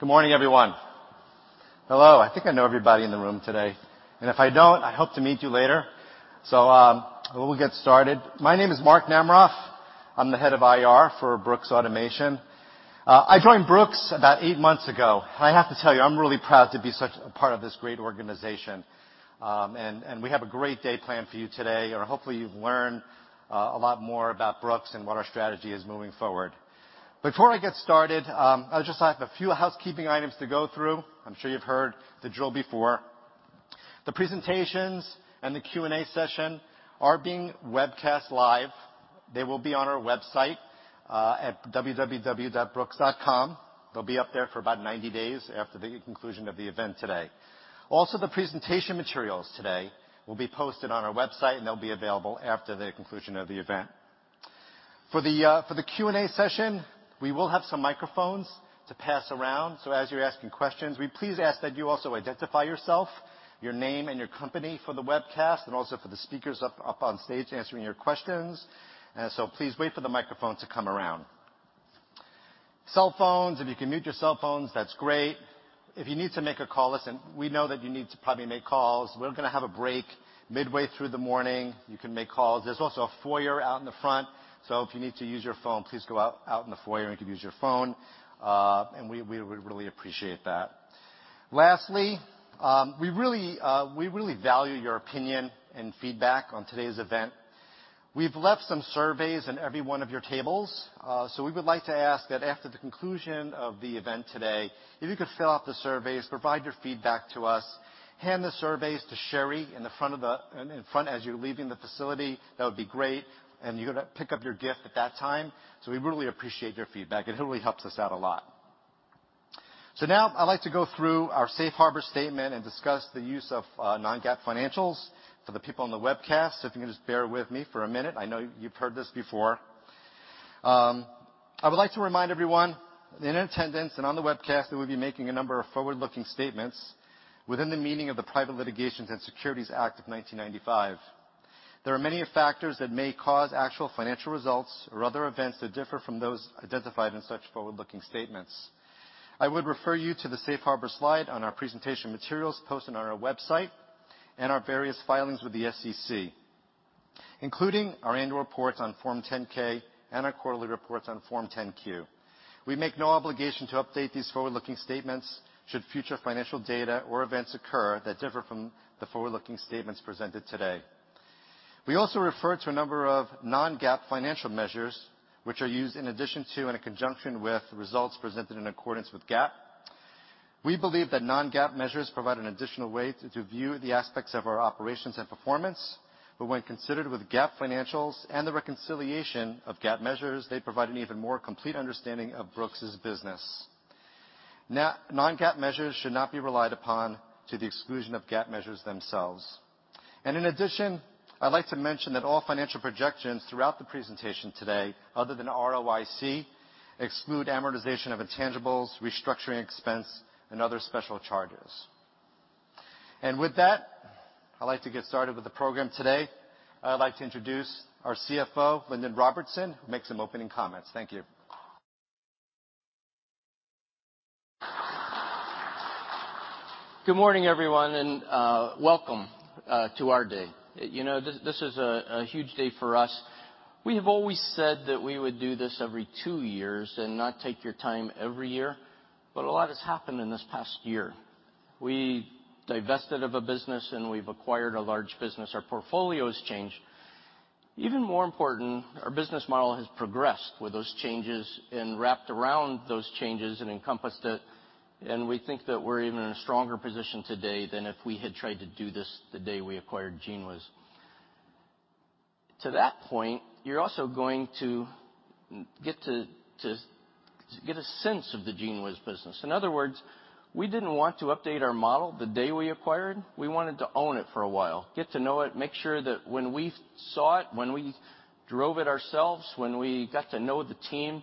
Good morning, everyone. Hello. I think I know everybody in the room today. If I don't, I hope to meet you later. We'll get started. My name is Mark Namaroff. I'm the head of IR for Brooks Automation. I joined Brooks about eight months ago, and I have to tell you, I'm really proud to be such a part of this great organization. We have a great day planned for you today, or hopefully you've learned a lot more about Brooks and what our strategy is moving forward. Before I get started, I just have a few housekeeping items to go through. I'm sure you've heard the drill before. The presentations and the Q&A session are being webcast live. They will be on our website at www.brooks.com. They'll be up there for about 90 days after the conclusion of the event today. Also, the presentation materials today will be posted on our website, and they'll be available after the conclusion of the event. For the Q&A session, we will have some microphones to pass around, so as you're asking questions, we please ask that you also identify yourself, your name and your company for the webcast, and also for the speakers up on stage answering your questions. Please wait for the microphone to come around. Cell phones, if you can mute your cell phones, that's great. If you need to make a call, listen, we know that you need to probably make calls. We're going to have a break midway through the morning. You can make calls. There's also a foyer out in the front, so if you need to use your phone, please go out in the foyer and you can use your phone. We would really appreciate that. Lastly, we really value your opinion and feedback on today's event. We've left some surveys on every one of your tables. We would like to ask that after the conclusion of the event today, if you could fill out the surveys, provide your feedback to us, hand the surveys to Sherry in the front as you're leaving the facility, that would be great. You're going to pick up your gift at that time. We really appreciate your feedback. It really helps us out a lot. Now I'd like to go through our safe harbor statement and discuss the use of non-GAAP financials for the people on the webcast. If you can just bear with me for a minute. I know you've heard this before. I would like to remind everyone in attendance and on the webcast that we'll be making a number of forward-looking statements within the meaning of the Private Securities Litigation Reform Act of 1995. There are many factors that may cause actual financial results or other events that differ from those identified in such forward-looking statements. I would refer you to the safe harbor slide on our presentation materials posted on our website and our various filings with the SEC, including our annual report on Form 10-K and our quarterly reports on Form 10-Q. We make no obligation to update these forward-looking statements should future financial data or events occur that differ from the forward-looking statements presented today. We also refer to a number of non-GAAP financial measures, which are used in addition to and in conjunction with results presented in accordance with GAAP. We believe that non-GAAP measures provide an additional way to view the aspects of our operations and performance. When considered with GAAP financials and the reconciliation of GAAP measures, they provide an even more complete understanding of Brooks' business. Non-GAAP measures should not be relied upon to the exclusion of GAAP measures themselves. In addition, I'd like to mention that all financial projections throughout the presentation today, other than ROIC, exclude amortization of intangibles, restructuring expense, and other special charges. With that, I'd like to get started with the program today. I'd like to introduce our CFO, Lindon Robertson, to make some opening comments. Thank you. Good morning, everyone, and welcome to our day. This is a huge day for us. We have always said that we would do this every two years and not take your time every year, but a lot has happened in this past year. We divested of a business, and we've acquired a large business. Our portfolio has changed. Even more important, our business model has progressed with those changes and wrapped around those changes and encompassed it, and we think that we're in an even stronger position today than if we had tried to do this the day we acquired GENEWIZ. To that point, you're also going to get a sense of the GENEWIZ business. In other words, we didn't want to update our model the day we acquired. We wanted to own it for a while, get to know it, make sure that when we saw it, when we drove it ourselves, when we got to know the team,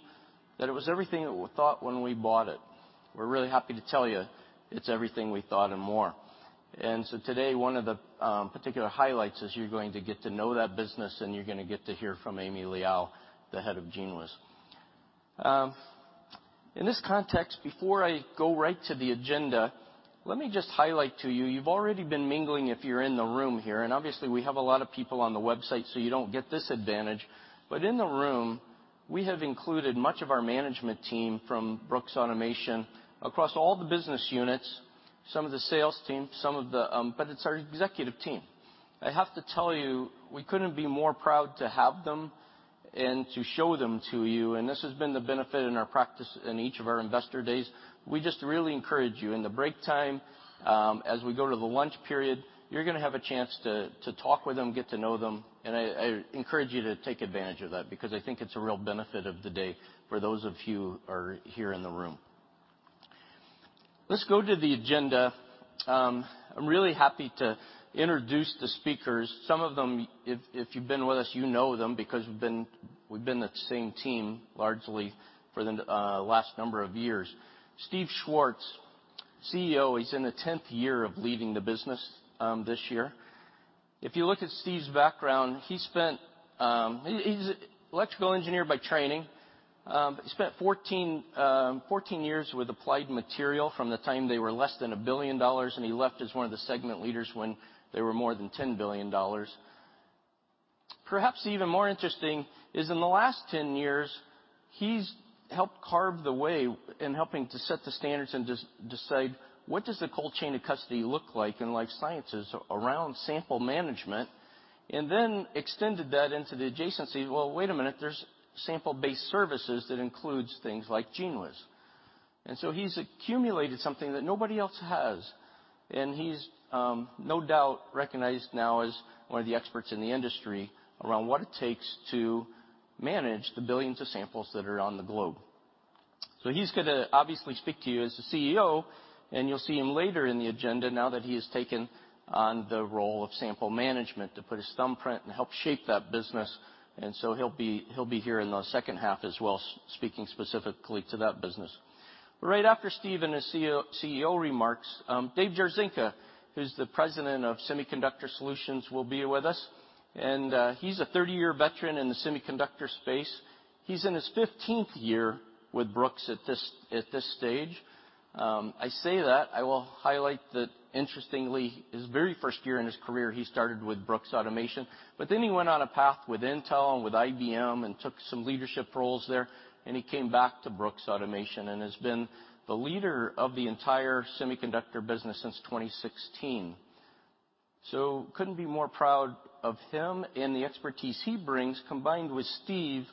that it was everything that we thought when we bought it. We're really happy to tell you it's everything we thought and more. Today, one of the particular highlights is you're going to get to know that business, and you're going to get to hear from Amy Liao, the head of GENEWIZ. In this context, before I go right to the agenda, let me just highlight to you've already been mingling if you're in the room here, and obviously we have a lot of people on the website, so you don't get this advantage. In the room, we have included much of our management team from Brooks Automation across all the business units, some of the sales team, but it's our executive team. I have to tell you, we couldn't be more proud to have them and to show them to you, and this has been the benefit in our practice in each of our Investor Days. We just really encourage you in the break time, as we go to the lunch period, you're going to have a chance to talk with them, get to know them, and I encourage you to take advantage of that because I think it's a real benefit of the day for those of you who are here in the room. Let's go to the agenda. I'm really happy to introduce the speakers. Some of them, if you've been with us, you know them because we've been the same team largely for the last number of years. Steve Schwartz, CEO. He's in the 10th year of leading the business this year. If you look at Steve's background, he's electrical engineer by training. He spent 14 years with Applied Materials from the time they were less than $1 billion, and he left as one of the segment leaders when they were more than $10 billion. Perhaps even more interesting is in the last 10 years, he's helped carve the way in helping to set the standards and decide what does the cold chain of custody look like in life sciences around sample management, and then extended that into the adjacencies. Well, wait a minute, there's sample-based services that includes things like GENEWIZ. He's accumulated something that nobody else has, and he's, no doubt, recognized now as one of the experts in the industry around what it takes to manage the billions of samples that are on the globe. He's going to obviously speak to you as the CEO, and you'll see him later in the agenda now that he has taken on the role of sample management, to put his thumbprint and help shape that business. He'll be here in the second half as well, speaking specifically to that business. Right after Steve in his CEO remarks, Dave Jarzynka, who's the President of Semiconductor Solutions, will be with us. He's a 30-year veteran in the semiconductor space. He's in his 15th year with Brooks at this stage. I say that, I will highlight that interestingly, his very first year in his career, he started with Brooks Automation, but then he went on a path with Intel and with IBM and took some leadership roles there, and he came back to Brooks Automation and has been the leader of the entire semiconductor business since 2016. Couldn't be more proud of him and the expertise he brings, combined with Steve,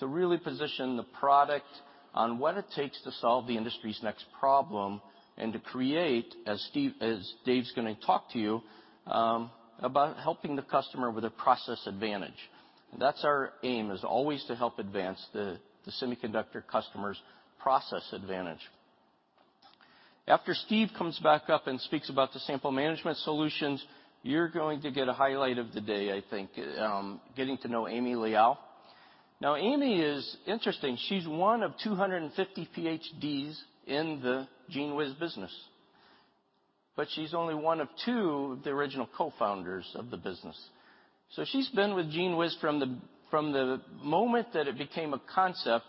to really position the product on what it takes to solve the industry's next problem and to create, as Dave's going to talk to you, about helping the customer with a process advantage. That's our aim, is always to help advance the semiconductor customer's process advantage. After Steve comes back up and speaks about the sample management solutions, you're going to get a highlight of the day, I think, getting to know Amy Liao. Amy is interesting. She's one of 250 PhDs in the GENEWIZ business, but she's only one of two of the original co-founders of the business. She's been with GENEWIZ from the moment that it became a concept,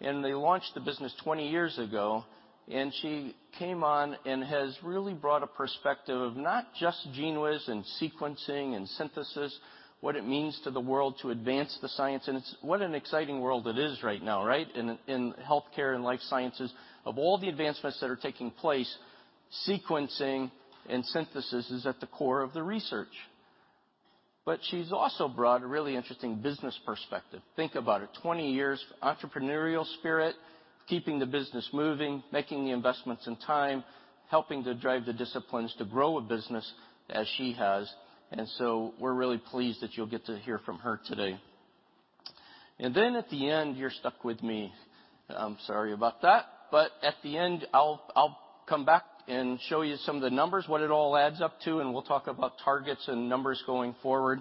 and they launched the business 20 years ago, and she came on and has really brought a perspective of not just GENEWIZ and sequencing and synthesis, what it means to the world to advance the science. What an exciting world it is right now, right? In healthcare and life sciences, of all the advancements that are taking place, sequencing and synthesis is at the core of the research. She's also brought a really interesting business perspective. Think about it, 20 years entrepreneurial spirit, keeping the business moving, making the investments in time, helping to drive the disciplines to grow a business as she has. We're really pleased that you'll get to hear from her today. At the end, you're stuck with me. I'm sorry about that. At the end, I'll come back and show you some of the numbers, what it all adds up to, and we'll talk about targets and numbers going forward.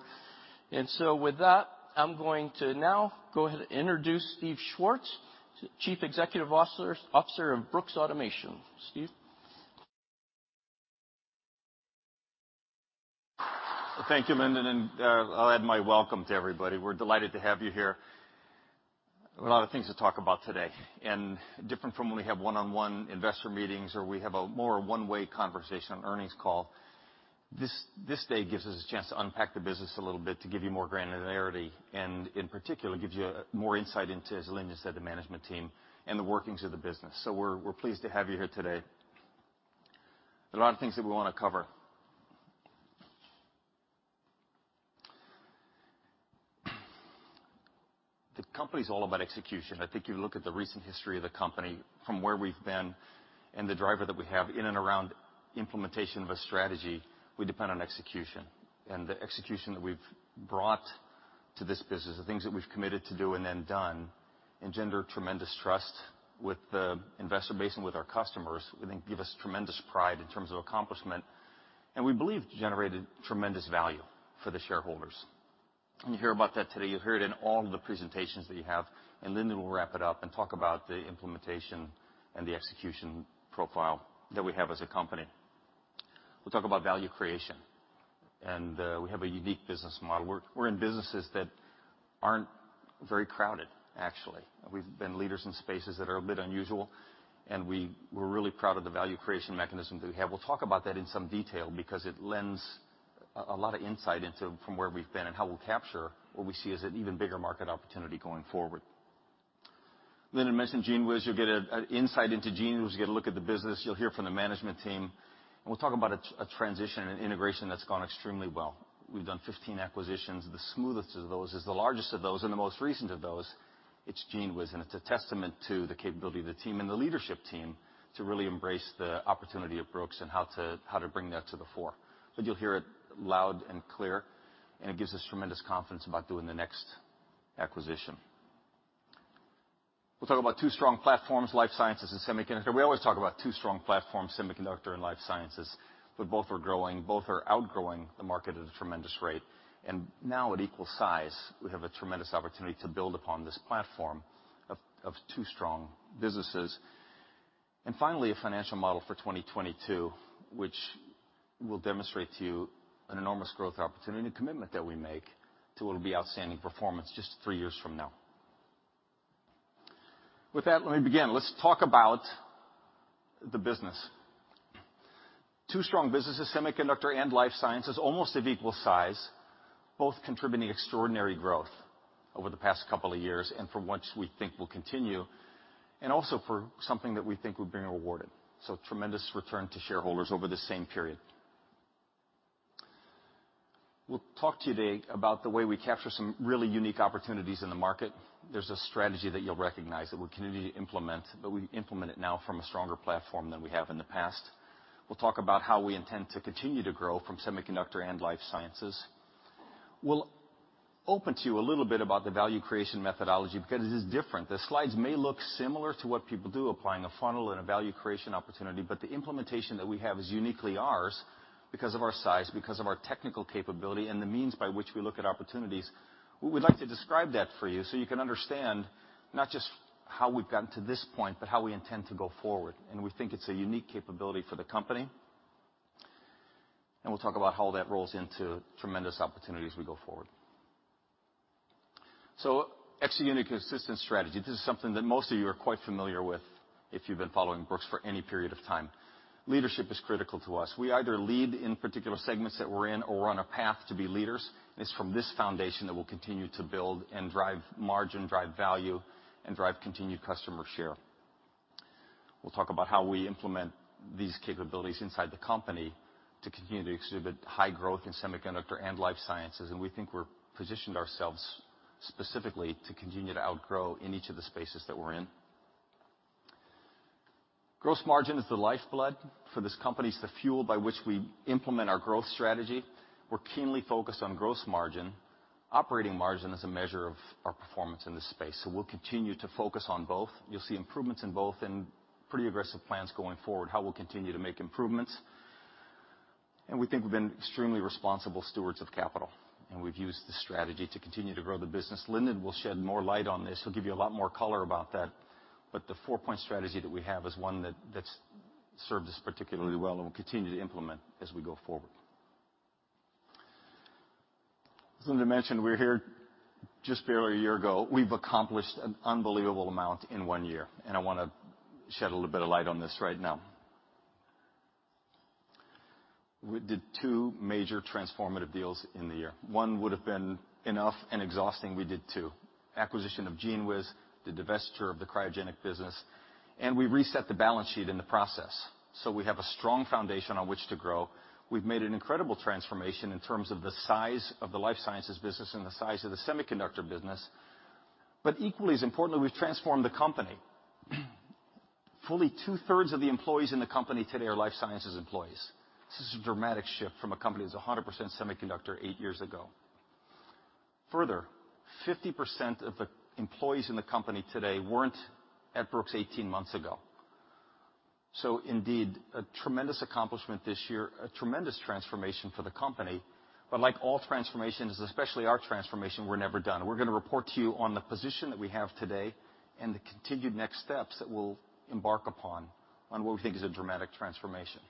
With that, I'm going to now go ahead and introduce Steve Schwartz, Chief Executive Officer of Brooks Automation. Steve? Thank you, Lindon. I'll add my welcome to everybody. We're delighted to have you here. A lot of things to talk about today, and different from when we have one-on-one investor meetings or we have a more one-way conversation on earnings call. This day gives us a chance to unpack the business a little bit to give you more granularity and, in particular, gives you more insight into, as Lindon said, the management team and the workings of the business. We're pleased to have you here today. A lot of things that we want to cover. The company's all about execution. I think you look at the recent history of the company from where we've been and the driver that we have in and around implementation of a strategy, we depend on execution. The execution that we've brought to this business, the things that we've committed to do and then done engender tremendous trust with the investor base and with our customers, we think give us tremendous pride in terms of accomplishment, and we believe generated tremendous value for the shareholders. You hear about that today. You'll hear it in all of the presentations that you have, and Lindon will wrap it up and talk about the implementation and the execution profile that we have as a company. We'll talk about value creation, and we have a unique business model. We're in businesses that aren't very crowded, actually. We've been leaders in spaces that are a bit unusual, and we're really proud of the value creation mechanism that we have. We'll talk about that in some detail because it lends a lot of insight into from where we've been and how we'll capture what we see as an even bigger market opportunity going forward. Lindon mentioned GENEWIZ. You'll get an insight into GENEWIZ. You'll get a look at the business. You'll hear from the management team. We'll talk about a transition and integration that's gone extremely well. We've done 15 acquisitions. The smoothest of those is the largest of those and the most recent of those, it's GENEWIZ, and it's a testament to the capability of the team and the leadership team to really embrace the opportunity at Brooks and how to bring that to the fore. You'll hear it loud and clear, and it gives us tremendous confidence about doing the next acquisition. We'll talk about two strong platforms, life sciences and semiconductor. We always talk about two strong platforms, semiconductor and life sciences, but both are growing. Both are outgrowing the market at a tremendous rate. Now at equal size, we have a tremendous opportunity to build upon this platform of two strong businesses. Finally, a financial model for 2022, which will demonstrate to you an enormous growth opportunity and a commitment that we make to what will be outstanding performance just three years from now. With that, let me begin. Let's talk about the business. Two strong businesses, semiconductor and life sciences, almost of equal size, both contributing extraordinary growth over the past couple of years, and for which we think will continue, and also for something that we think we're being rewarded. Tremendous return to shareholders over the same period. We'll talk to you today about the way we capture some really unique opportunities in the market. There's a strategy that you'll recognize that we're continuing to implement, but we implement it now from a stronger platform than we have in the past. We'll talk about how we intend to continue to grow from semiconductor and life sciences. We'll open to you a little bit about the value creation methodology, because it is different. The slides may look similar to what people do, applying a funnel and a value creation opportunity, but the implementation that we have is uniquely ours because of our size, because of our technical capability and the means by which we look at opportunities. We would like to describe that for you so you can understand not just how we've gotten to this point, but how we intend to go forward. We think it's a unique capability for the company. We'll talk about how that rolls into tremendous opportunity as we go forward. Execute a consistent strategy. This is something that most of you are quite familiar with if you've been following Brooks for any period of time. Leadership is critical to us. We either lead in particular segments that we're in or we're on a path to be leaders. It's from this foundation that we'll continue to build and drive margin, drive value, and drive continued customer share. We'll talk about how we implement these capabilities inside the company to continue to exhibit high growth in semiconductor and life sciences, and we think we're positioned ourselves specifically to continue to outgrow in each of the spaces that we're in. Gross margin is the lifeblood for this company. It's the fuel by which we implement our growth strategy. We're keenly focused on gross margin. Operating margin is a measure of our performance in this space. We'll continue to focus on both. You'll see improvements in both and pretty aggressive plans going forward, how we'll continue to make improvements. We think we've been extremely responsible stewards of capital, and we've used this strategy to continue to grow the business. Lindon will shed more light on this. He'll give you a lot more color about that, but the four-point strategy that we have is one that's served us particularly well and we'll continue to implement as we go forward. As Lindon mentioned, we were here just barely a year ago. We've accomplished an unbelievable amount in one year, and I want to shed a little bit of light on this right now. We did two major transformative deals in the year. One would have been enough and exhausting. We did two. Acquisition of GENEWIZ, the divestiture of the cryogenic business, we reset the balance sheet in the process. We have a strong foundation on which to grow. We've made an incredible transformation in terms of the size of the life sciences business and the size of the semiconductor business. Equally as importantly, we've transformed the company. Fully 2/3 of the employees in the company today are life sciences employees. This is a dramatic shift from a company that was 100% semiconductor eight years ago. Further, 50% of the employees in the company today weren't at Brooks 18 months ago. Indeed, a tremendous accomplishment this year, a tremendous transformation for the company. Like all transformations, especially our transformation, we're never done. We're going to report to you on the position that we have today and the continued next steps that we'll embark upon on what we think is a dramatic transformation.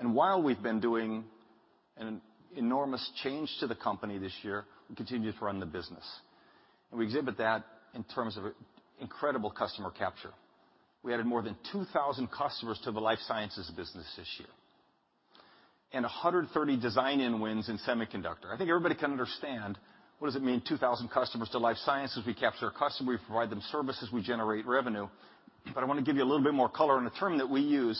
While we've been doing an enormous change to the company this year, we continue to run the business. We exhibit that in terms of incredible customer capture. We added more than 2,000 customers to the life sciences business this year. 130 design-in wins in semiconductor. I think everybody can understand what does it mean, 2,000 customers to life sciences. We capture a customer, we provide them services, we generate revenue. I want to give you a little bit more color on a term that we use,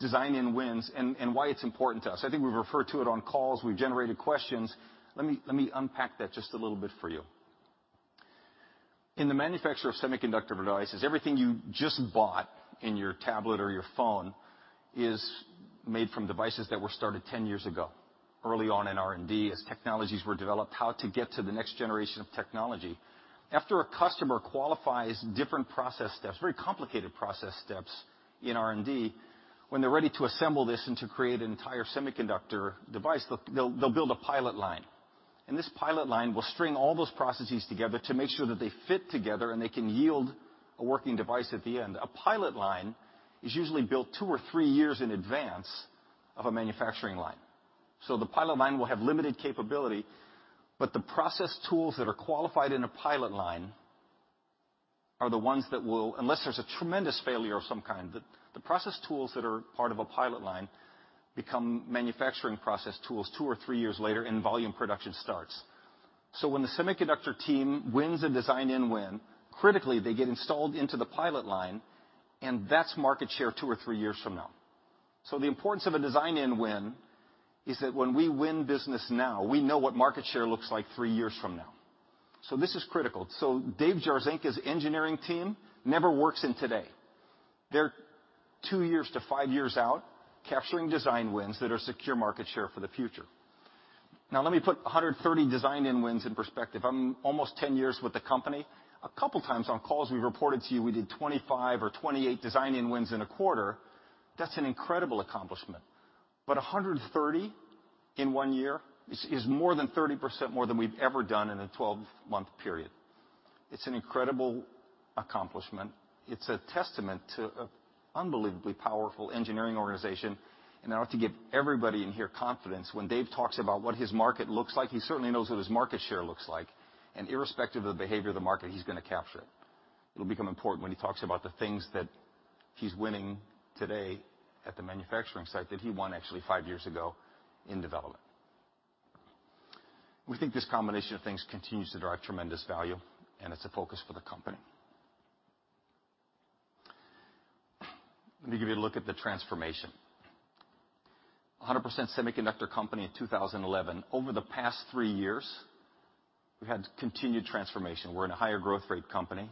design-in wins, and why it's important to us. I think we've referred to it on calls. We've generated questions. Let me unpack that just a little bit for you. In the manufacture of semiconductor devices, everything you just bought in your tablet or your phone is made from devices that were started 10 years ago, early on in R&D as technologies were developed, how to get to the next generation of technology. After a customer qualifies different process steps, very complicated process steps in R&D, when they're ready to assemble this and to create an entire semiconductor device, they'll build a pilot line. This pilot line will string all those processes together to make sure that they fit together and they can yield a working device at the end. A pilot line is usually built two or three years in advance of a manufacturing line. The pilot line will have limited capability, but the process tools that are qualified in a pilot line are the ones that will, unless there's a tremendous failure of some kind, the process tools that are part of a pilot line become manufacturing process tools two or three years later and volume production starts. When the semiconductor team wins a design-in win, critically, they get installed into the pilot line, and that's market share two or three years from now. The importance of a design-in win is that when we win business now, we know what market share looks like three years from now. This is critical. Dave Jarzynka's engineering team never works in today. They're two years to five years out capturing design-in wins that are secure market share for the future. Let me put 130 design-in wins in perspective. I'm almost 10 years with the company. A couple times on calls we've reported to you we did 25 or 28 design-in wins in a quarter. That's an incredible accomplishment. 130 in one year is more than 30% more than we've ever done in a 12-month period. It's an incredible accomplishment. It's a testament to an unbelievably powerful engineering organization. I want to give everybody in here confidence. When Dave talks about what his market looks like, he certainly knows what his market share looks like. Irrespective of the behavior of the market, he's going to capture it. It'll become important when he talks about the things that he's winning today at the manufacturing site that he won actually five years ago in development. We think this combination of things continues to drive tremendous value, and it's a focus for the company. Let me give you a look at the transformation. 100% semiconductor company in 2011. Over the past three years, we've had continued transformation. We're in a higher growth rate company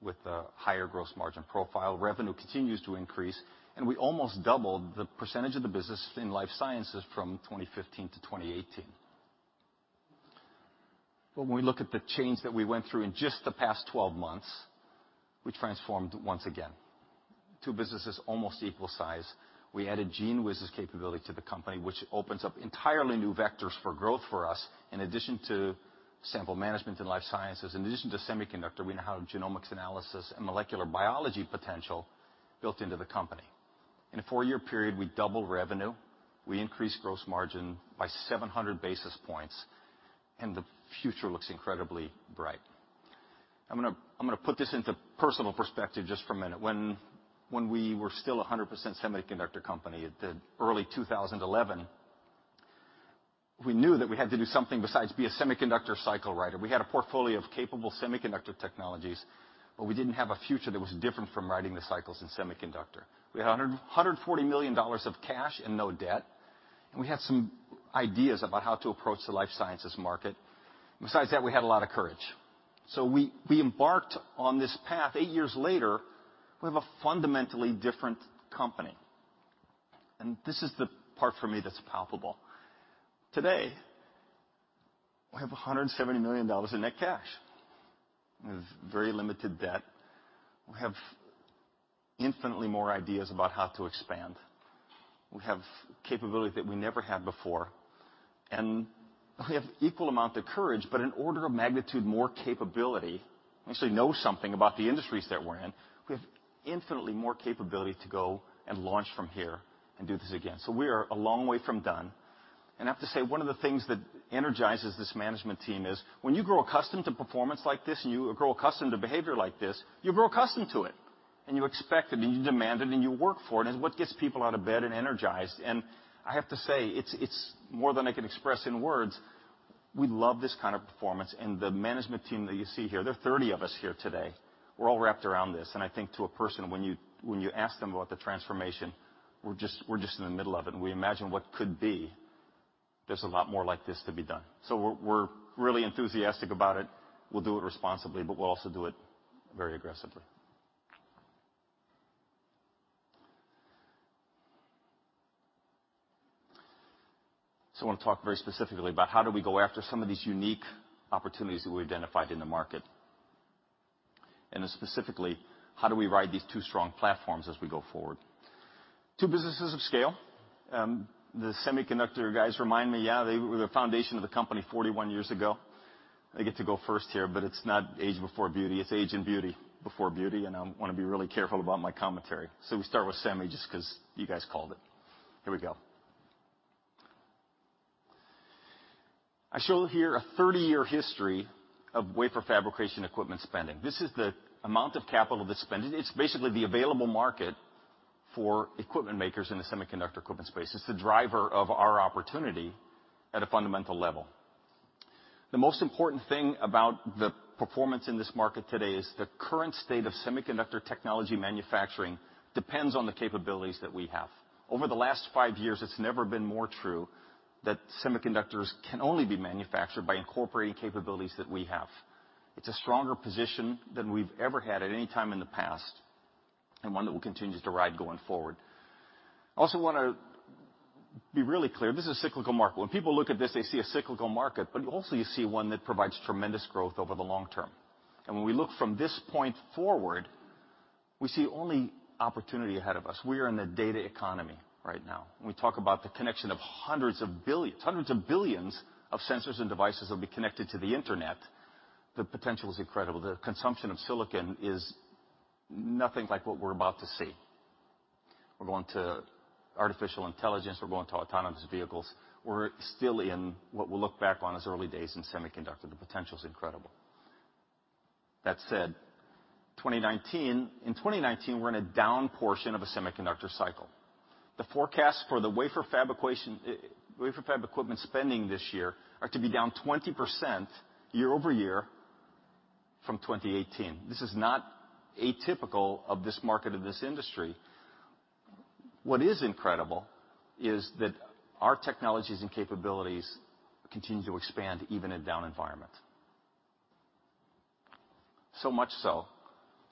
with a higher gross margin profile. Revenue continues to increase. We almost doubled the percentage of the business in life sciences from 2015 to 2018. When we look at the change that we went through in just the past 12 months, we transformed once again. Two businesses almost equal size. We added GENEWIZ's capability to the company, which opens up entirely new vectors for growth for us. In addition to sample management in life sciences, in addition to semiconductor, we now have genomics analysis and molecular biology potential built into the company. In a four-year period, we doubled revenue, we increased gross margin by 700 basis points. The future looks incredibly bright. I'm going to put this into personal perspective just for a minute. When we were still 100% semiconductor company at early 2011, we knew that we had to do something besides be a semiconductor cycle rider. We had a portfolio of capable semiconductor technologies, but we didn't have a future that was different from riding the cycles in semiconductor. We had $140 million of cash and no debt, and we had some ideas about how to approach the life sciences market. Besides that, we had a lot of courage. We embarked on this path. Eight years later, we have a fundamentally different company. This is the part for me that's palpable. Today, we have $170 million in net cash with very limited debt. We have infinitely more ideas about how to expand. We have capability that we never had before, and we have equal amount of courage, but an order of magnitude more capability. We actually know something about the industries that we're in. We have infinitely more capability to go and launch from here and do this again. We are a long way from done. I have to say, one of the things that energizes this management team is when you grow accustomed to performance like this and you grow accustomed to behavior like this, you grow accustomed to it. You expect it and you demand it and you work for it, and it's what gets people out of bed and energized. I have to say, it's more than I can express in words. We love this kind of performance, and the management team that you see here, there are 30 of us here today. We're all wrapped around this, and I think to a person, when you ask them about the transformation, we're just in the middle of it, and we imagine what could be. There's a lot more like this to be done. We're really enthusiastic about it. We'll do it responsibly, but we'll also do it very aggressively. I want to talk very specifically about how do we go after some of these unique opportunities that we identified in the market. Specifically, how do we ride these two strong platforms as we go forward? Two businesses of scale. The semiconductor guys remind me, yeah, they were the foundation of the company 41 years ago. They get to go first here, but it's not age before beauty, it's age and beauty before beauty, and I want to be really careful about my commentary. We start with semi just because you guys called it. Here we go. I show here a 30-year history of wafer fabrication equipment spending. This is the amount of capital that's spent. It's basically the available market for equipment makers in the semiconductor equipment space. It's the driver of our opportunity at a fundamental level. The most important thing about the performance in this market today is the current state of semiconductor technology manufacturing depends on the capabilities that we have. Over the last five years, it's never been more true that semiconductors can only be manufactured by incorporating capabilities that we have. It's a stronger position than we've ever had at any time in the past, and one that we'll continue to ride going forward. I also want to be really clear, this is a cyclical market. When people look at this, they see a cyclical market, but also you see one that provides tremendous growth over the long term. When we look from this point forward, we see only opportunity ahead of us. We are in the data economy right now. When we talk about the connection of hundreds of billions of sensors and devices that will be connected to the Internet, the potential is incredible. The consumption of silicon is nothing like what we're about to see. We're going to artificial intelligence. We're going to autonomous vehicles. We're still in what we'll look back on as early days in semiconductor. The potential's incredible. That said, in 2019, we're in a down portion of a semiconductor cycle. The forecast for the wafer fab equipment spending this year are to be down 20% year-over-year from 2018. This is not atypical of this market or this industry. What is incredible is that our technologies and capabilities continue to expand even in down environments. So much so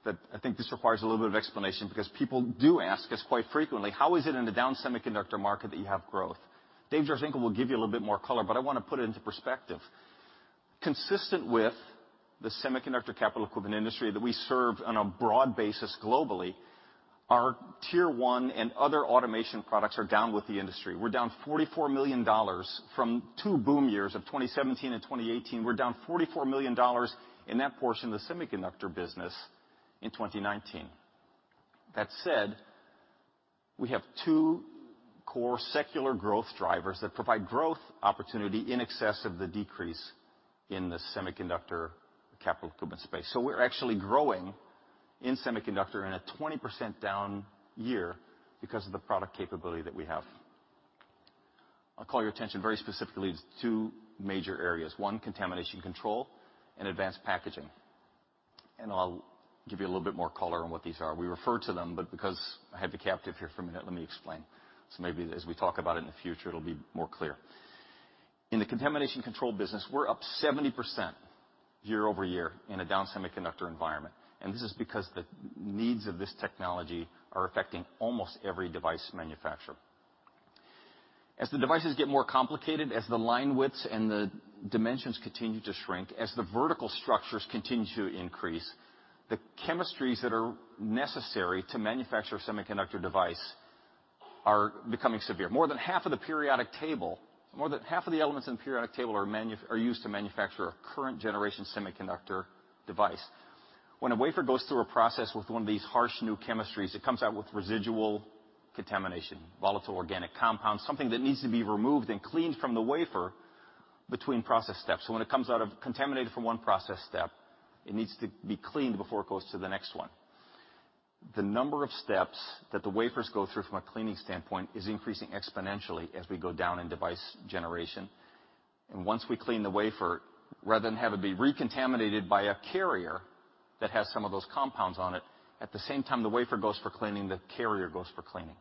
that I think this requires a little bit of explanation because people do ask us quite frequently, "How is it in the down semiconductor market that you have growth?" Dave Jarzynka will give you a little bit more color, but I want to put it into perspective. Consistent with the semiconductor capital equipment industry that we serve on a broad basis globally. Our Tier 1 and other automation products are down with the industry. We're down $44 million from two boom years of 2017 and 2018. We're down $44 million in that portion of the semiconductor business in 2019. That said, we have two core secular growth drivers that provide growth opportunity in excess of the decrease in the semiconductor capital equipment space. We're actually growing in semiconductor in a 20% down year because of the product capability that we have. I'll call your attention very specifically to two major areas. One, Contamination Control and advanced packaging. I'll give you a little bit more color on what these are. We refer to them, because I have you captive here for a minute, let me explain. Maybe as we talk about it in the future, it'll be more clear. In the Contamination Control business, we're up 70% year-over-year in a down semiconductor environment, this is because the needs of this technology are affecting almost every device manufacturer. As the devices get more complicated, as the line widths and the dimensions continue to shrink, as the vertical structures continue to increase, the chemistries that are necessary to manufacture a semiconductor device are becoming severe. More than half of the elements in the periodic table are used to manufacture a current generation semiconductor device. When a wafer goes through a process with one of these harsh new chemistries, it comes out with residual contamination, volatile organic compounds, something that needs to be removed and cleaned from the wafer between process steps. When it comes out contaminated from one process step, it needs to be cleaned before it goes to the next one. The number of steps that the wafers go through from a cleaning standpoint is increasing exponentially as we go down in device generation. Once we clean the wafer, rather than have it be recontaminated by a carrier that has some of those compounds on it, at the same time the wafer goes for cleaning, the carrier goes for cleaning.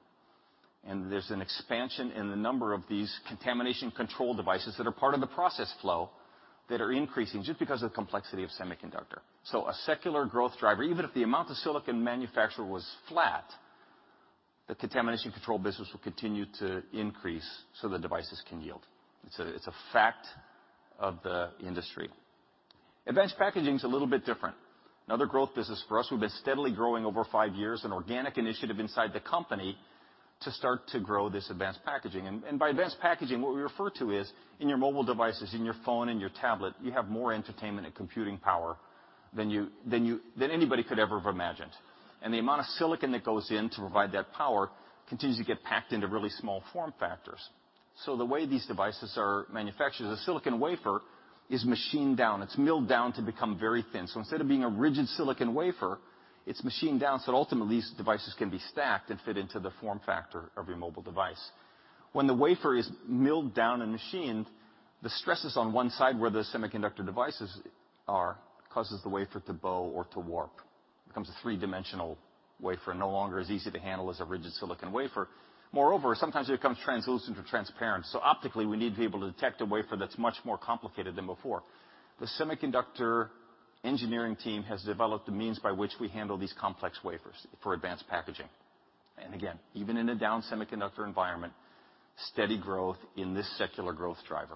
There's an expansion in the number of these Contamination Control devices that are part of the process flow that are increasing just because of the complexity of semiconductor. A secular growth driver, even if the amount of silicon manufactured was flat, the Contamination Control business will continue to increase so the devices can yield. It's a fact of the industry. Advanced packaging is a little bit different. Another growth business for us, we've been steadily growing over five years, an organic initiative inside the company to start to grow this advanced packaging. By advanced packaging, what we refer to is, in your mobile devices, in your phone, in your tablet, you have more entertainment and computing power than anybody could ever have imagined. The amount of silicon that goes in to provide that power continues to get packed into really small form factors. The way these devices are manufactured is a silicon wafer is machined down. It is milled down to become very thin. Instead of being a rigid silicon wafer, it is machined down so that ultimately these devices can be stacked and fit into the form factor of your mobile device. When the wafer is milled down and machined, the stresses on one side where the semiconductor devices are causes the wafer to bow or to warp. It becomes a three-dimensional wafer, no longer as easy to handle as a rigid silicon wafer. Moreover, sometimes it becomes translucent or transparent. Optically, we need to be able to detect a wafer that's much more complicated than before. The semiconductor engineering team has developed the means by which we handle these complex wafers for advanced packaging. Again, even in a down semiconductor environment, steady growth in this secular growth driver.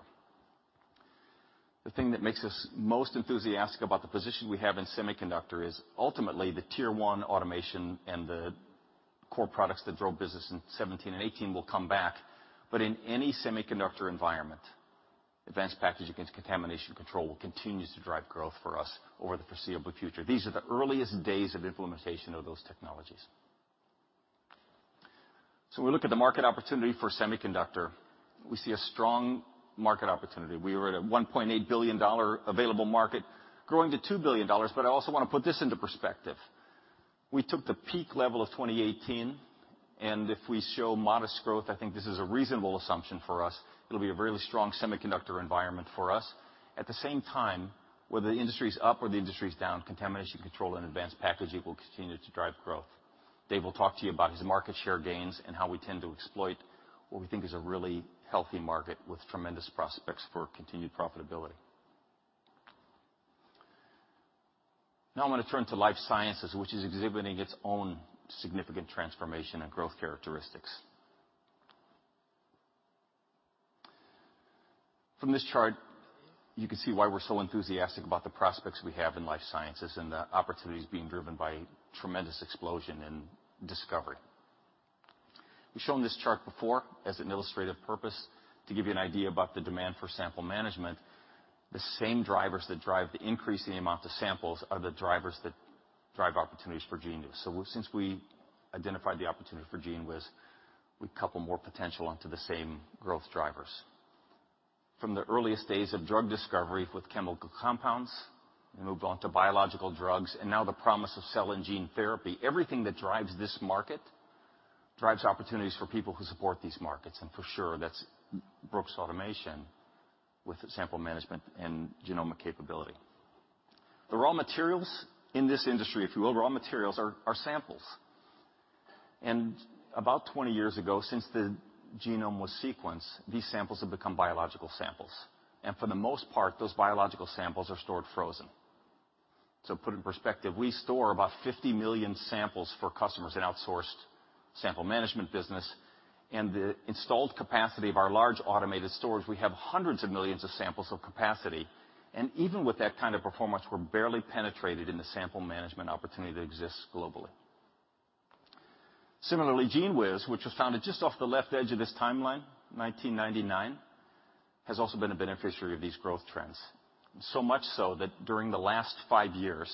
The thing that makes us most enthusiastic about the position we have in semiconductor is ultimately the Tier 1 automation and the core products that drove business in 2017 and 2018 will come back. In any semiconductor environment, advanced packaging and Contamination Control will continue to drive growth for us over the foreseeable future. These are the earliest days of implementation of those technologies. We look at the market opportunity for semiconductor. We see a strong market opportunity. We were at a $1.8 billion available market growing to $2 billion. I also want to put this into perspective. We took the peak level of 2018. If we show modest growth, I think this is a reasonable assumption for us. It'll be a very strong semiconductor environment for us. At the same time, whether the industry is up or the industry is down, Contamination Control and advanced packaging will continue to drive growth. Dave will talk to you about his market share gains and how we tend to exploit what we think is a really healthy market with tremendous prospects for continued profitability. Now I'm going to turn to life sciences, which is exhibiting its own significant transformation and growth characteristics. From this chart, you can see why we're so enthusiastic about the prospects we have in life sciences and the opportunities being driven by tremendous explosion and discovery. We've shown this chart before as an illustrative purpose to give you an idea about the demand for sample management. The same drivers that drive the increasing amount of samples are the drivers that drive opportunities for GENEWIZ. Since we identified the opportunity for GENEWIZ, we couple more potential onto the same growth drivers. From the earliest days of drug discovery with chemical compounds, we moved on to biological drugs, and now the promise of cell and gene therapy. Everything that drives this market drives opportunities for people who support these markets, and for sure, that's Brooks Automation with its sample management and genomic capability. The raw materials in this industry, if you will, raw materials are samples. About 20 years ago, since the genome was sequenced, these samples have become biological samples. For the most part, those biological samples are stored frozen. Put it in perspective, we store about 50 million samples for customers in outsource sample management business, and the installed capacity of our large automated storage. We have hundreds of millions of samples of capacity, and even with that kind of performance, we're barely penetrated in the sample management opportunity that exists globally. Similarly, GENEWIZ, which was founded just off the left edge of this timeline, 1999, has also been a beneficiary of these growth trends. Much so that during the last five years,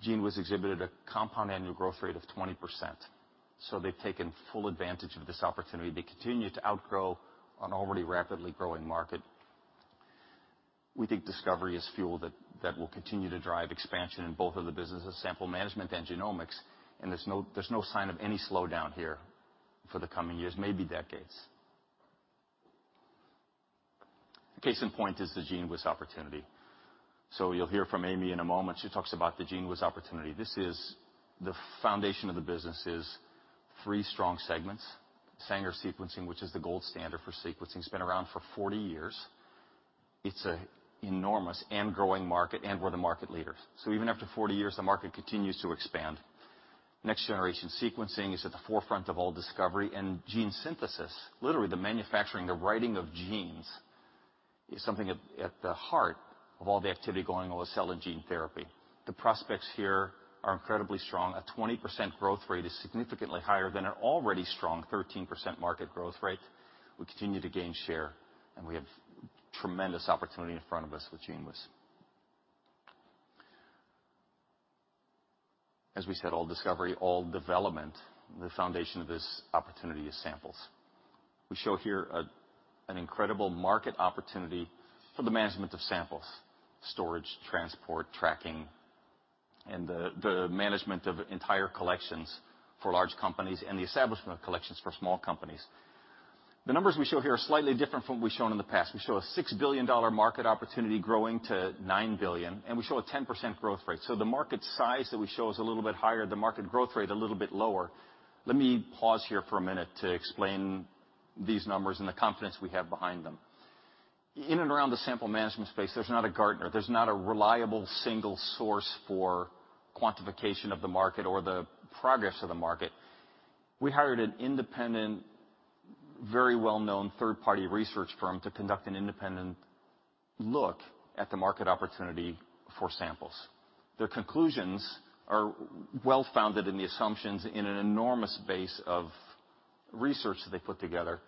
GENEWIZ exhibited a compound annual growth rate of 20%. They've taken full advantage of this opportunity. They continue to outgrow an already rapidly growing market. We think discovery is fuel that will continue to drive expansion in both of the businesses, sample management and genomics, and there's no sign of any slowdown here for the coming years, maybe decades. A case in point is the GENEWIZ opportunity. You'll hear from Amy in a moment. She talks about the GENEWIZ opportunity. The foundation of the business is three strong segments. Sanger sequencing, which is the gold standard for sequencing. It's been around for 40 years. It's an enormous and growing market, and we're the market leader. Even after 40 years, the market continues to expand. Next-generation sequencing is at the forefront of all discovery, and gene synthesis, literally the manufacturing, the writing of genes, is something at the heart of all the activity going on with cell and gene therapy. The prospects here are incredibly strong. A 20% growth rate is significantly higher than an already strong 13% market growth rate. We continue to gain share. We have tremendous opportunity in front of us with GENEWIZ. As we said, all discovery, all development, the foundation of this opportunity is samples. We show here an incredible market opportunity for the management of samples, storage, transport, tracking, and the management of entire collections for large companies, and the establishment of collections for small companies. The numbers we show here are slightly different from what we've shown in the past. We show a $6 billion market opportunity growing to $9 billion. We show a 10% growth rate. The market size that we show is a little bit higher, the market growth rate, a little bit lower. Let me pause here for a minute to explain these numbers and the confidence we have behind them. In and around the sample management space, there's not a Gartner. There's not a reliable single source for quantification of the market or the progress of the market. We hired an independent, very well-known third-party research firm to conduct an independent look at the market opportunity for samples. Their conclusions are well-founded in the assumptions in an enormous base of research that they put together.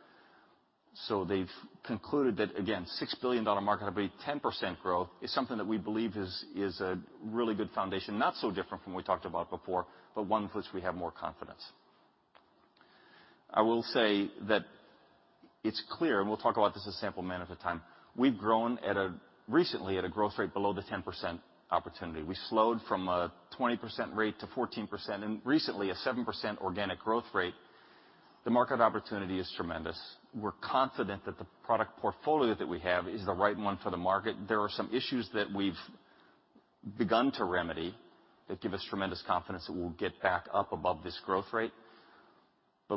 They've concluded that, again, a $6 billion market, I believe 10% growth, is something that we believe is a really good foundation. Not so different from what we talked about before, but one with which we have more confidence. I will say that it's clear, and we'll talk about this as sample man at the time, we've grown recently at a growth rate below the 10% opportunity. We slowed from a 20% rate to 14%, and recently, a 7% organic growth rate. The market opportunity is tremendous. We're confident that the product portfolio that we have is the right one for the market. There are some issues that we've begun to remedy that give us tremendous confidence that we'll get back up above this growth rate.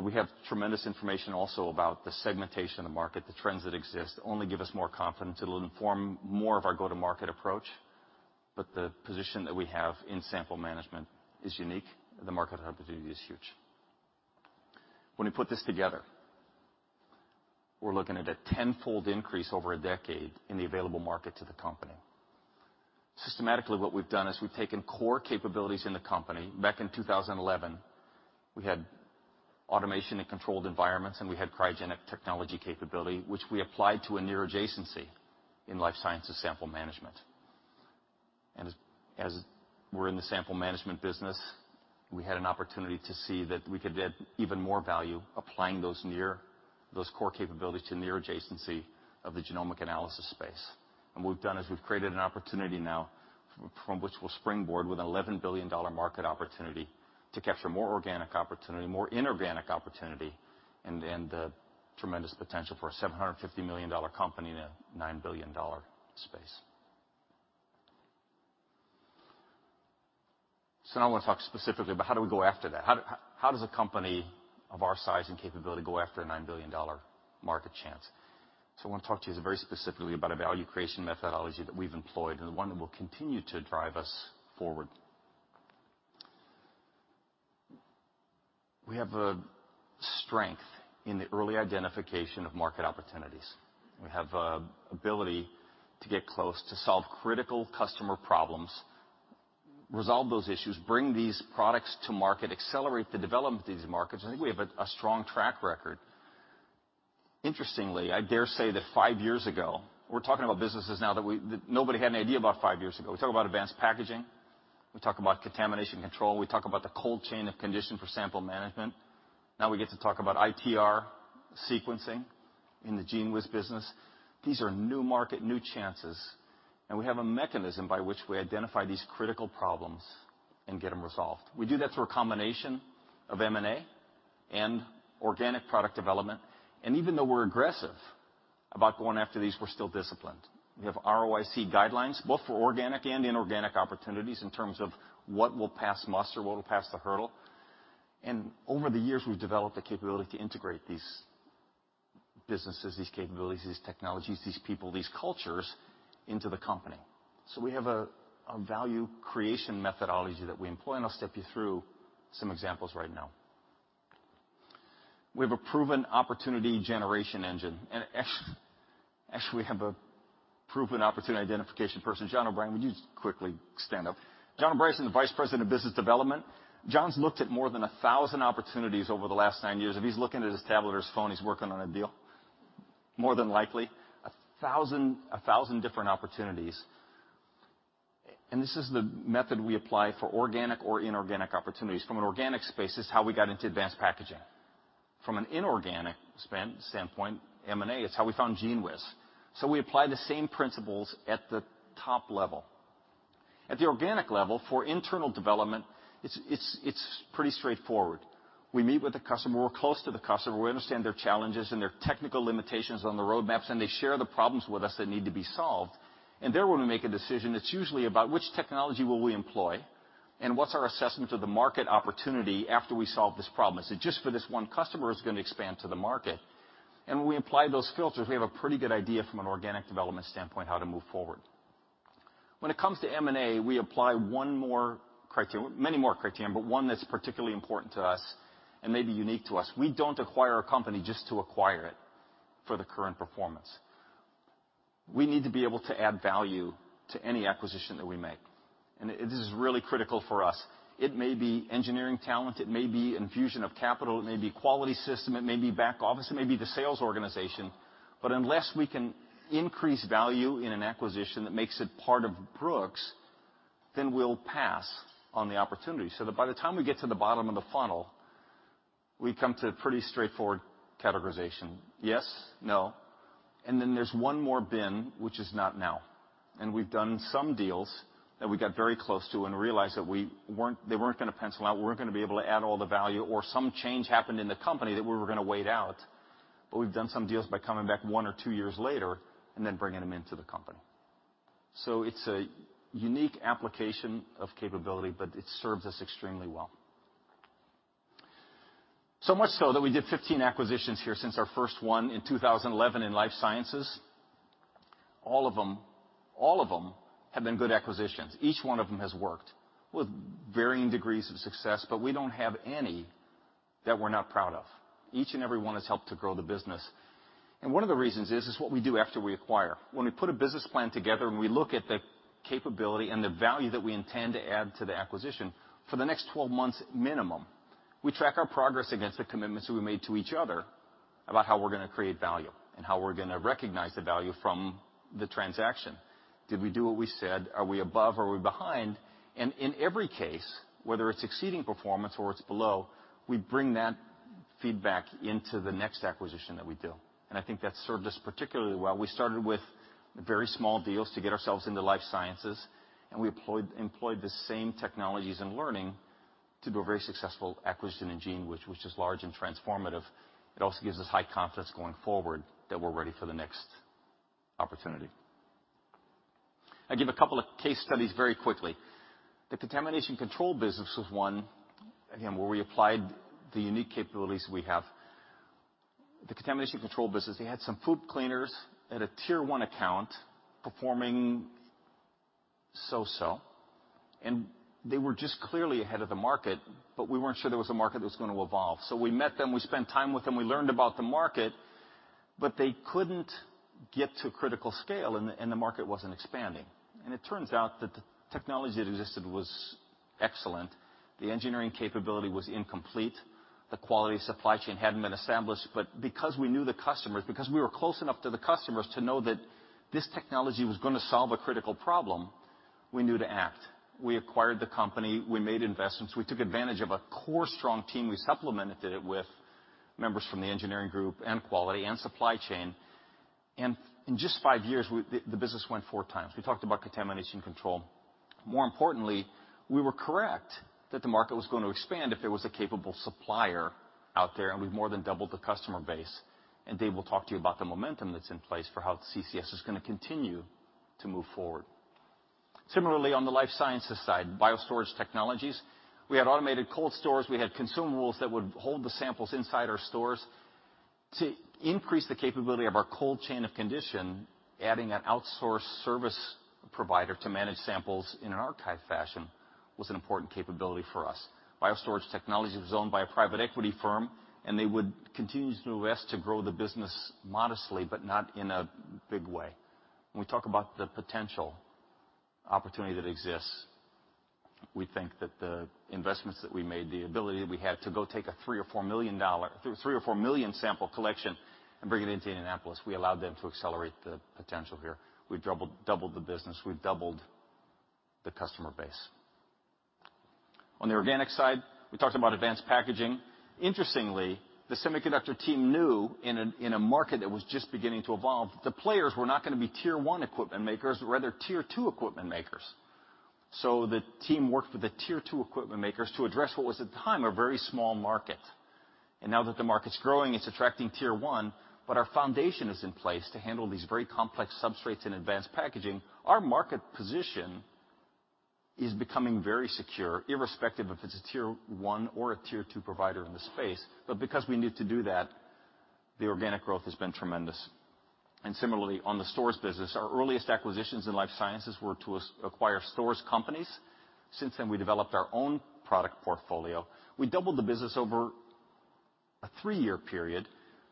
We have tremendous information also about the segmentation of the market, the trends that exist, only give us more confidence. It'll inform more of our go-to-market approach. The position that we have in sample management is unique. The market opportunity is huge. When we put this together, we're looking at a tenfold increase over a decade in the available market to the company. Systematically what we've done is we've taken core capabilities in the company. Back in 2011, we had automation and controlled environments, and we had cryogenic technology capability, which we applied to a near adjacency in life sciences sample management. As we're in the sample management business, we had an opportunity to see that we could add even more value applying those core capabilities to near adjacency of the genomic analysis space. What we've done is we've created an opportunity now from which we'll springboard with an $11 billion market opportunity to capture more organic opportunity, more inorganic opportunity, and the tremendous potential for a $750 million company in a $9 billion space. Now I want to talk specifically about how do we go after that. How does a company of our size and capability go after a $9 billion market chance? I want to talk to you very specifically about a value creation methodology that we've employed, and one that will continue to drive us forward. We have a strength in the early identification of market opportunities. We have ability to get close, to solve critical customer problems, resolve those issues, bring these products to market, accelerate the development of these markets. I think we have a strong track record. Interestingly, I dare say that five years ago, we're talking about businesses now that nobody had an idea about five years ago. We talk about advanced packaging. We talk about Contamination Control. We talk about the cold chain of custody for sample management. We get to talk about AAV-ITR sequencing in the GENEWIZ business. These are new market, new chances, We have a mechanism by which we identify these critical problems and get them resolved. We do that through a combination of M&A and organic product development. Even though we're aggressive about going after these, we're still disciplined. We have ROIC guidelines both for organic and inorganic opportunities in terms of what will pass muster, what will pass the hurdle. Over the years, we've developed the capability to integrate these businesses, these capabilities, these technologies, these people, these cultures into the company. We have a value creation methodology that we employ, and I'll step you through some examples right now. We have a proven opportunity generation engine. Actually, we have a proven opportunity identification person. John O'Brien, would you just quickly stand up? John O'Brien is the Vice President of business development. John's looked at more than 1,000 opportunities over the last nine years. If he's looking at his tablet or his phone, he's working on a deal, more than likely. 1,000 different opportunities. This is the method we apply for organic or inorganic opportunities. From an organic space, this is how we got into advanced packaging. From an inorganic standpoint, M&A, it's how we found GENEWIZ. We apply the same principles at the top level. At the organic level, for internal development, it's pretty straightforward. We meet with the customer, we're close to the customer, we understand their challenges and their technical limitations on the roadmaps, and they share the problems with us that need to be solved. There, when we make a decision, it's usually about which technology will we employ, and what's our assessment of the market opportunity after we solve this problem. Is it just for this one customer, or it's going to expand to the market? When we apply those filters, we have a pretty good idea from an organic development standpoint, how to move forward. When it comes to M&A, we apply many more criterion, but one that's particularly important to us and maybe unique to us. We don't acquire a company just to acquire it for the current performance. We need to be able to add value to any acquisition that we make. This is really critical for us. It may be engineering talent, it may be infusion of capital, it may be quality system, it may be back office, it may be the sales organization. Unless we can increase value in an acquisition that makes it part of Brooks, then we'll pass on the opportunity. That by the time we get to the bottom of the funnel, we come to a pretty straightforward categorization. Yes, no. Then there's one more bin, which is not now. We've done some deals that we got very close to and realized that they weren't going to pencil out. We weren't going to be able to add all the value or some change happened in the company that we were going to wait out. We've done some deals by coming back one or two years later and then bringing them into the company. It's a unique application of capability, but it serves us extremely well. So much so that we did 15 acquisitions here since our first one in 2011 in life sciences. All of them have been good acquisitions. Each one of them has worked with varying degrees of success, but we don't have any that we're not proud of. Each and every one has helped to grow the business. One of the reasons is what we do after we acquire. When we put a business plan together, we look at the capability and the value that we intend to add to the acquisition for the next 12 months minimum, we track our progress against the commitments we made to each other about how we're going to create value. How we're going to recognize the value from the transaction. Did we do what we said? Are we above? Are we behind? In every case, whether it's exceeding performance or it's below, we bring that feedback into the next acquisition that we do. I think that served us particularly well. We started with very small deals to get ourselves into life sciences, we employed the same technologies and learning to do a very successful acquisition in GENEWIZ, which is large and transformative. It also gives us high confidence going forward that we're ready for the next opportunity. I give a couple of case studies very quickly. The Contamination Control business was one, again, where we applied the unique capabilities we have. The Contamination Control business, they had some FOUP cleaners at a Tier 1 account performing so-so. They were just clearly ahead of the market, but we weren't sure there was a market that was going to evolve. We met them, we spent time with them, we learned about the market, but they couldn't get to critical scale, and the market wasn't expanding. It turns out that the technology that existed was excellent. The engineering capability was incomplete. The quality supply chain hadn't been established. Because we knew the customers, because we were close enough to the customers to know that this technology was going to solve a critical problem, we knew to act. We acquired the company. We made investments. We took advantage of a core strong team. We supplemented it with members from the engineering group and quality and supply chain. In just five years, the business went 4x. We talked about Contamination Control. More importantly, we were correct that the market was going to expand if there was a capable supplier out there, and we've more than doubled the customer base, and Dave will talk to you about the momentum that's in place for how CCS is going to continue to move forward. Similarly, on the life sciences side, BioStorage Technologies, we had automated cold storage. We had consumables that would hold the samples inside our stores. To increase the capability of our cold chain of custody, adding an outsourced service provider to manage samples in an archive fashion was an important capability for us. BioStorage Technologies was owned by a private equity firm, and they would continue to invest to grow the business modestly, but not in a big way. When we talk about the potential opportunity that exists, we think that the investments that we made, the ability that we had to go take a 3 million or 4 million sample collection and bring it into Indianapolis, we allowed them to accelerate the potential here. We doubled the business. We doubled the customer base. On the organic side, we talked about advanced packaging. Interestingly, the semiconductor team knew in a market that was just beginning to evolve, that the players were not going to be Tier 1 equipment makers, but rather Tier 2 equipment makers. The team worked with the Tier 2 equipment makers to address what was at the time, a very small market. Now that the market's growing, it's attracting Tier 1, but our foundation is in place to handle these very complex substrates and advanced packaging. Our market position is becoming very secure, irrespective if it's a Tier 1 or a Tier 2 provider in the space. Because we need to do that, the organic growth has been tremendous. Similarly, on the storage business, our earliest acquisitions in life sciences were to acquire storage companies. Since then, we developed our own product portfolio. We doubled the business over a three-year period.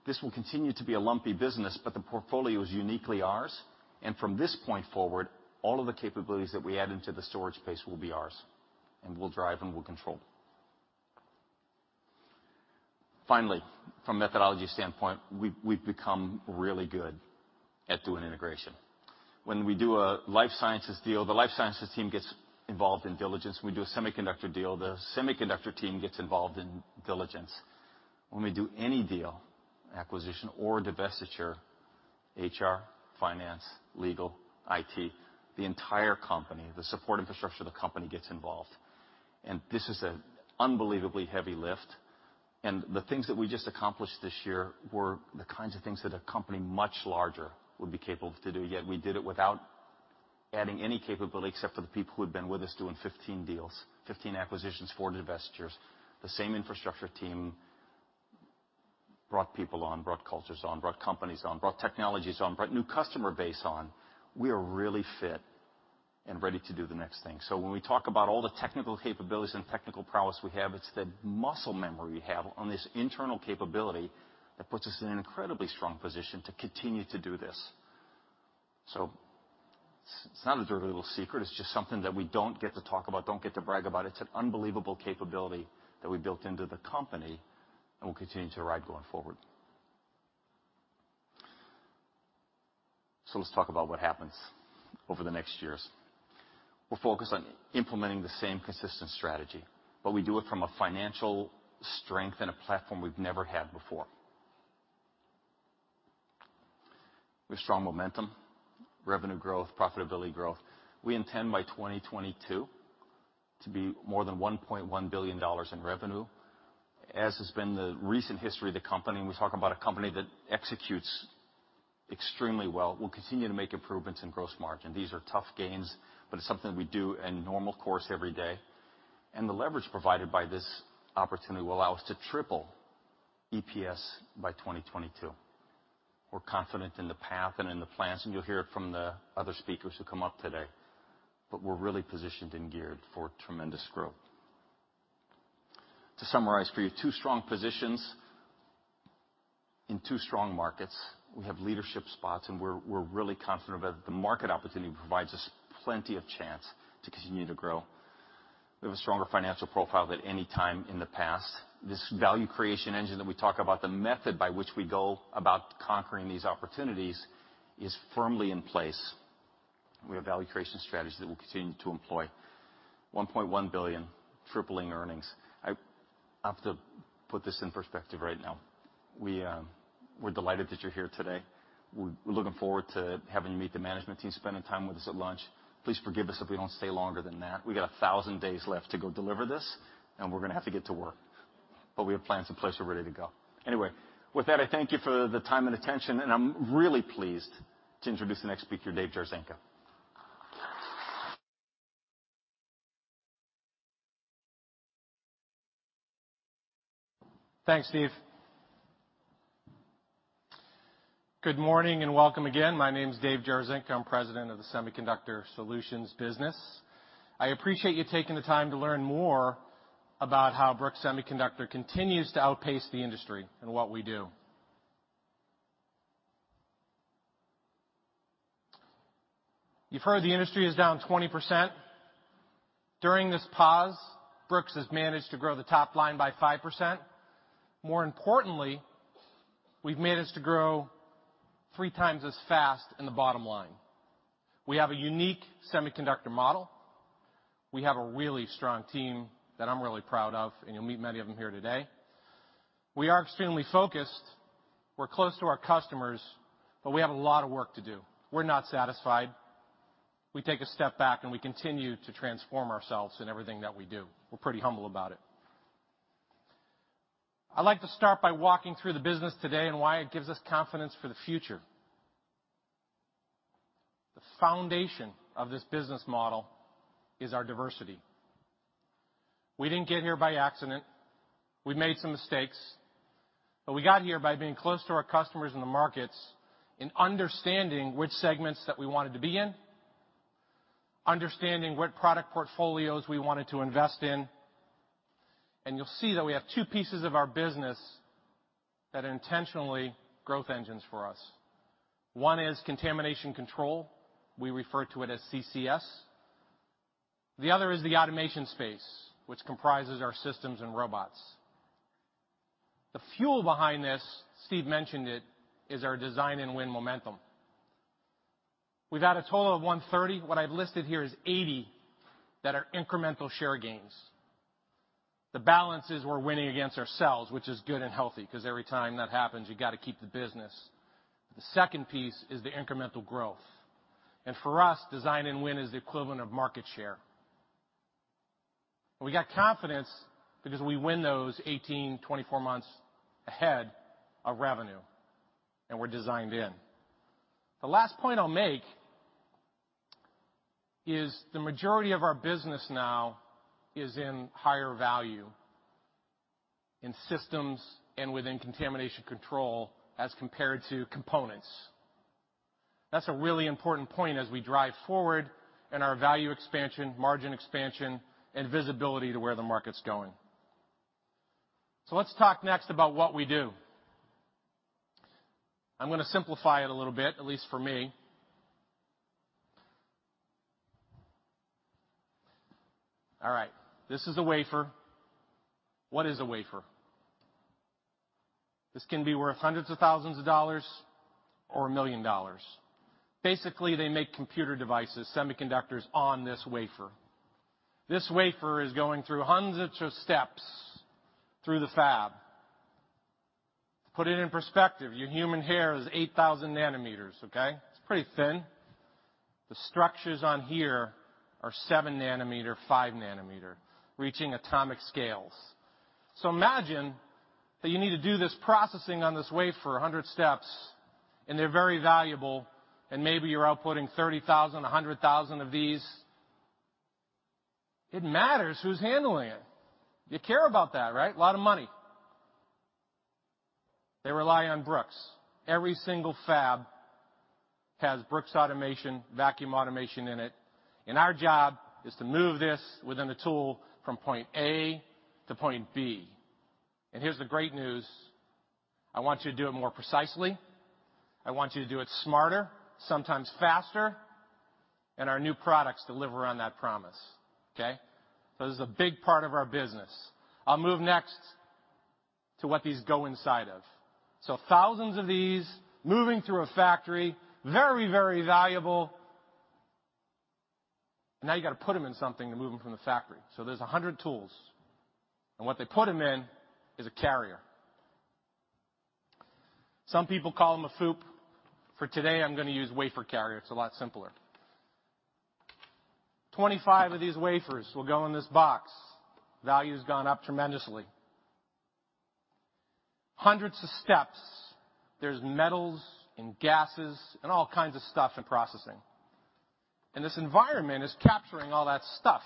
This will continue to be a lumpy business, but the portfolio is uniquely ours, and from this point forward, all of the capabilities that we add into the storage space will be ours, and we'll drive and we'll control. Finally, from a methodology standpoint, we've become really good at doing integration. When we do a life sciences deal, the life sciences team gets involved in diligence. When we do a semiconductor deal, the semiconductor team gets involved in diligence. When we do any deal, acquisition, or divestiture, HR, finance, legal, IT, the entire company, the support infrastructure of the company gets involved. This is an unbelievably heavy lift, and the things that we just accomplished this year were the kinds of things that a company much larger would be capable to do, yet we did it without adding any capability except for the people who had been with us doing 15 deals, 15 acquisitions, four divestitures. The same infrastructure team brought people on, brought cultures on, brought companies on, brought technologies on, brought new customer base on. We are really fit and ready to do the next thing. When we talk about all the technical capabilities and technical prowess we have, it's the muscle memory we have on this internal capability that puts us in an incredibly strong position to continue to do this. It's not a dirty little secret. It's just something that we don't get to talk about, don't get to brag about. It's an unbelievable capability that we built into the company and will continue to ride going forward. Let's talk about what happens over the next years. We're focused on implementing the same consistent strategy, but we do it from a financial strength and a platform we've never had before. We have strong momentum, revenue growth, profitability growth. We intend by 2022 to be more than $1.1 billion in revenue. As has been the recent history of the company, and we talk about a company that executes extremely well, we'll continue to make improvements in gross margin. These are tough gains, but it's something we do in normal course every day. The leverage provided by this opportunity will allow us to triple EPS by 2022. We're confident in the path and in the plans, and you'll hear it from the other speakers who come up today, but we're really positioned and geared for tremendous growth. To summarize for you, two strong positions in two strong markets. We have leadership spots, and we're really confident that the market opportunity provides us plenty of chance to continue to grow. We have a stronger financial profile than any time in the past. This value creation engine that we talk about, the method by which we go about conquering these opportunities, is firmly in place. We have a value creation strategy that we'll continue to employ. $1.1 billion, tripling earnings. I have to put this in perspective right now. We're delighted that you're here today. We're looking forward to having you meet the management team, spending time with us at lunch. Please forgive us if we don't stay longer than that. We've got 1,000 days left to go deliver this, and we're going to have to get to work. We have plans in place. We're ready to go. With that, I thank you for the time and attention, and I'm really pleased to introduce the next speaker, Dave Jarzynka. Thanks, Steve. Good morning, welcome again. My name's Dave Jarzynka. I'm President of the Semiconductor Solutions business. I appreciate you taking the time to learn more about how Brooks Semiconductor continues to outpace the industry in what we do. You've heard the industry is down 20%. During this pause, Brooks has managed to grow the top line by 5%. More importantly, we've managed to grow 3x as fast in the bottom line. We have a unique semiconductor model. We have a really strong team that I'm really proud of, you'll meet many of them here today. We are extremely focused. We're close to our customers, we have a lot of work to do. We're not satisfied. We take a step back, we continue to transform ourselves in everything that we do. We're pretty humble about it. I'd like to start by walking through the business today and why it gives us confidence for the future. The foundation of this business model is our diversity. We didn't get here by accident. We made some mistakes. We got here by being close to our customers in the markets and understanding which segments that we wanted to be in, understanding what product portfolios we wanted to invest in. You'll see that we have two pieces of our business that are intentionally growth engines for us. One is Contamination Control. We refer to it as CCS. The other is the automation space, which comprises our systems and robots. The fuel behind this, Steve mentioned it, is our design-in win momentum. We've had a total of 130. What I've listed here is 80 that are incremental share gains. The balance is we're winning against ourselves, which is good and healthy, because every time that happens, you got to keep the business. The second piece is the incremental growth. For us, design-in win is the equivalent of market share. We got confidence because we win those 18, 24 months ahead of revenue, and we're designed in. The last point I'll make is the majority of our business now is in higher value, in systems, and within Contamination Control as compared to components. That's a really important point as we drive forward in our value expansion, margin expansion, and visibility to where the market's going. Let's talk next about what we do. I'm going to simplify it a little bit, at least for me. All right. This is a wafer. What is a wafer? This can be worth hundreds of thousands of dollars or a million dollars. Basically, they make computer devices, semiconductors on this wafer. This wafer is going through hundreds of steps through the fab. To put it in perspective, your human hair is 8,000 nm, okay. It's pretty thin. The structures on here are 7 nm, 5 nm, reaching atomic scales. Imagine that you need to do this processing on this wafer 100 steps, and they're very valuable, and maybe you're outputting 30,000, 100,000 of these. It matters who's handling it. You care about that, right. A lot of money. They rely on Brooks. Every single fab has Brooks Automation, vacuum automation in it. Our job is to move this within the tool from point A to point B. Here's the great news. I want you to do it more precisely. I want you to do it smarter, sometimes faster, and our new products deliver on that promise. Okay. This is a big part of our business. I'll move next to what these go inside of. Thousands of these moving through a factory, very, very valuable. Now you got to put them in something to move them from the factory. There's 100 tools, and what they put them in is a carrier. Some people call them a FOUP. For today, I'm going to use wafer carrier. It's a lot simpler. 25 of these wafers will go in this box. Value's gone up tremendously. Hundreds of steps. There's metals and gases and all kinds of stuff in processing. This environment is capturing all that stuff.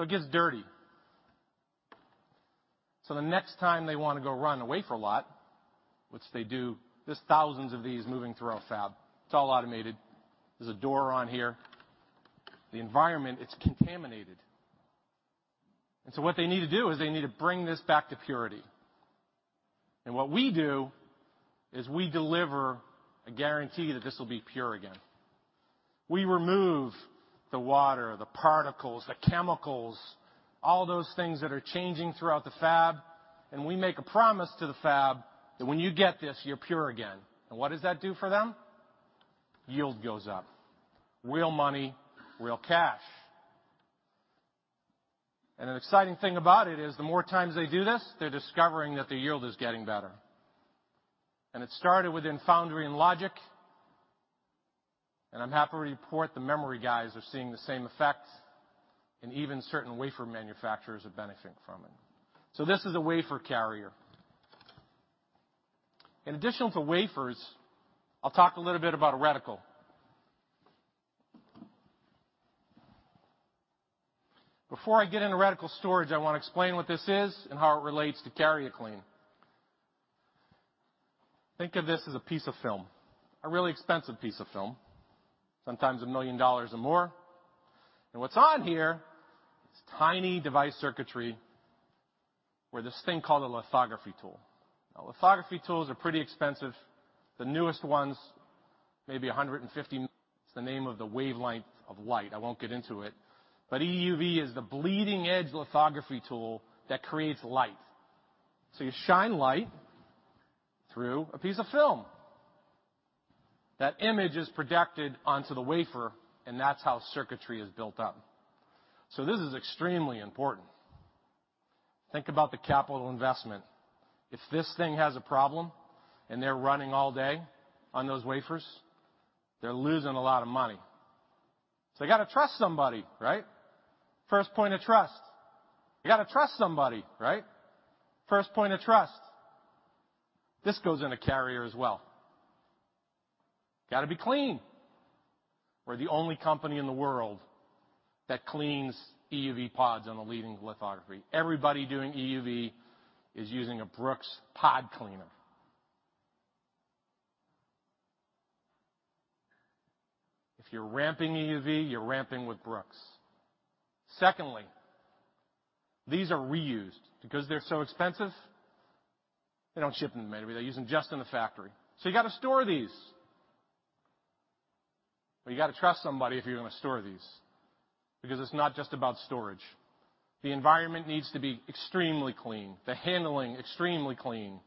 It gets dirty. The next time they want to go run a wafer lot, which they do, there's thousands of these moving through our fab. It's all automated. There's a door on here. The environment, it's contaminated. What they need to do is they need to bring this back to purity. What we do is we deliver a guarantee that this will be pure again. We remove the water, the particles, the chemicals, all those things that are changing throughout the fab, and we make a promise to the fab that when you get this, you're pure again. What does that do for them? Yield goes up. Real money, real cash. An exciting thing about it is the more times they do this, they're discovering that the yield is getting better. It started within foundry and logic, and I'm happy to report the memory guys are seeing the same effect, and even certain wafer manufacturers are benefiting from it. This is a wafer carrier. In addition to wafers, I'll talk a little bit about a reticle. Before I get into reticle storage, I want to explain what this is and how it relates to carrier clean. Think of this as a piece of film, a really expensive piece of film, sometimes $1 million or more. What's on here is tiny device circuitry for this thing called a lithography tool. Lithography tools are pretty expensive. The newest ones, maybe 150. It's the name of the wavelength of light. I won't get into it, EUV is the bleeding edge lithography tool that creates light. You shine light through a piece of film. That image is projected onto the wafer, and that's how circuitry is built up. This is extremely important. Think about the capital investment. If this thing has a problem and they're running all day on those wafers, they're losing a lot of money. You got to trust somebody, right? First point of trust. You got to trust somebody, right? First point of trust. This goes in a carrier as well. Got to be clean. We're the only company in the world that cleans EUV pods on the leading lithography. Everybody doing EUV is using a Brooks' pod cleaner. If you're ramping EUV, you're ramping with Brooks. Secondly, these are reused. Because they're so expensive, they don't ship them maybe. They're using just in the factory. You got to store these. You got to trust somebody if you're going to store these, because it's not just about storage. The environment needs to be extremely clean, the handling extremely clean.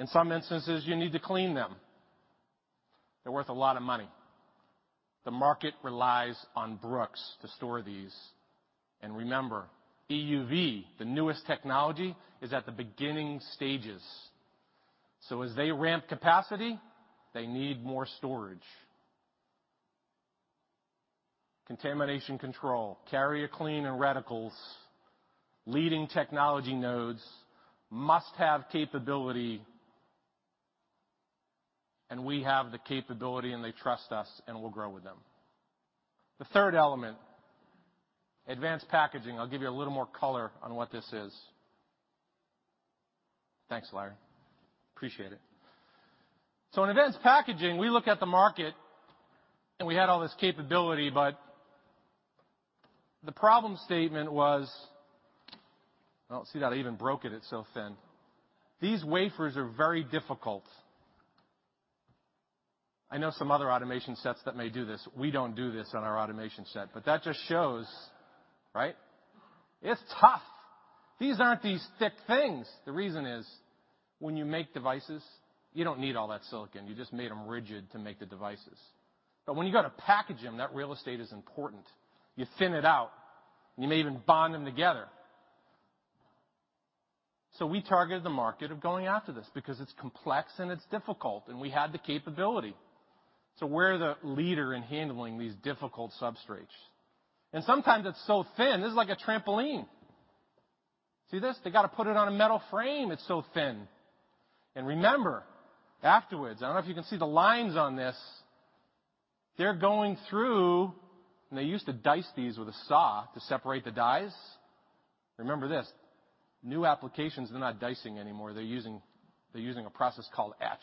In some instances, you need to clean them. They're worth a lot of money. The market relies on Brooks to store these. Remember, EUV, the newest technology, is at the beginning stages. As they ramp capacity, they need more storage. Contamination Control, carrier clean and reticles, leading technology nodes must have capability, and we have the capability, and they trust us, and we'll grow with them. The third element, advanced packaging. I'll give you a little more color on what this is. Thanks, Larry. Appreciate it. In advanced packaging, we look at the market, and we had all this capability, but the problem statement was. I see that I even broke it's so thin. These wafers are very difficult. I know some other automation sets that may do this. We don't do this on our automation set, but that just shows, it's tough. These aren't these thick things. The reason is, when you make devices, you don't need all that silicon. You just made them rigid to make the devices. When you go to package them, that real estate is important. You thin it out, and you may even bond them together. We targeted the market of going after this because it's complex and it's difficult, and we had the capability. We're the leader in handling these difficult substrates. Sometimes it's so thin, this is like a trampoline. See this? They got to put it on a metal frame, it's so thin. Remember, afterwards, I don't know if you can see the lines on this, they're going through, and they used to dice these with a saw to separate the dies. Remember this, new applications, they're not dicing anymore. They're using a process called etch.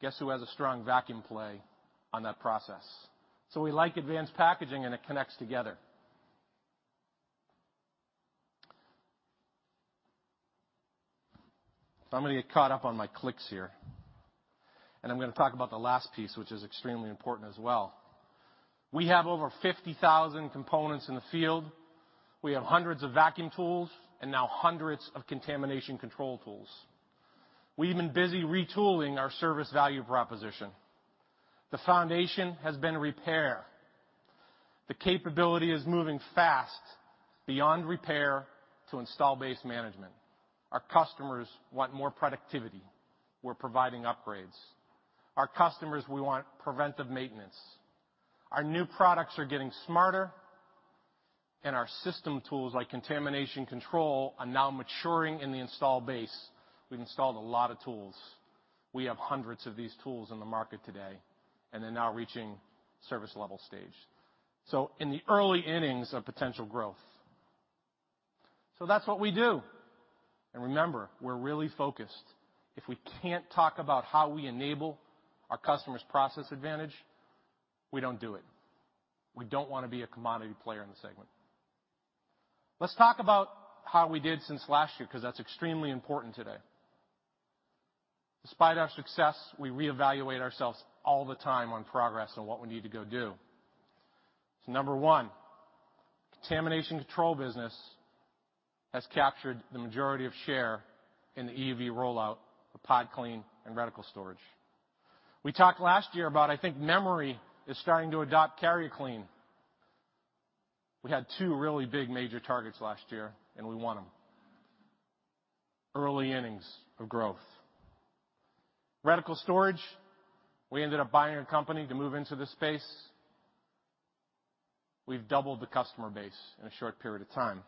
Guess who has a strong vacuum play on that process? We like advanced packaging, and it connects together. I'm going to get caught up on my clicks here, and I'm going to talk about the last piece, which is extremely important as well. We have over 50,000 components in the field. We have hundreds of vacuum tools and now hundreds of Contamination Control tools. We've been busy retooling our service value proposition. The foundation has been repair. The capability is moving fast beyond repair to install base management. Our customers want more productivity. We're providing upgrades. Our customers will want preventive maintenance. Our new products are getting smarter, and our system tools, like Contamination Control, are now maturing in the install base. We've installed a lot of tools. We have hundreds of these tools in the market today, and they're now reaching service level stage. In the early innings of potential growth. That's what we do. Remember, we're really focused. If we can't talk about how we enable our customers' process advantage, we don't do it. We don't want to be a commodity player in the segment. Let's talk about how we did since last year, because that's extremely important today. Despite our success, we reevaluate ourselves all the time on progress and what we need to go do. Number one, Contamination Control business has captured the majority of share in the EUV rollout of pod clean and reticle storage. We talked last year about, I think, memory is starting to adopt carrier clean. We had two really big major targets last year, we won them. Early innings of growth. Reticle storage, we ended up buying a company to move into this space. We've doubled the customer base in a short period of time.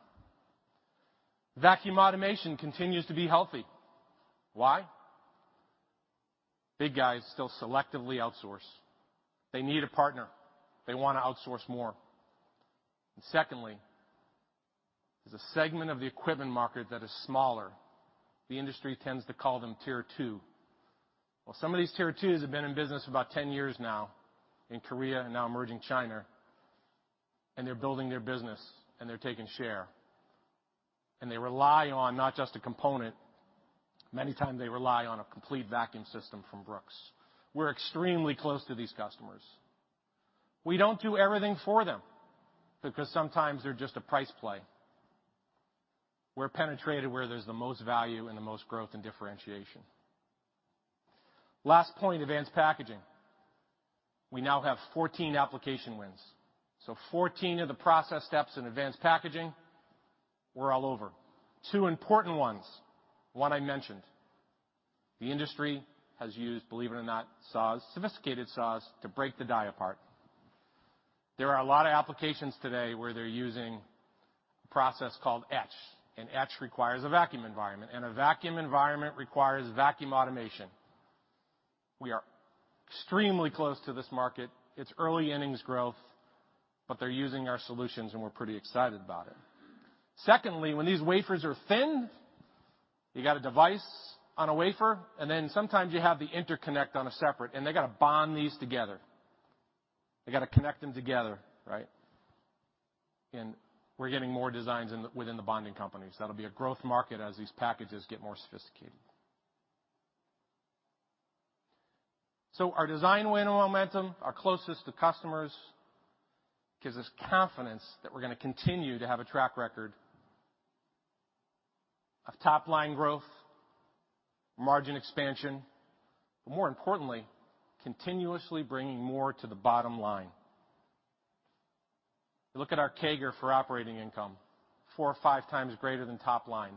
Vacuum automation continues to be healthy. Why? Big guys still selectively outsource. They need a partner. They want to outsource more. Secondly, there's a segment of the equipment market that is smaller. The industry tends to call them Tier 2. Well, some of these Tier 2s have been in business for about 10 years now in Korea and now emerging China, and they're building their business, and they're taking share. They rely on not just a component. Many times they rely on a complete vacuum system from Brooks. We're extremely close to these customers. We don't do everything for them because sometimes they're just a price play. We're penetrated where there's the most value and the most growth and differentiation. Last point, advanced packaging. We now have 14 application wins. 14 of the process steps in advanced packaging, we're all over. Two important ones. One I mentioned. The industry has used, believe it or not, saws, sophisticated saws, to break the die apart. There are a lot of applications today where they're using a process called etch. Etch requires a vacuum environment. A vacuum environment requires vacuum automation. We are extremely close to this market. It's early innings growth. They're using our solutions. We're pretty excited about it. Secondly, when these wafers are thin, you got a device on a wafer. Then sometimes you have the interconnect on a separate. They got to bond these together. They got to connect them together. Right? We're getting more designs within the bonding companies. That'll be a growth market as these packages get more sophisticated. Our design-in win momentum, our closest to customers, gives us confidence that we're going to continue to have a track record of top-line growth, margin expansion, but more importantly, continuously bringing more to the bottom line. You look at our CAGR for operating income, 4x or 5x greater than top line.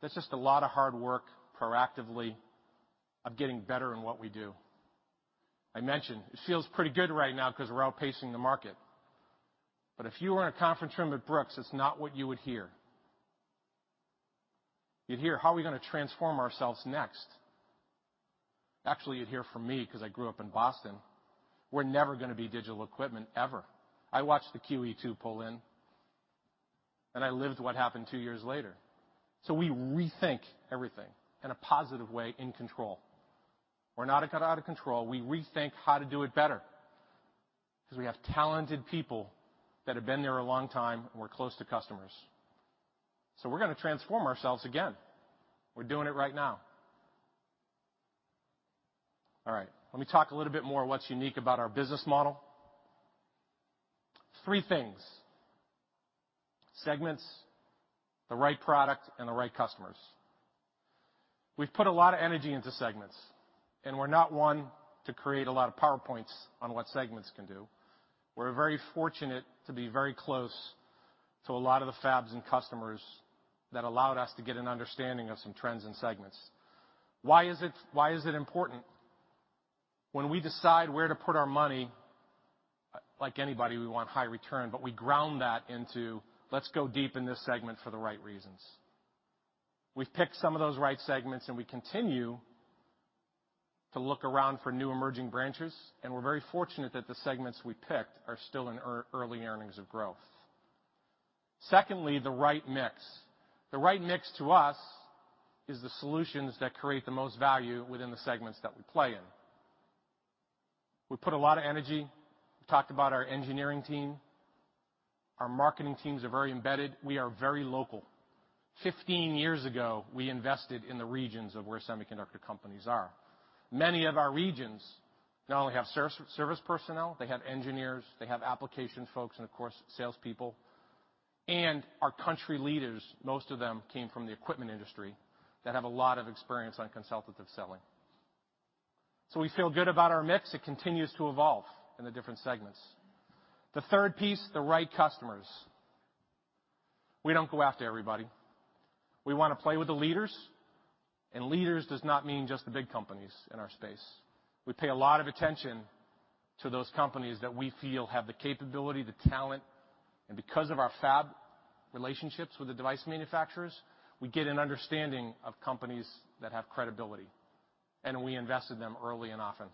That's just a lot of hard work proactively of getting better in what we do. I mentioned, it feels pretty good right now because we're outpacing the market. If you were in a conference room with Brooks, it's not what you would hear. You'd hear, "How are we going to transform ourselves next?" Actually, you'd hear from me because I grew up in Boston. We're never going to be Digital Equipment, ever. I watched the QE2 pull in, and I lived what happened two years later. We rethink everything in a positive way, in control. We're not out of control. We rethink how to do it better, because we have talented people that have been there a long time, and we're close to customers. We're going to transform ourselves again. We're doing it right now. All right. Let me talk a little bit more what's unique about our business model. Three things: segments, the right product, and the right customers. We've put a lot of energy into segments, and we're not one to create a lot of PowerPoints on what segments can do. We're very fortunate to be very close to a lot of the fabs and customers that allowed us to get an understanding of some trends and segments. Why is it important? When we decide where to put our money, like anybody, we want high return, but we ground that into, let's go deep in this segment for the right reasons. We've picked some of those right segments. We continue to look around for new emerging branches. We're very fortunate that the segments we picked are still in early innings of growth. Secondly, the right mix. The right mix to us is the solutions that create the most value within the segments that we play in. We put a lot of energy. We've talked about our engineering team. Our marketing teams are very embedded. We are very local. 15 years ago, we invested in the regions of where semiconductor companies are. Many of our regions not only have service personnel, they have engineers, they have application folks, of course, salespeople. Our country leaders, most of them came from the equipment industry that have a lot of experience on consultative selling. We feel good about our mix. It continues to evolve in the different segments. The third piece, the right customers. We don't go after everybody. We want to play with the leaders. Leaders does not mean just the big companies in our space. We pay a lot of attention to those companies that we feel have the capability, the talent, and because of our fab relationships with the device manufacturers, we get an understanding of companies that have credibility, and we invest in them early and often.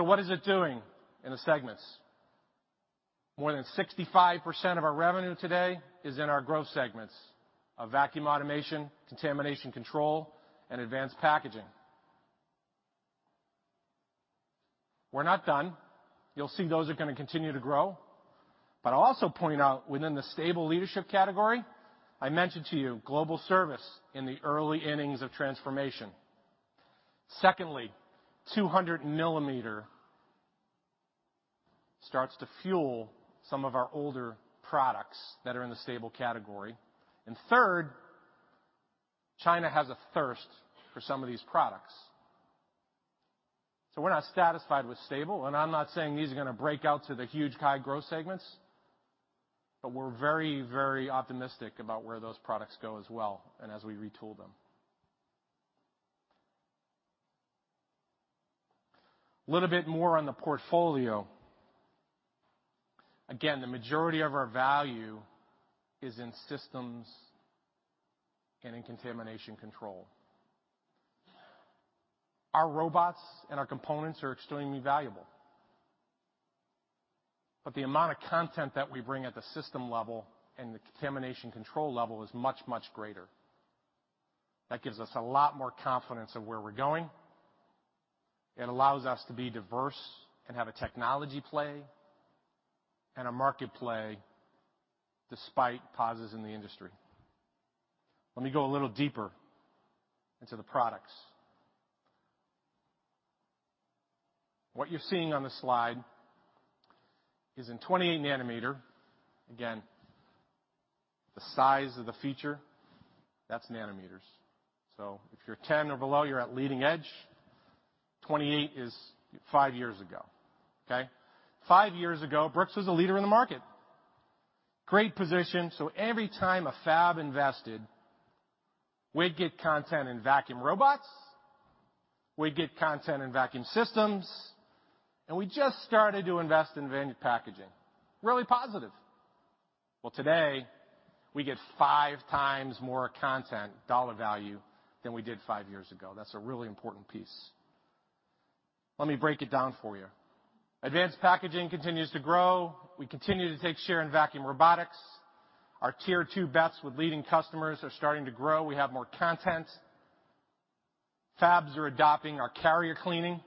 What is it doing in the segments? More than 65% of our revenue today is in our growth segments of vacuum automation, Contamination Control, and advanced packaging. We're not done. You'll see those are going to continue to grow. I'll also point out, within the stable leadership category, I mentioned to you global service in the early innings of transformation. Secondly, 200 mm starts to fuel some of our older products that are in the stable category. Third, China has a thirst for some of these products. We're not satisfied with stable, and I'm not saying these are going to break out to the huge high growth segments, but we're very optimistic about where those products go as well and as we retool them. Little bit more on the portfolio. Again, the majority of our value is in systems and in Contamination Control. Our robots and our components are extremely valuable. The amount of content that we bring at the system level and the Contamination Control level is much, much greater. That gives us a lot more confidence of where we're going. It allows us to be diverse and have a technology play and a market play despite pauses in the industry. Let me go a little deeper into the products. What you're seeing on the slide is in 28 nm. Again, the size of the feature, that's nanometers. If you're 10 nm or below, you're at leading edge. 28 nm is five years ago. Okay? Five years ago, Brooks was a leader in the market. Great position. Every time a fab invested, we'd get content in vacuum robots, we'd get content in vacuum systems, and we just started to invest in packaging. Really positive. Well, today, we get 5x more content dollar value than we did five years ago. That's a really important piece. Let me break it down for you. Advanced packaging continues to grow. We continue to take share in vacuum robotics. Our Tier 2 bets with leading customers are starting to grow. We have more content. Fabs are adopting our carrier cleaning.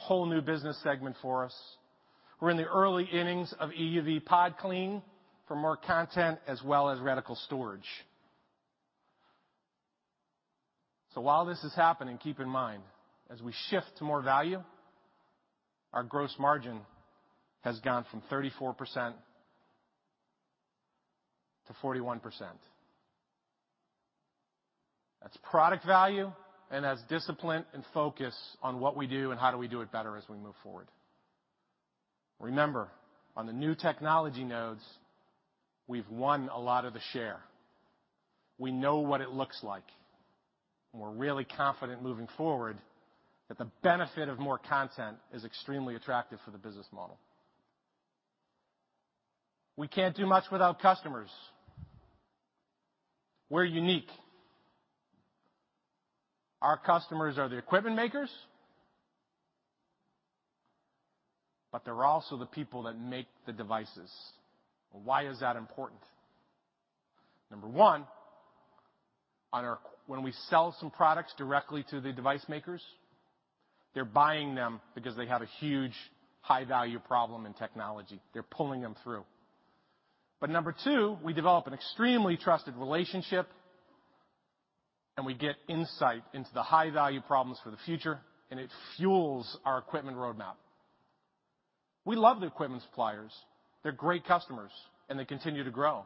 Whole new business segment for us. We're in the early innings of EUV pod clean for more content as well as reticle storage. While this is happening, keep in mind, as we shift to more value, our gross margin has gone from 34%-41% as product value and as discipline and focus on what we do and how do we do it better as we move forward. Remember, on the new technology nodes, we've won a lot of the share. We know what it looks like, and we're really confident moving forward that the benefit of more content is extremely attractive for the business model. We can't do much without customers. We're unique. Our customers are the equipment makers, but they're also the people that make the devices. Why is that important? Number one, when we sell some products directly to the device makers, they're buying them because they have a huge high-value problem in technology. They're pulling them through. Number two, we develop an extremely trusted relationship, and we get insight into the high-value problems for the future, and it fuels our equipment roadmap. We love the equipment suppliers. They're great customers, and they continue to grow.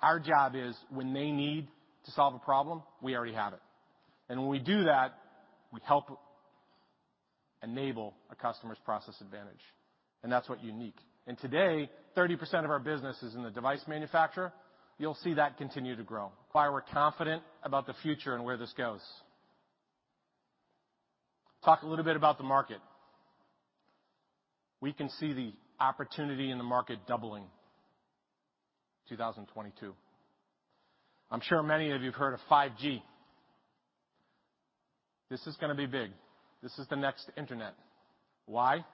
Our job is when they need to solve a problem, we already have it. When we do that, we help enable a customer's process advantage, and that's what unique. Today, 30% of our business is in the device manufacturer. You'll see that continue to grow. Why we're confident about the future and where this goes. Talk a little bit about the market. We can see the opportunity in the market doubling 2022. I'm sure many of you have heard of 5G. This is going to be big. This is the next internet. Why?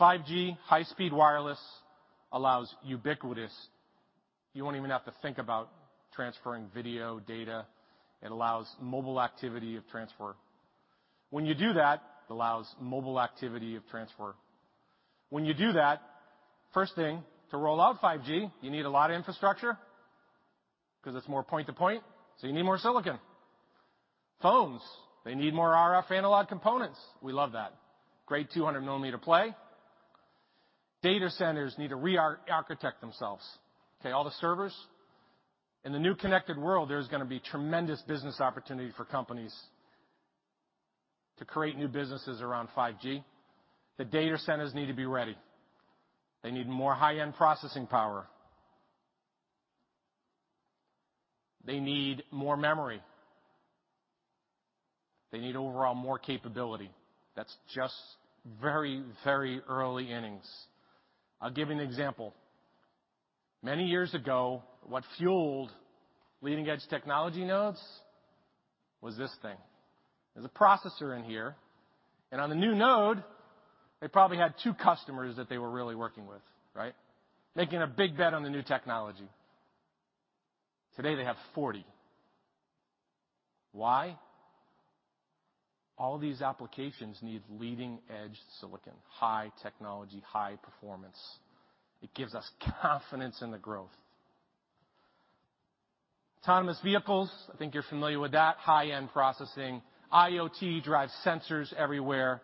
5G high-speed wireless allows ubiquitous. You won't even have to think about transferring video, data. It allows mobile activity of transfer. When you do that, first thing, to roll out 5G, you need a lot of infrastructure because it's more point-to-point, so you need more silicon. Phones, they need more RF analog components. We love that. Great 200 mm play. Data centers need to re-architect themselves. Okay, all the servers. In the new connected world, there's going to be tremendous business opportunity for companies to create new businesses around 5G. The data centers need to be ready. They need more high-end processing power. They need more memory. They need overall more capability. That's just very early innings. I'll give you an example. Many years ago, what fueled leading-edge technology nodes was this thing. There's a processor in here, and on the new node, they probably had two customers that they were really working with. Right? Making a big bet on the new technology. Today, they have 40. Why? All these applications need leading-edge silicon, high technology, high performance. It gives us confidence in the growth. Autonomous vehicles, I think you're familiar with that, high-end processing. IoT drives sensors everywhere.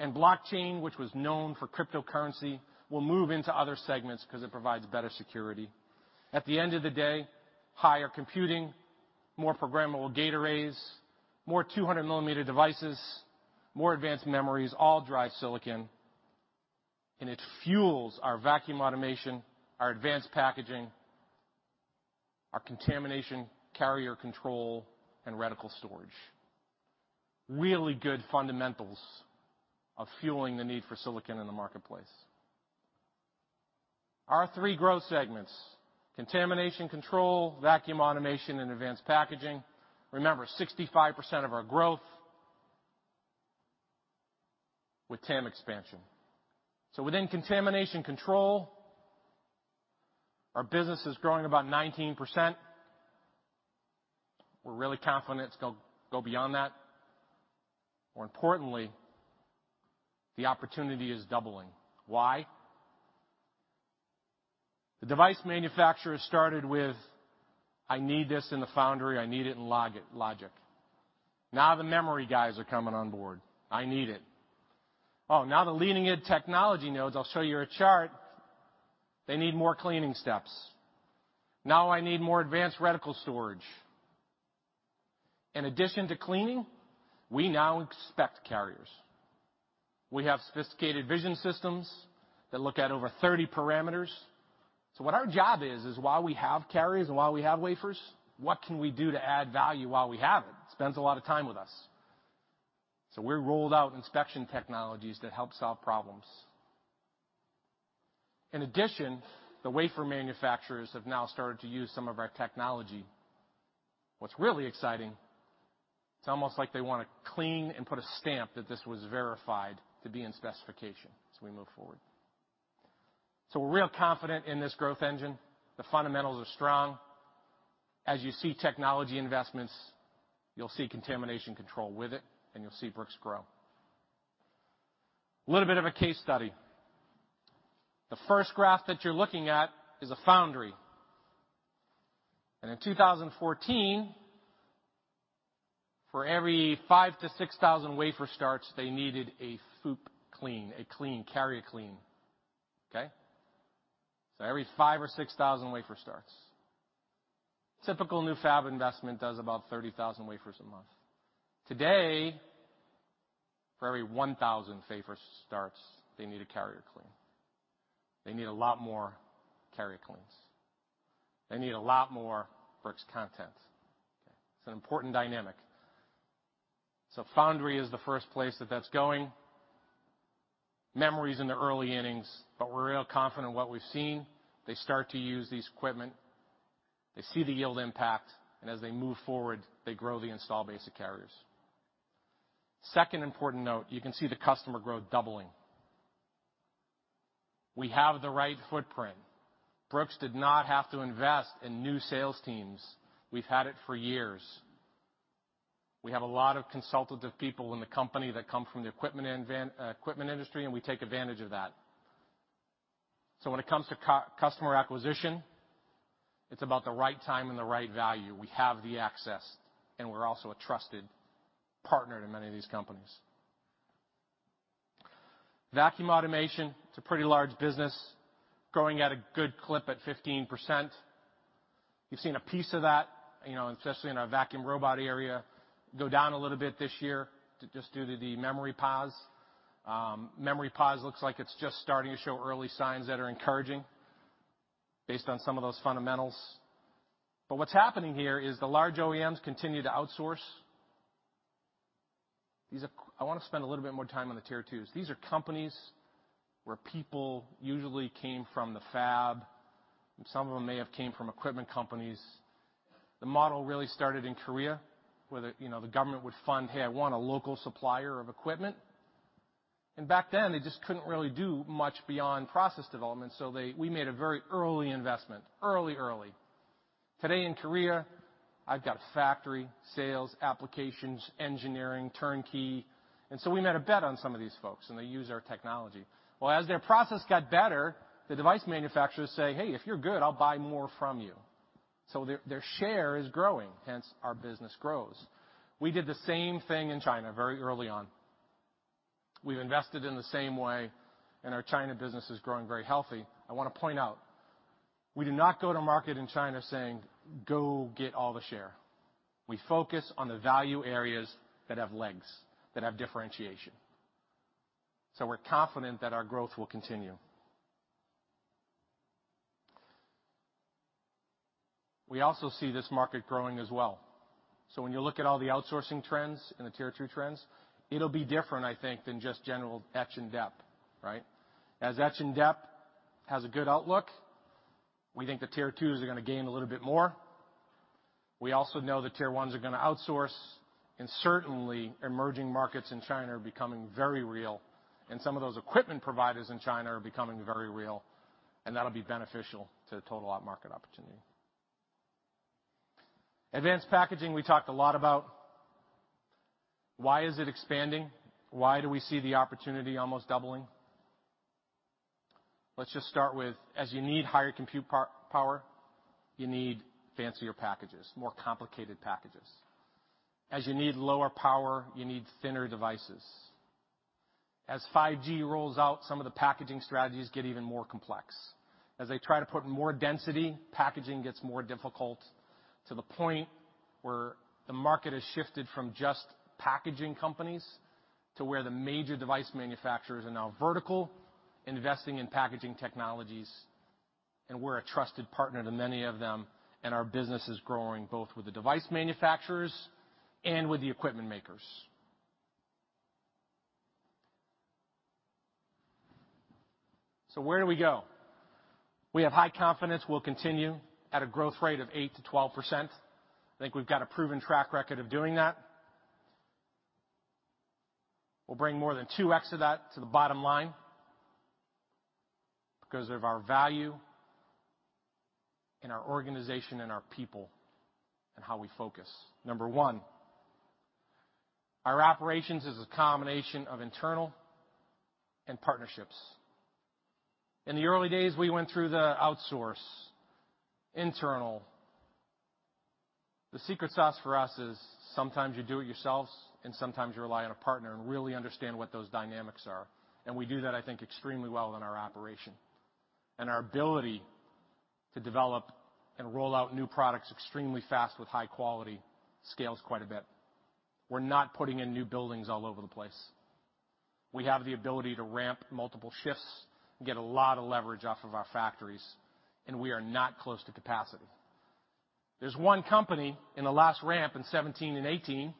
Blockchain, which was known for cryptocurrency, will move into other segments because it provides better security. At the end of the day, higher computing, more programmable gate arrays, more 200 mm devices, more advanced memories all drive silicon, and it fuels our vacuum automation, our advanced packaging, our contamination carrier control, and reticle storage. Really good fundamentals of fueling the need for silicon in the marketplace. Our three growth segments, Contamination Control, vacuum automation, and advanced packaging. 65% of our growth with TAM expansion. Within Contamination Control, our business is growing about 19%. We're really confident it's going to go beyond that. More importantly, the opportunity is doubling. Why? The device manufacturer started with, "I need this in the foundry. I need it in logic." The memory guys are coming on board. "I need it." The leading-edge technology nodes, I'll show you a chart, they need more cleaning steps. I need more advanced reticle storage. In addition to cleaning, we now inspect carriers. We have sophisticated vision systems that look at over 30 parameters. What our job is while we have carriers and while we have wafers, what can we do to add value while we have it? Spends a lot of time with us. We rolled out inspection technologies that help solve problems. In addition, the wafer manufacturers have now started to use some of our technology. What's really exciting, it's almost like they want to clean and put a stamp that this was verified to be in specification as we move forward. We're real confident in this growth engine. The fundamentals are strong. As you see technology investments, you'll see Contamination Control with it, and you'll see Brooks grow. Little bit of a case study. The first graph that you're looking at is a foundry, and in 2014, for every 5,000 to 6,000 wafer starts, they needed a FOUP clean, a carrier clean. Okay? Every 5,000 or 6,000 wafer starts. Typical new fab investment does about 30,000 wafers a month. Today, for every 1,000 wafer starts, they need a carrier clean. They need a lot more carrier cleans. They need a lot more Brooks content. It's an important dynamic. Foundry is the first place that that's going. Memory's in the early innings, but we're real confident in what we've seen. They start to use these equipment. They see the yield impact, and as they move forward, they grow the installed base of carriers. Second important note, you can see the customer growth doubling. We have the right footprint. Brooks did not have to invest in new sales teams. We've had it for years. We have a lot of consultative people in the company that come from the equipment industry, and we take advantage of that. When it comes to customer acquisition, it's about the right time and the right value. We have the access, and we're also a trusted partner to many of these companies. Vacuum automation, it's a pretty large business, growing at a good clip at 15%. You've seen a piece of that, especially in our vacuum robot area, go down a little bit this year, just due to the memory pause. Memory pause looks like it's just starting to show early signs that are encouraging based on some of those fundamentals. What's happening here is the large OEMs continue to outsource. I want to spend a little bit more time on the Tier 2s. These are companies where people usually came from the fab, and some of them may have came from equipment companies. The model really started in Korea, where the government would fund, "Hey, I want a local supplier of equipment." Back then, they just couldn't really do much beyond process development, so we made a very early investment. Early. Today in Korea, I've got factory, sales, applications, engineering, turnkey. We made a bet on some of these folks, and they use our technology. Well, as their process got better, the device manufacturers say, "Hey, if you're good, I'll buy more from you." Their share is growing, hence our business grows. We did the same thing in China very early on. We've invested in the same way, and our China business is growing very healthy. I want to point out, we do not go-to-market in China saying, "Go get all the share." We focus on the value areas that have legs, that have differentiation. We're confident that our growth will continue. We also see this market growing as well. When you look at all the outsourcing trends and the Tier 2 trends, it'll be different, I think, than just general etch and deposition. As etch and deposition has a good outlook, we think the Tier 2s are going to gain a little bit more. We also know the Tier 1s are going to outsource. Certainly emerging markets in China are becoming very real. Some of those equipment providers in China are becoming very real. That'll be beneficial to the total market opportunity. Advanced packaging we talked a lot about. Why is it expanding? Why do we see the opportunity almost doubling? Let's just start with as you need higher compute power, you need fancier packages, more complicated packages. As you need lower power, you need thinner devices. As 5G rolls out, some of the packaging strategies get even more complex. As they try to put more density, packaging gets more difficult, to the point where the market has shifted from just packaging companies to where the major device manufacturers are now vertical, investing in packaging technologies. We're a trusted partner to many of them, and our business is growing both with the device manufacturers and with the equipment makers. Where do we go? We have high confidence we'll continue at a growth rate of 8%-12%. I think we've got a proven track record of doing that. We'll bring more than 2x of that to the bottom line because of our value and our organization and our people and how we focus. Number one, our operations is a combination of internal and partnerships. In the early days, we went through the outsource, internal. The secret sauce for us is sometimes you do it yourselves and sometimes you rely on a partner and really understand what those dynamics are. We do that, I think, extremely well in our operation. Our ability to develop and roll out new products extremely fast with high quality scales quite a bit. We're not putting in new buildings all over the place. We have the ability to ramp multiple shifts and get a lot of leverage off of our factories, and we are not close to capacity. There's one company in the last ramp in 2017 and 2018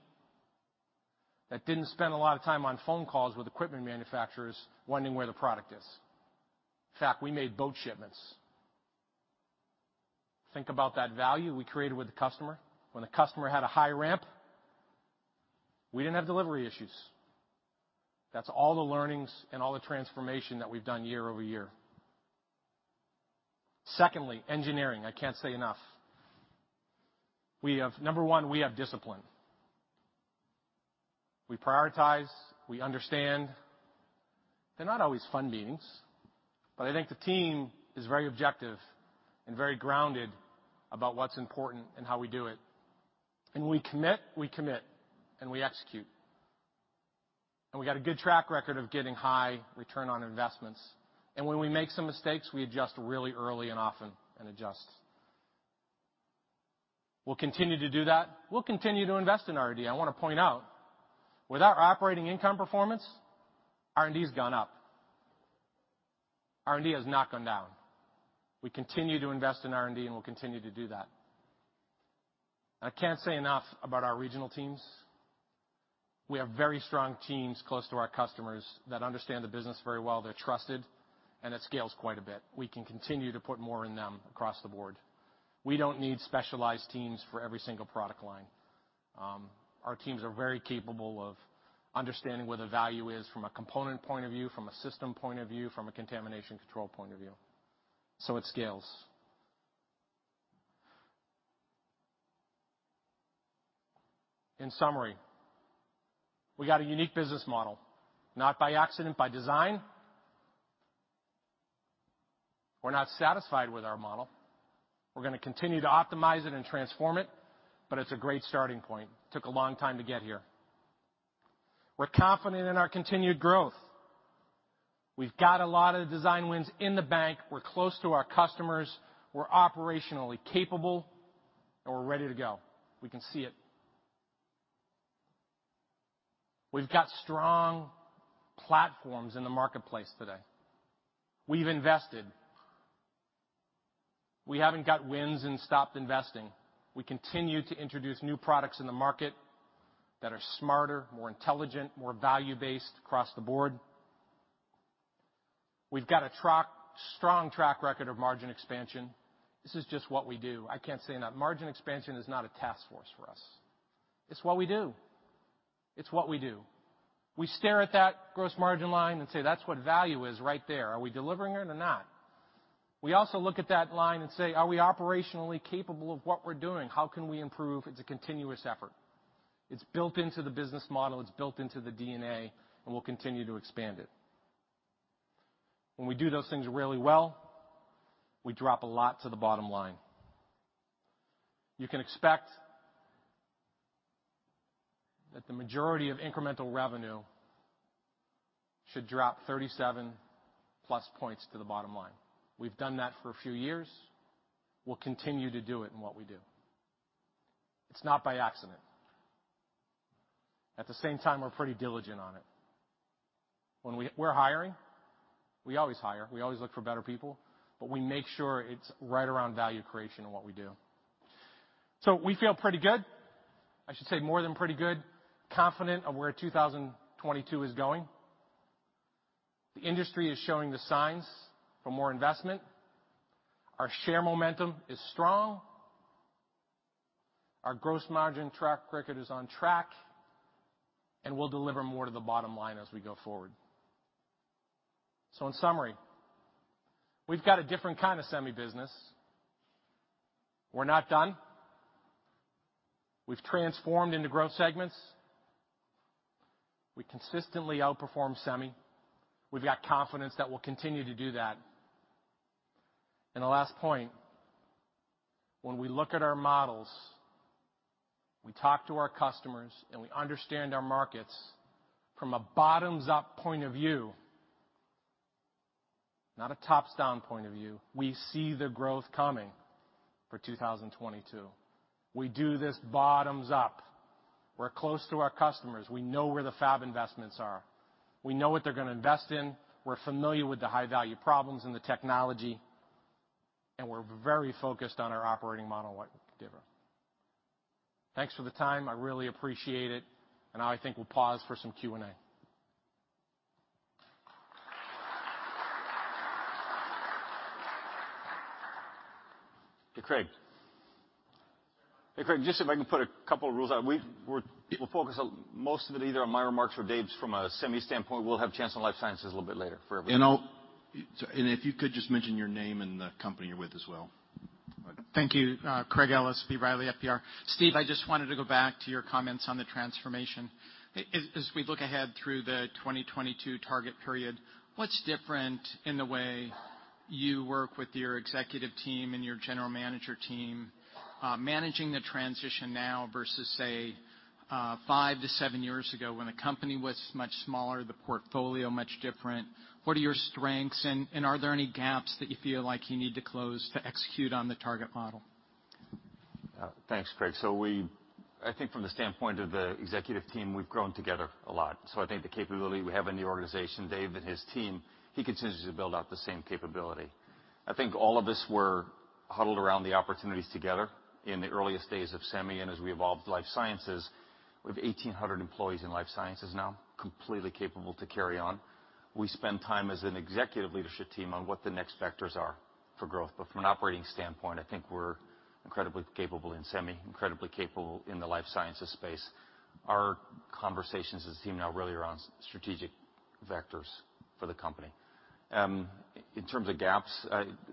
that didn't spend a lot of time on phone calls with equipment manufacturers wondering where the product is. In fact, we made both shipments. Think about that value we created with the customer. When the customer had a high ramp, we didn't have delivery issues. That's all the learnings and all the transformation that we've done year-over-year. Secondly, engineering. I can't say enough. Number one, we have discipline. We prioritize, we understand. They're not always fun meetings, but I think the team is very objective and very grounded about what's important and how we do it. When we commit, we commit, and we execute. We got a good track record of getting high return on investments. When we make some mistakes, we adjust really early and often, and adjust. We'll continue to do that. We'll continue to invest in R&D. I want to point out, with our operating income performance, R&D's gone up. R&D has not gone down. We continue to invest in R&D, and we'll continue to do that. I can't say enough about our regional teams. We have very strong teams close to our customers that understand the business very well. They're trusted, it scales quite a bit. We can continue to put more in them across the board. We don't need specialized teams for every single product line. Our teams are very capable of understanding where the value is from a component point of view, from a system point of view, from a Contamination Control point of view. It scales. In summary, we got a unique business model, not by accident, by design. We're not satisfied with our model. We're going to continue to optimize it and transform it's a great starting point. Took a long time to get here. We're confident in our continued growth. We've got a lot of design-in wins in the bank. We're close to our customers. We're operationally capable, we're ready to go. We can see it. We've got strong platforms in the marketplace today. We've invested. We haven't got wins and stopped investing. We continue to introduce new products in the market that are smarter, more intelligent, more value-based across the board. We've got a strong track record of margin expansion. This is just what we do. I can't say enough. Margin expansion is not a task force for us. It's what we do. It's what we do. We stare at that gross margin line and say, "That's what value is right there. Are we delivering it or not?" We also look at that line and say, "Are we operationally capable of what we're doing? How can we improve?" It's a continuous effort. It's built into the business model. It's built into the DNA, and we'll continue to expand it. When we do those things really well, we drop a lot to the bottom line. You can expect that the majority of incremental revenue should drop 37+ points to the bottom line. We've done that for a few years. We'll continue to do it in what we do. It's not by accident. At the same time, we're pretty diligent on it. We're hiring. We always hire. We always look for better people, but we make sure it's right around value creation in what we do. We feel pretty good. I should say more than pretty good, confident of where 2022 is going. The industry is showing the signs for more investment. Our share momentum is strong. Our gross margin track record is on track, and we'll deliver more to the bottom line as we go forward. In summary, we've got a different kind of semi business. We're not done. We've transformed into growth segments. We consistently outperform semi. We've got confidence that we'll continue to do that. The last point, when we look at our models, we talk to our customers, and we understand our markets from a bottoms-up point of view, not a tops-down point of view. We see the growth coming for 2022. We do this bottoms up. We're close to our customers. We know where the fab investments are. We know what they're going to invest in. We're familiar with the high-value problems and the technology, and we're very focused on our operating model and what we can deliver. Thanks for the time. I really appreciate it, and now I think we'll pause for some Q&A. Hey, Craig. Hey, Craig, just if I can put a couple of rules out. We'll focus most of it either on my remarks or Dave's from a semi standpoint. We'll have a chance on life sciences a little bit later for everybody. If you could just mention your name and the company you're with as well. Okay. Thank you. Craig Ellis, B. Riley Securities. Steve, I just wanted to go back to your comments on the transformation. As we look ahead through the 2022 target period, what's different in the way you work with your executive team and your general manager team, managing the transition now versus, say, five to seven years ago when the company was much smaller, the portfolio much different. What are your strengths, and are there any gaps that you feel like you need to close to execute on the target model? Thanks, Craig. I think from the standpoint of the executive team, we've grown together a lot. I think the capability we have in the organization, Dave and his team, he continues to build out the same capability. I think all of us were huddled around the opportunities together in the earliest days of semi and as we evolved life sciences. We have 1,800 employees in life sciences now, completely capable to carry on. We spend time as an executive leadership team on what the next vectors are for growth. From an operating standpoint, I think we're incredibly capable in Semi, incredibly capable in the life sciences space. Our conversations as a team now really are on strategic vectors for the company. In terms of gaps,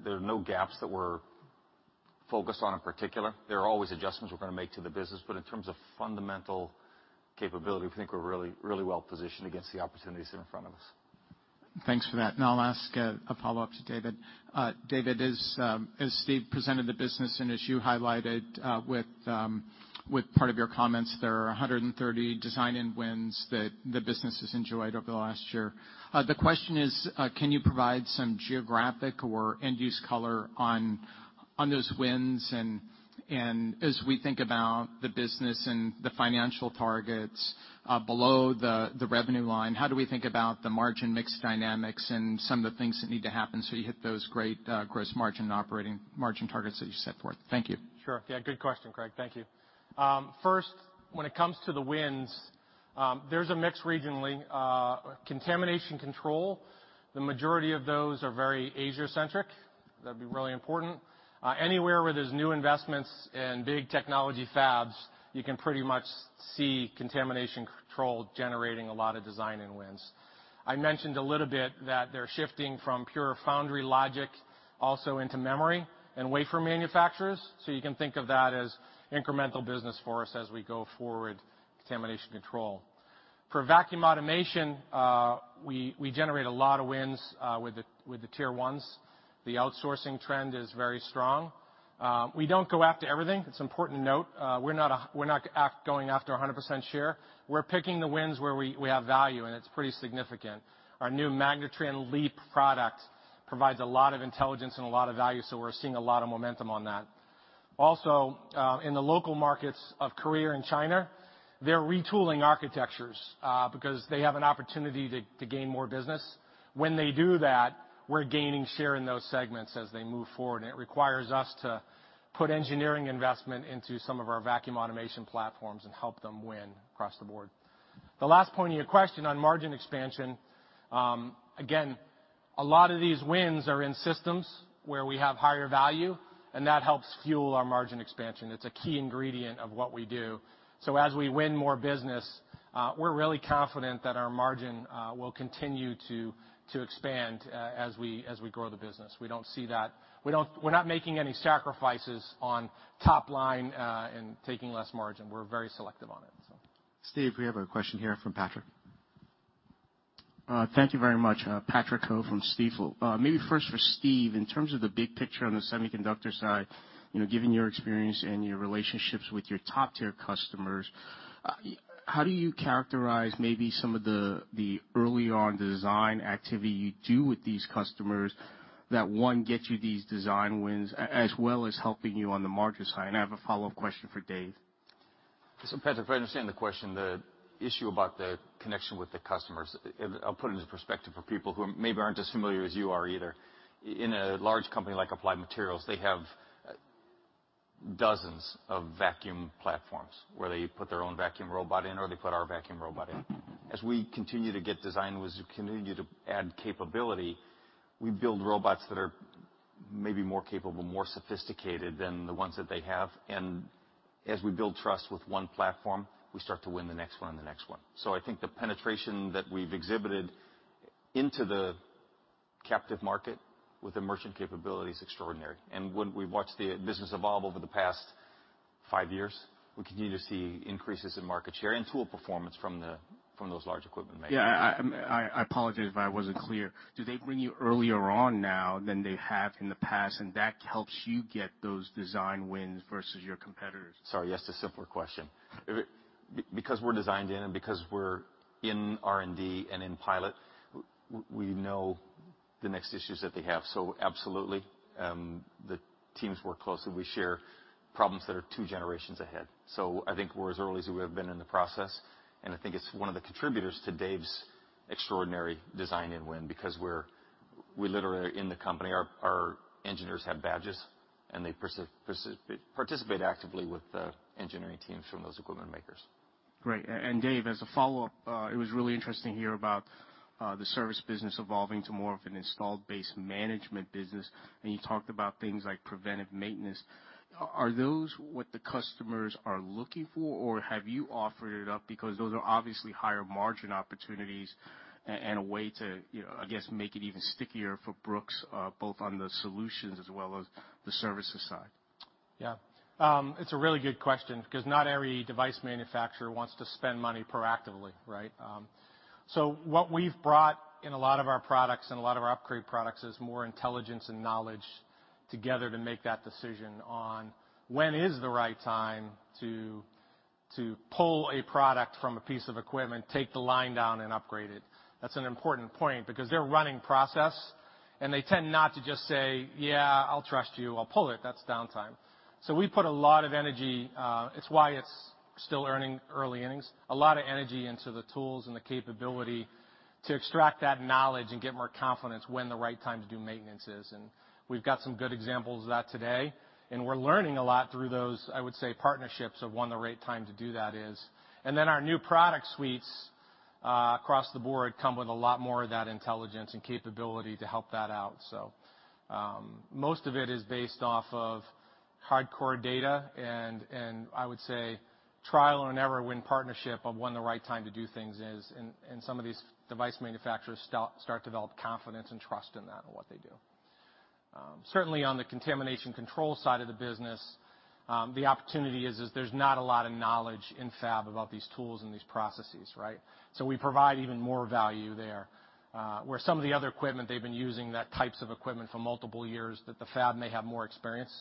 there are no gaps that we're focused on in particular. There are always adjustments we're going to make to the business, but in terms of fundamental capability, we think we're really well-positioned against the opportunities in front of us. Thanks for that. I'll ask a follow-up to David. David, as Steve presented the business and as you highlighted with part of your comments, there are 130 design-in wins that the business has enjoyed over the last year. The question is, can you provide some geographic or end-use color on those wins? As we think about the business and the financial targets below the revenue line, how do we think about the margin mix dynamics and some of the things that need to happen so you hit those great gross margin operating margin targets that you set forth? Thank you. Sure. Yeah, good question, Craig. Thank you. First, when it comes to the wins, there's a mix regionally. Contamination Control, the majority of those are very Asia-centric. That'd be really important. Anywhere where there's new investments in big technology fabs, you can pretty much see Contamination Control generating a lot of design-in wins. I mentioned a little bit that they're shifting from pure foundry logic also into memory and wafer manufacturers. You can think of that as incremental business for us as we go forward, Contamination Control. For vacuum automation, we generate a lot of wins with the Tier 1s. The outsourcing trend is very strong. We don't go after everything. It's important to note, we're not going after 100% share. We're picking the wins where we have value, and it's pretty significant. Our new MagnaTran LEAP product provides a lot of intelligence and a lot of value. We're seeing a lot of momentum on that. In the local markets of Korea and China, they're retooling architectures because they have an opportunity to gain more business. When they do that, we're gaining share in those segments as they move forward. It requires us to put engineering investment into some of our vacuum automation platforms and help them win across the board. The last point of your question on margin expansion, again, a lot of these wins are in systems where we have higher value. That helps fuel our margin expansion. It's a key ingredient of what we do. As we win more business, we're really confident that our margin will continue to expand as we grow the business. We're not making any sacrifices on top line and taking less margin. We're very selective on it. Steve, we have a question here from Patrick. Thank you very much. Patrick Ho from Stifel. Maybe first for Steve, in terms of the big picture on the semiconductor side, given your experience and your relationships with your top-Tier customers, how do you characterize maybe some of the early on design activity you do with these customers that, one, gets you these design-in wins, as well as helping you on the margin side? I have a follow-up question for Dave. Patrick, if I understand the question, the issue about the connection with the customers, I'll put it into perspective for people who maybe aren't as familiar as you are either. In a large company like Applied Materials, they have dozens of vacuum platforms where they put their own vacuum robot in, or they put our vacuum robot in. As we continue to get design-in wins, we continue to add capability, we build robots that are maybe more capable, more sophisticated than the ones that they have. As we build trust with one platform, we start to win the next one and the next one. I think the penetration that we've exhibited into the captive market with emergent capability is extraordinary. When we watch the business evolve over the past five years, we continue to see increases in market share and tool performance from those large equipment makers. Yeah, I apologize if I wasn't clear. Do they bring you earlier on now than they have in the past, and that helps you get those design-in wins versus your competitors? Sorry, yes, it's a simpler question. Because we're designed in and because we're in R&D and in pilot, we know the next issues that they have. Absolutely, the teams work closely. We share problems that are two generations ahead. I think we're as early as we have been in the process, and I think it's one of the contributors to Dave's extraordinary design-in win, because we're literally in the company. Our engineers have badges, and they participate actively with the engineering teams from those equipment makers. Great. Dave, as a follow-up, it was really interesting to hear about the service business evolving to more of an installed base management business, and you talked about things like preventive maintenance. Are those what the customers are looking for, or have you offered it up because those are obviously higher margin opportunities and a way to, I guess, make it even stickier for Brooks, both on the solutions as well as the services side? Yeah. It's a really good question because not every device manufacturer wants to spend money proactively, right? What we've brought in a lot of our products and a lot of our upgrade products is more intelligence and knowledge together to make that decision on when is the right time to pull a product from a piece of equipment, take the line down, and upgrade it. That's an important point because they're running process, and they tend not to just say, "Yeah, I'll trust you. I'll pull it." That's downtime. We put a lot of energy, it's why it's still early innings, a lot of energy into the tools and the capability to extract that knowledge and get more confidence when the right time to do maintenance is. We've got some good examples of that today, and we're learning a lot through those, I would say, partnerships of when the right time to do that is. Our new product suites across the board come with a lot more of that intelligence and capability to help that out. Most of it is based off of hardcore data and I would say trial and error when partnership of when the right time to do things is, and some of these device manufacturers start to develop confidence and trust in that and what they do. Certainly on the Contamination Control side of the business, the opportunity is there's not a lot of knowledge in fab about these tools and these processes, right? We provide even more value there, where some of the other equipment they've been using, that types of equipment for multiple years, that the fab may have more experience.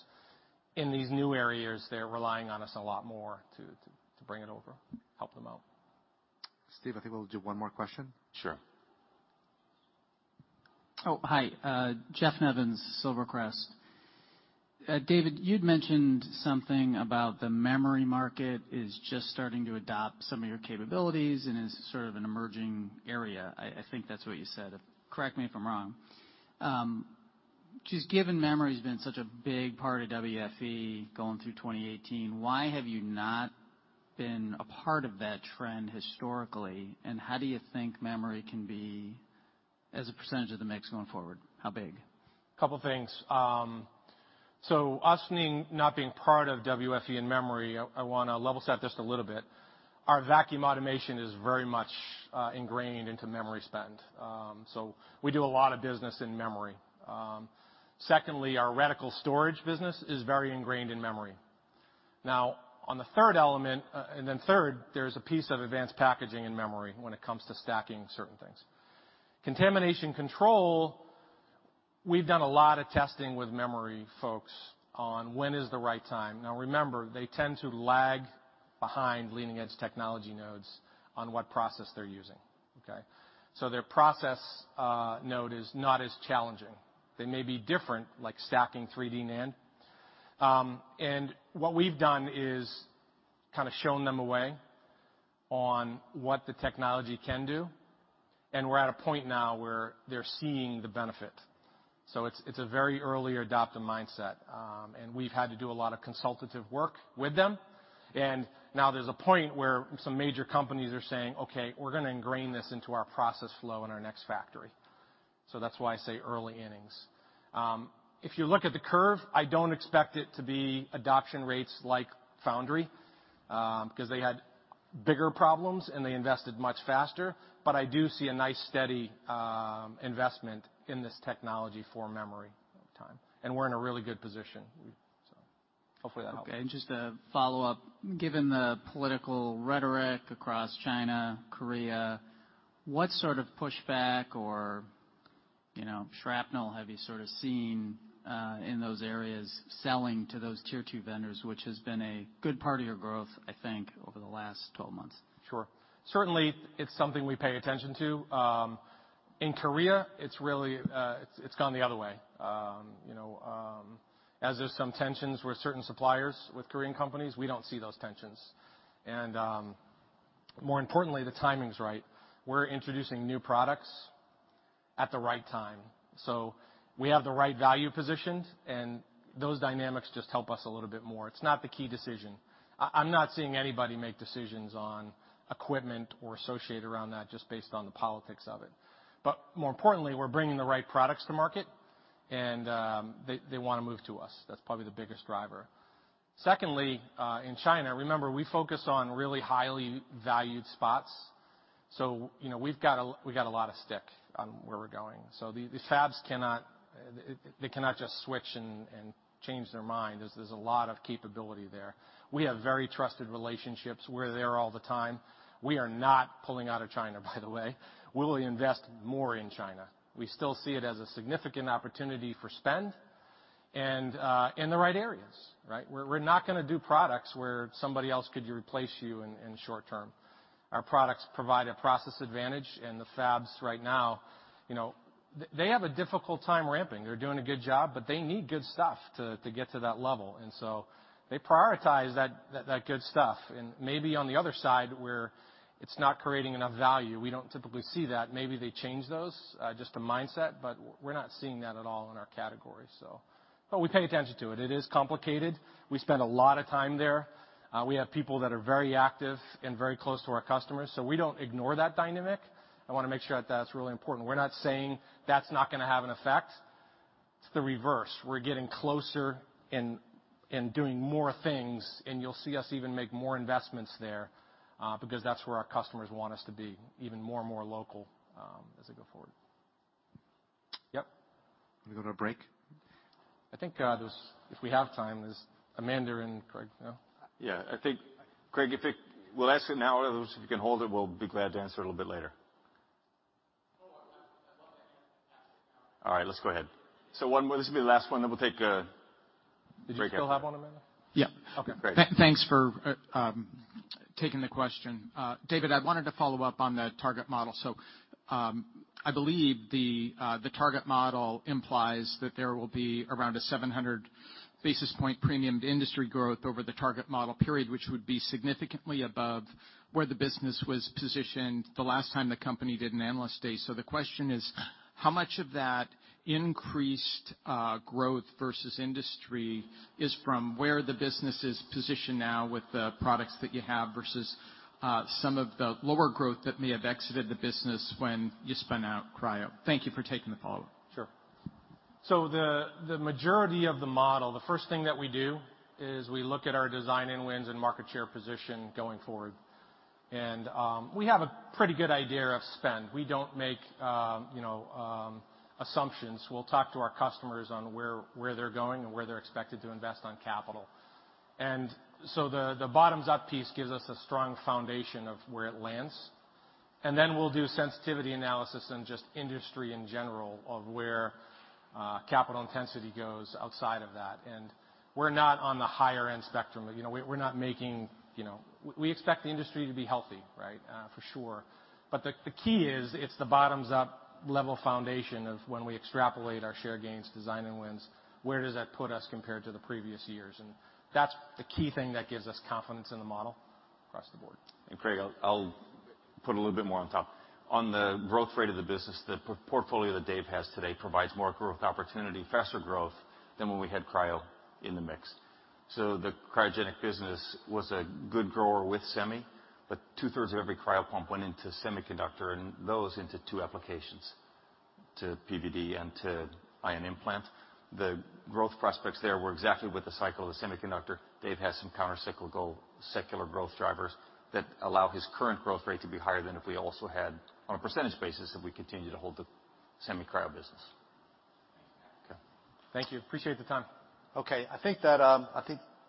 In these new areas, they're relying on us a lot more to bring it over, help them out. Steve, I think we'll do one more question. Sure. Oh, hi. Jeff Nevins, Silvercrest. David, you'd mentioned something about the memory market is just starting to adopt some of your capabilities and is sort of an emerging area. I think that's what you said. Correct me if I'm wrong. Given memory's been such a big part of WFE going through 2018, why have you not been a part of that trend historically, and how do you think memory can be as a percentage of the mix going forward? How big? Two things. Us not being part of WFE in memory, I want to level set just a little bit. Our vacuum automation is very much ingrained into memory spend. We do a lot of business in memory. Secondly, our reticle storage business is very ingrained in memory. Now, third, there's a piece of advanced packaging in memory when it comes to stacking certain things. Contamination Control, we've done a lot of testing with memory folks on when is the right time. Now remember, they tend to lag behind leading-edge technology nodes on what process they're using. Okay? Their process node is not as challenging. They may be different, like stacking 3D NAND. What we've done is kind of shown them a way on what the technology can do, and we're at a point now where they're seeing the benefit. It's a very early adopter mindset. We've had to do a lot of consultative work with them. Now there's a point where some major companies are saying, "Okay, we're going to ingrain this into our process flow in our next factory." That's why I say early innings. If you look at the curve, I don't expect it to be adoption rates like Foundry, because they had bigger problems, and they invested much faster. I do see a nice steady investment in this technology for memory over time. We're in a really good position. Hopefully that helps. Okay, just to follow up, given the political rhetoric across China, Korea, what sort of pushback or shrapnel have you sort of seen in those areas selling to those Tier 2 vendors, which has been a good part of your growth, I think, over the last 12 months? Sure. Certainly, it's something we pay attention to. In Korea, it's gone the other way. There's some tensions with certain suppliers with Korean companies, we don't see those tensions. More importantly, the timing's right. We're introducing new products at the right time. We have the right value positions, and those dynamics just help us a little bit more. It's not the key decision. I'm not seeing anybody make decisions on equipment or associated around that just based on the politics of it. More importantly, we're bringing the right products to market, and they want to move to us. That's probably the biggest driver. Secondly, in China, remember, we focus on really highly valued spots. We've got a lot of stick on where we're going. These fabs cannot just switch and change their mind, as there's a lot of capability there. We have very trusted relationships. We're there all the time. We are not pulling out of China, by the way. We'll invest more in China. We still see it as a significant opportunity for spend and in the right areas, right? We're not going to do products where somebody else could replace you in the short term. Our products provide a process advantage in the fabs right now. They have a difficult time ramping. They're doing a good job, but they need good stuff to get to that level. They prioritize that good stuff. Maybe on the other side, where it's not creating enough value, we don't typically see that. Maybe they change those, just a mindset, but we're not seeing that at all in our category. We pay attention to it. It is complicated. We spend a lot of time there. We have people that are very active and very close to our customers. We don't ignore that dynamic. I want to make sure that's really important. We're not saying that's not going to have an effect. It's the reverse. We're getting closer and doing more things. You'll see us even make more investments there, because that's where our customers want us to be, even more and more local as they go forward. Yep. Can we go to a break? I think, if we have time, there's Amanda and Craig now. Yeah. Craig, we'll ask it now. If you can hold it, we'll be glad to answer it a little bit later. Oh, as long as you ask it now. All right, let's go ahead. This will be the last one, then we'll take a break after. Did you still have one, Amanda? Yeah. Okay, great. Thanks for taking the question. David, I wanted to follow up on the target model. I believe the target model implies that there will be around a 700 basis point premium to industry growth over the target model period, which would be significantly above where the business was positioned the last time the company did an Analyst Day. The question is, how much of that increased growth versus industry is from where the business is positioned now with the products that you have versus some of the lower growth that may have exited the business when you spun out cryo? Thank you for taking the follow-up. Sure. The majority of the model, the first thing that we do is we look at our design-in wins and market share position going forward. We have a pretty good idea of spend. We don't make assumptions. We'll talk to our customers on where they're going and where they're expected to invest on capital. The bottoms-up piece gives us a strong foundation of where it lands, and then we'll do sensitivity analysis and just industry in general of where capital intensity goes outside of that. We're not on the higher-end spectrum. We expect the industry to be healthy for sure. The key is, it's the bottoms-up level foundation of when we extrapolate our share gains, design-in wins, where does that put us compared to the previous years? That's the key thing that gives us confidence in the model across the board. Craig, I'll put a little bit more on top. On the growth rate of the business, the portfolio that Dave has today provides more growth opportunity, faster growth than when we had cryo in the mix. The cryogenic business was a good grower with semi, but 2/3 of every cryo pump went into semiconductor, and those into two applications, to PVD and to Ion Implant. The growth prospects there were exactly with the cycle of the semiconductor. Dave has some counter secular growth drivers that allow his current growth rate to be higher than if we also had, on a percentage basis, if we continued to hold the semi-cryo business. Okay. Thank you. Appreciate the time. Okay. I think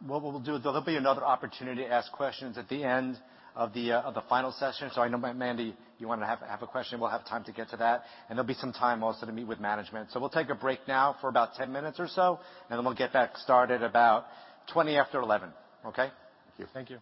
what we'll do is there'll be another opportunity to ask questions at the end of the final session. I know, Amanda, you wanted to have a question. We'll have time to get to that. There'll be some time also to meet with management. We'll take a break now for about 10 minutes or so, and then we'll get back started about 20 after 11, okay? Thank you. Thank you.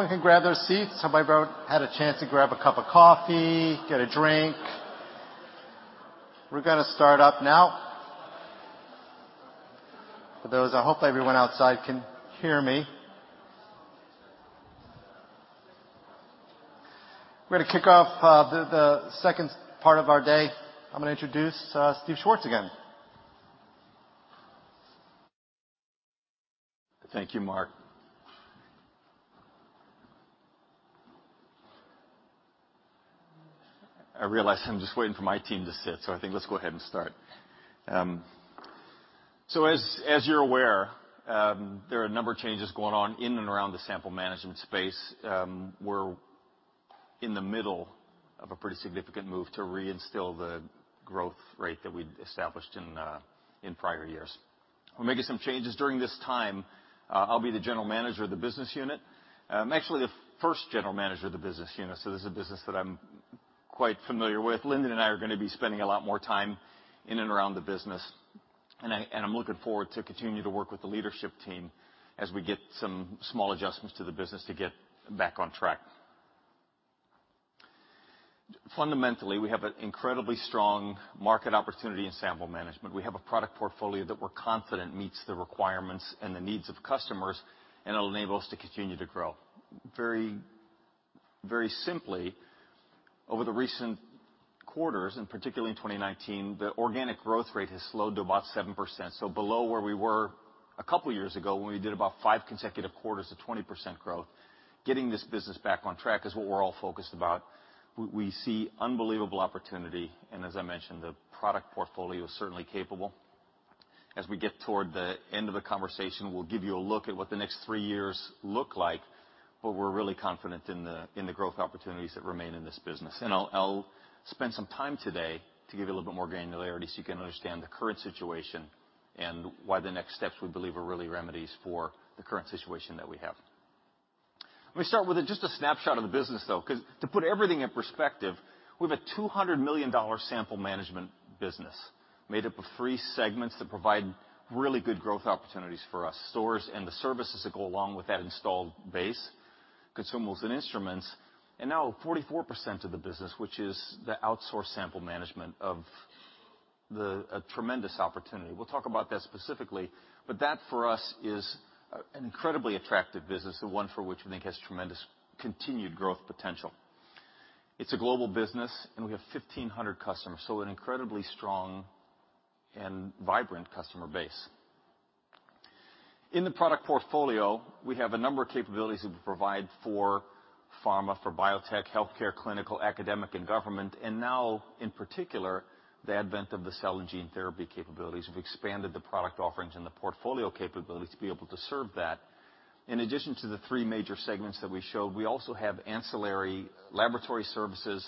If everyone can grab their seats. I hope everybody had a chance to grab a cup of coffee, get a drink. We're going to start up now. For those, I hope everyone outside can hear me. We're going to kick off the second part of our day. I'm going to introduce Steve Schwartz again. Thank you, Mark. I realize I'm just waiting for my team to sit. Let's go ahead and start. As you're aware, there are a number of changes going on in and around the sample management space. We're in the middle of a pretty significant move to reinstill the growth rate that we'd established in prior years. We're making some changes during this time. I'll be the General Manager of the business unit. I'm actually the first general manager of the business unit. This is a business that I'm quite familiar with. Lindon and I are going to be spending a lot more time in and around the business, and I'm looking forward to continuing to work with the leadership team as we get some small adjustments to the business to get back on track. Fundamentally, we have an incredibly strong market opportunity in sample management. We have a product portfolio that we're confident meets the requirements and the needs of customers. It'll enable us to continue to grow. Very simply, over the recent quarters, particularly in 2019, the organic growth rate has slowed to about 7%. Below where we were a couple of years ago when we did about five consecutive quarters of 20% growth. Getting this business back on track is what we're all focused about. We see unbelievable opportunity. As I mentioned, the product portfolio is certainly capable. As we get toward the end of the conversation, we'll give you a look at what the next three years look like. We're really confident in the growth opportunities that remain in this business. I'll spend some time today to give you a little bit more granularity so you can understand the current situation, and why the next steps we believe are really remedies for the current situation that we have. Let me start with just a snapshot of the business, though. To put everything in perspective, we have a $200 million sample management business made up of three segments that provide really good growth opportunities for us. Stores and the services that go along with that installed base, consumables and instruments. Now 44% of the business, which is the outsourced sample management, a tremendous opportunity. We'll talk about that specifically, but that for us is an incredibly attractive business, and one for which we think has tremendous continued growth potential. It's a global business, and we have 1,500 customers. An incredibly strong and vibrant customer base. In the product portfolio, we have a number of capabilities that we provide for pharma for biotech, healthcare, clinical, academic, and government, and now in particular, the advent of the cell and gene therapy capabilities. We've expanded the product offerings and the portfolio capability to be able to serve that. In addition to the three major segments that we showed, we also have ancillary laboratory services,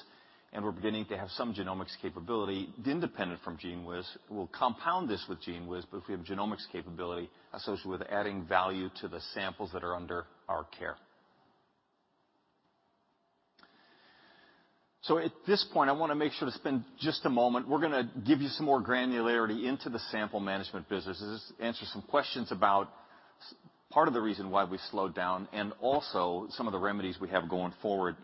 and we're beginning to have some genomics capability independent from GENEWIZ. We'll compound this with GENEWIZ, but we have genomics capability associated with adding value to the samples that are under our care. At this point, I want to make sure to spend just a moment. We're going to give you some more granularity into the sample management business. We're going to answer some questions about part of the reason why we slowed down and also some of the remedies we have going forward.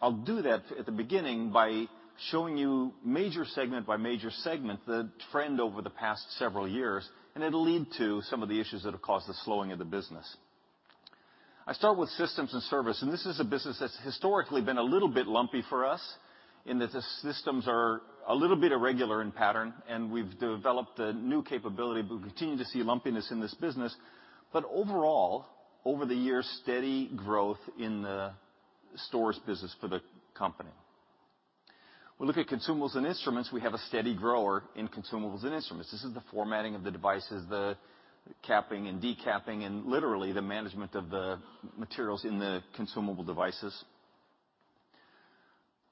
I'll do that at the beginning by showing you major segment by major segment, the trend over the past several years, and it'll lead to some of the issues that have caused the slowing of the business. I start with systems and service, and this is a business that's historically been a little bit lumpy for us in that the systems are a little bit irregular in pattern, and we've developed a new capability, but we continue to see lumpiness in this business. Overall, over the years, steady growth in the storage business for the company. We look at consumables and instruments. We have a steady grower in consumables and instruments. This is the formatting of the devices, the capping and decapping, and literally the management of the materials in the consumable devices.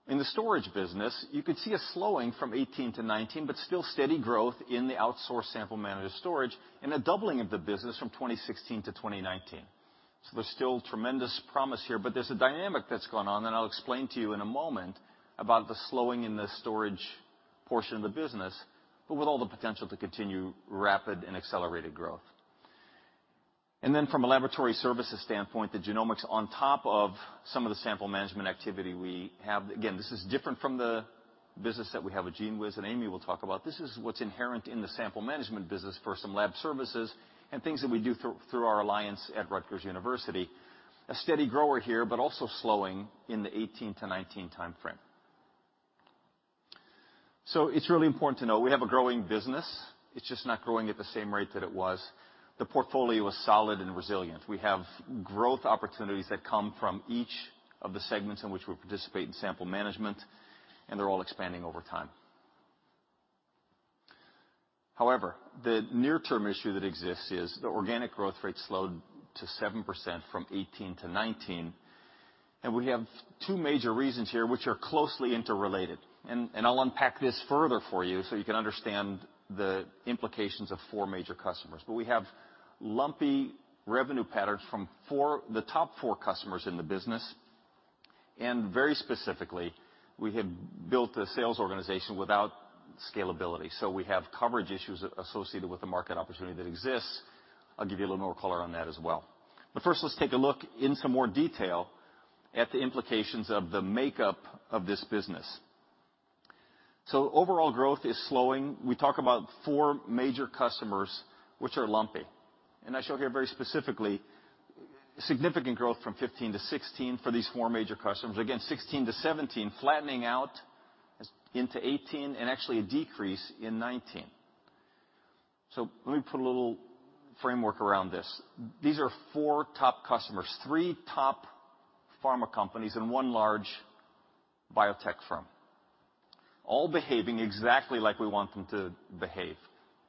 In the storage business, you could see a slowing from 2018 to 2019, but still steady growth in the outsourced sample managed storage and a doubling of the business from 2016 to 2019. There's still tremendous promise here, but there's a dynamic that's going on, and I'll explain to you in a moment about the slowing in the storage portion of the business, but with all the potential to continue rapid and accelerated growth. From a laboratory services standpoint, the genomics on top of some of the sample management activity we have. Again, this is different from the business that we have with GENEWIZ that Amy will talk about. This is what's inherent in the sample management business for some lab services and things that we do through our alliance at Rutgers University. A steady grower here, but also slowing in the 2018 to 2019 timeframe. It's really important to know we have a growing business. It's just not growing at the same rate that it was. The portfolio is solid and resilient. We have growth opportunities that come from each of the segments in which we participate in sample management, and they're all expanding over time. However, the near-term issue that exists is the organic growth rate slowed to 7% from 2018 to 2019, and we have two major reasons here which are closely interrelated. I'll unpack this further for you so you can understand the implications of four major customers. We have lumpy revenue patterns from the top four customers in the business and very specifically, we have built a sales organization without scalability. We have coverage issues associated with the market opportunity that exists. I'll give you a little more color on that as well. First, let's take a look in some more detail at the implications of the makeup of this business. Overall growth is slowing. We talk about four major customers which are lumpy, and I show here very specifically significant growth from 2015 to 2016 for these four major customers. Again, 2016 to 2017, flattening out into 2018 and actually a decrease in 2019. Let me put a little framework around this. These are four top customers, three top pharma companies and one large biotech firm, all behaving exactly like we want them to behave.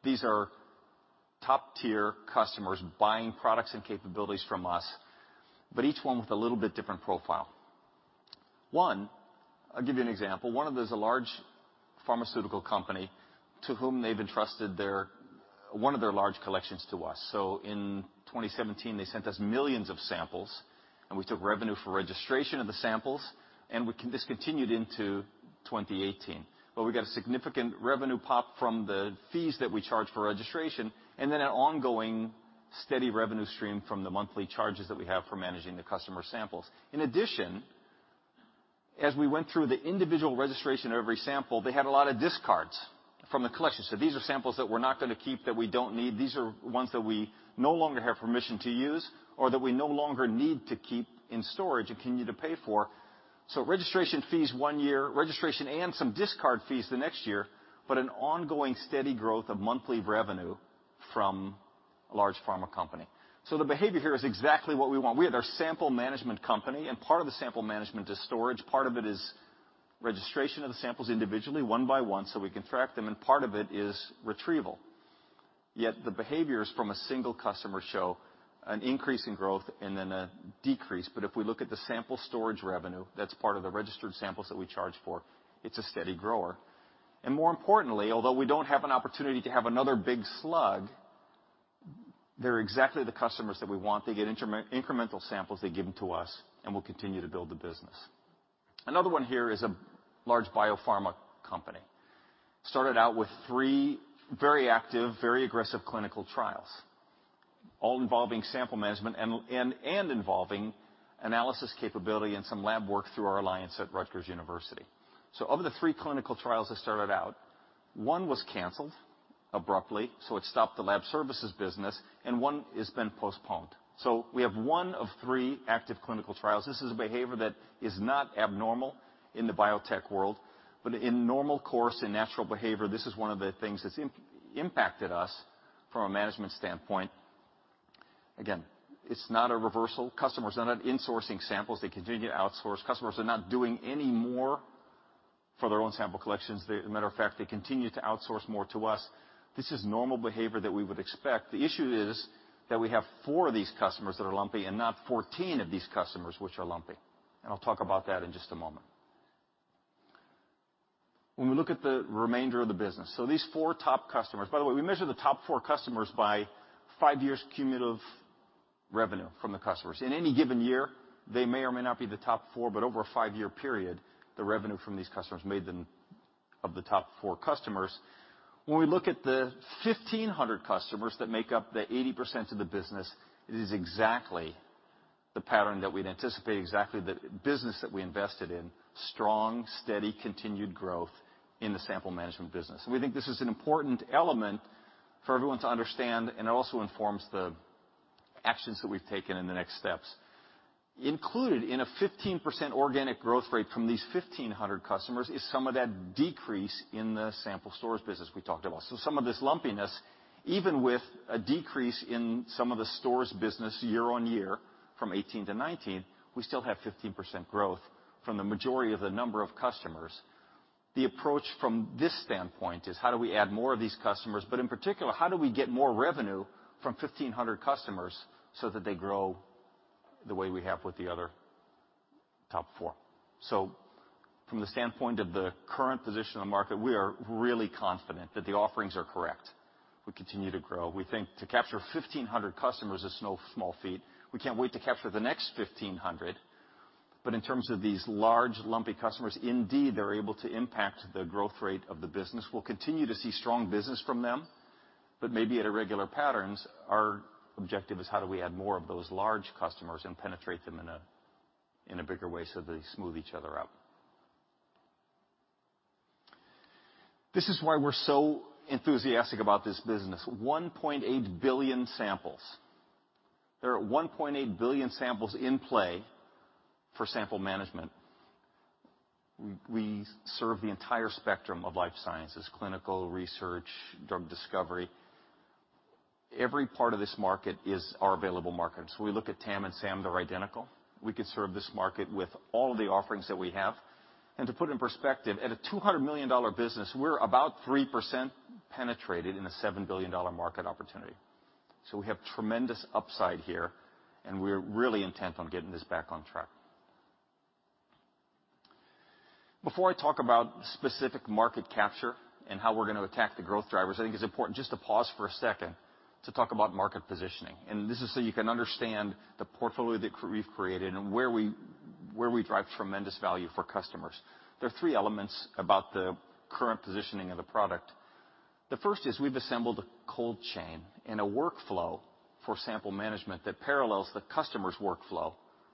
These are top-Tier customers buying products and capabilities from us, but each one with a little bit different profile. One, I'll give you an example. One of these, a large pharmaceutical company to whom they've entrusted one of their large collections to us. In 2017, they sent us millions of samples, and we took revenue for registration of the samples, and this continued into 2018, where we got a significant revenue pop from the fees that we charged for registration, and then an ongoing steady revenue stream from the monthly charges that we have for managing the customer samples. In addition, as we went through the individual registration of every sample, they had a lot of discards from the collection. These are samples that we're not going to keep, that we don't need. These are ones that we no longer have permission to use or that we no longer need to keep in storage and continue to pay for. Registration fees one year, registration and some discard fees the next year, but an ongoing steady growth of monthly revenue from a large pharma company. The behavior here is exactly what we want. We had our sample management company, and part of the sample management is storage. Part of it is registration of the samples individually, one by one, so we can track them, and part of it is retrieval. The behaviors from a single customer show an increase in growth and then a decrease. If we look at the sample storage revenue, that's part of the registered samples that we charge for, it's a steady grower. More importantly, although we don't have an opportunity to have another big slug, they're exactly the customers that we want. They get incremental samples, they give them to us, and we'll continue to build the business. Another one here is a large biopharma company. Started out with three very active, very aggressive clinical trials, all involving sample management and involving analysis capability and some lab work through our alliance at Rutgers University. Of the three clinical trials that started out, one was canceled abruptly, it stopped the lab services business, and one has been postponed. We have one of three active clinical trials. This is a behavior that is not abnormal in the biotech world, but in normal course, in natural behavior, this is one of the things that's impacted us from a management standpoint. Again, it's not a reversal. Customers are not insourcing samples. They continue to outsource. Customers are not doing any more for their own sample collections. As a matter of fact, they continue to outsource more to us. This is normal behavior that we would expect. The issue is that we have four of these customers that are lumpy and not 14 of these customers which are lumpy. I'll talk about that in just a moment. When we look at the remainder of the business, so these four top customers. By the way, we measure the top four customers by five years cumulative revenue from the customers. In any given year, they may or may not be the top four, but over a five-year period, the revenue from these customers made them of the top four customers. When we look at the 1,500 customers that make up the 80% of the business, it is exactly the pattern that we'd anticipate, exactly the business that we invested in, strong, steady, continued growth in the sample management business. We think this is an important element for everyone to understand, and it also informs the actions that we've taken and the next steps. Included in a 15% organic growth rate from these 1,500 customers is some of that decrease in the sample storage business we talked about. Some of this lumpiness, even with a decrease in some of the storage business year-on-year from 2018 to 2019, we still have 15% growth from the majority of the number of customers. The approach from this standpoint is how do we add more of these customers, but in particular, how do we get more revenue from 1,500 customers so that they grow the way we have with the other top four? From the standpoint of the current position in the market, we are really confident that the offerings are correct. We continue to grow. We think to capture 1,500 customers is no small feat. We can't wait to capture the next 1,500. In terms of these large, lumpy customers, indeed, they're able to impact the growth rate of the business. We'll continue to see strong business from them, but maybe at irregular patterns. Our objective is how do we add more of those large customers and penetrate them in a bigger way so they smooth each other out. This is why we're so enthusiastic about this business. 1.8 billion samples. There are 1.8 billion samples in play for sample management. We serve the entire spectrum of life sciences, clinical research, drug discovery. Every part of this market is our available market. We look at TAM and SAM, they're identical. We could serve this market with all the offerings that we have. To put it in perspective, at a $200 million business, we're about 3% penetrated in a $7 billion market opportunity. We have tremendous upside here, and we're really intent on getting this back on track. Before I talk about specific market capture and how we're going to attack the growth drivers, I think it's important just to pause for a second to talk about market positioning. This is so you can understand the portfolio that we've created and where we drive tremendous value for customers. There are three elements about the current positioning of the product. The first is we've assembled a cold chain and a workflow for sample management that parallels the customer's workflow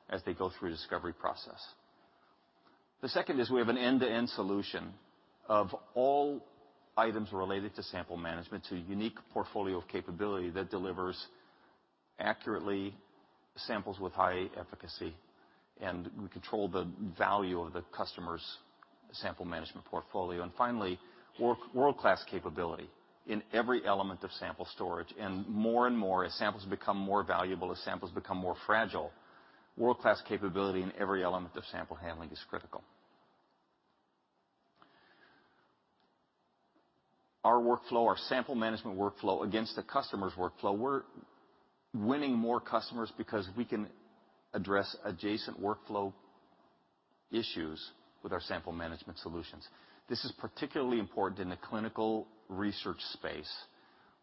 as they go through the discovery process. The second is we have an end-to-end solution of all items related to sample management to a unique portfolio of capability that delivers accurately samples with high efficacy, and we control the value of the customer's sample management portfolio. Finally, world-class capability in every element of sample storage. More and more, as samples become more valuable, as samples become more fragile, world-class capability in every element of sample handling is critical. Our workflow, our sample management workflow against the customer's workflow. We're winning more customers because we can address adjacent workflow issues with our sample management solutions. This is particularly important in the clinical research space,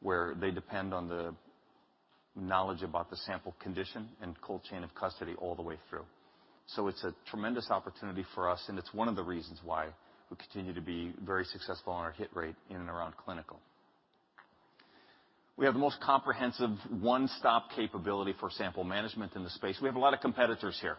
where they depend on the knowledge about the sample condition and cold chain of custody all the way through. It's a tremendous opportunity for us, and it's one of the reasons why we continue to be very successful in our hit rate in and around clinical. We have the most comprehensive one-stop capability for sample management in the space. We have a lot of competitors here.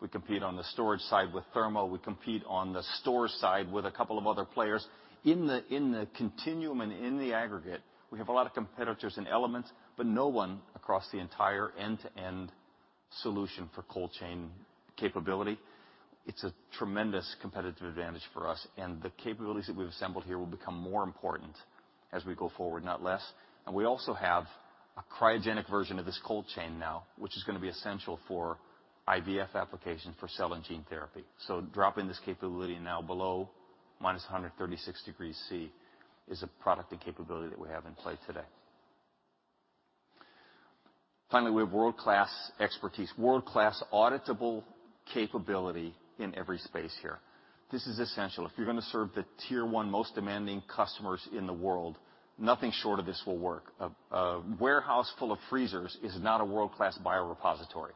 We compete on the storage side with Thermo Fisher Scientific. We compete on the store side with a couple of other players. In the continuum and in the aggregate, we have a lot of competitors in elements, but no one across the entire end-to-end solution for cold chain capability. It's a tremendous competitive advantage for us, and the capabilities that we've assembled here will become more important as we go forward, not less. We also have a cryogenic version of this cold chain now, which is going to be essential for IVF application for cell and gene therapy. Dropping this capability now below minus 136 degrees Celsius is a product and capability that we have in play today. Finally, we have world-class expertise, world-class auditable capability in every space here. This is essential. If you're going to serve the Tier 1 most demanding customers in the world, nothing short of this will work. A warehouse full of freezers is not a world-class biorepository.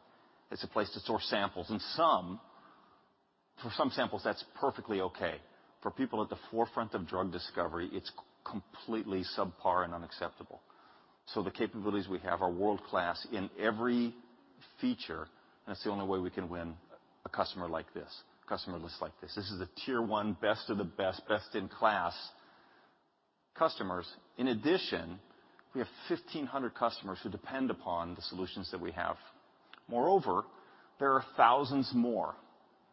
It's a place to store samples. For some samples, that's perfectly okay. For people at the forefront of drug discovery, it's completely subpar and unacceptable. The capabilities we have are world-class in every feature, and that's the only way we can win a customer like this, customer lists like this. This is the Tier 1 best of the best-in-class customers. In addition, we have 1,500 customers who depend upon the solutions that we have. Moreover, there are thousands more.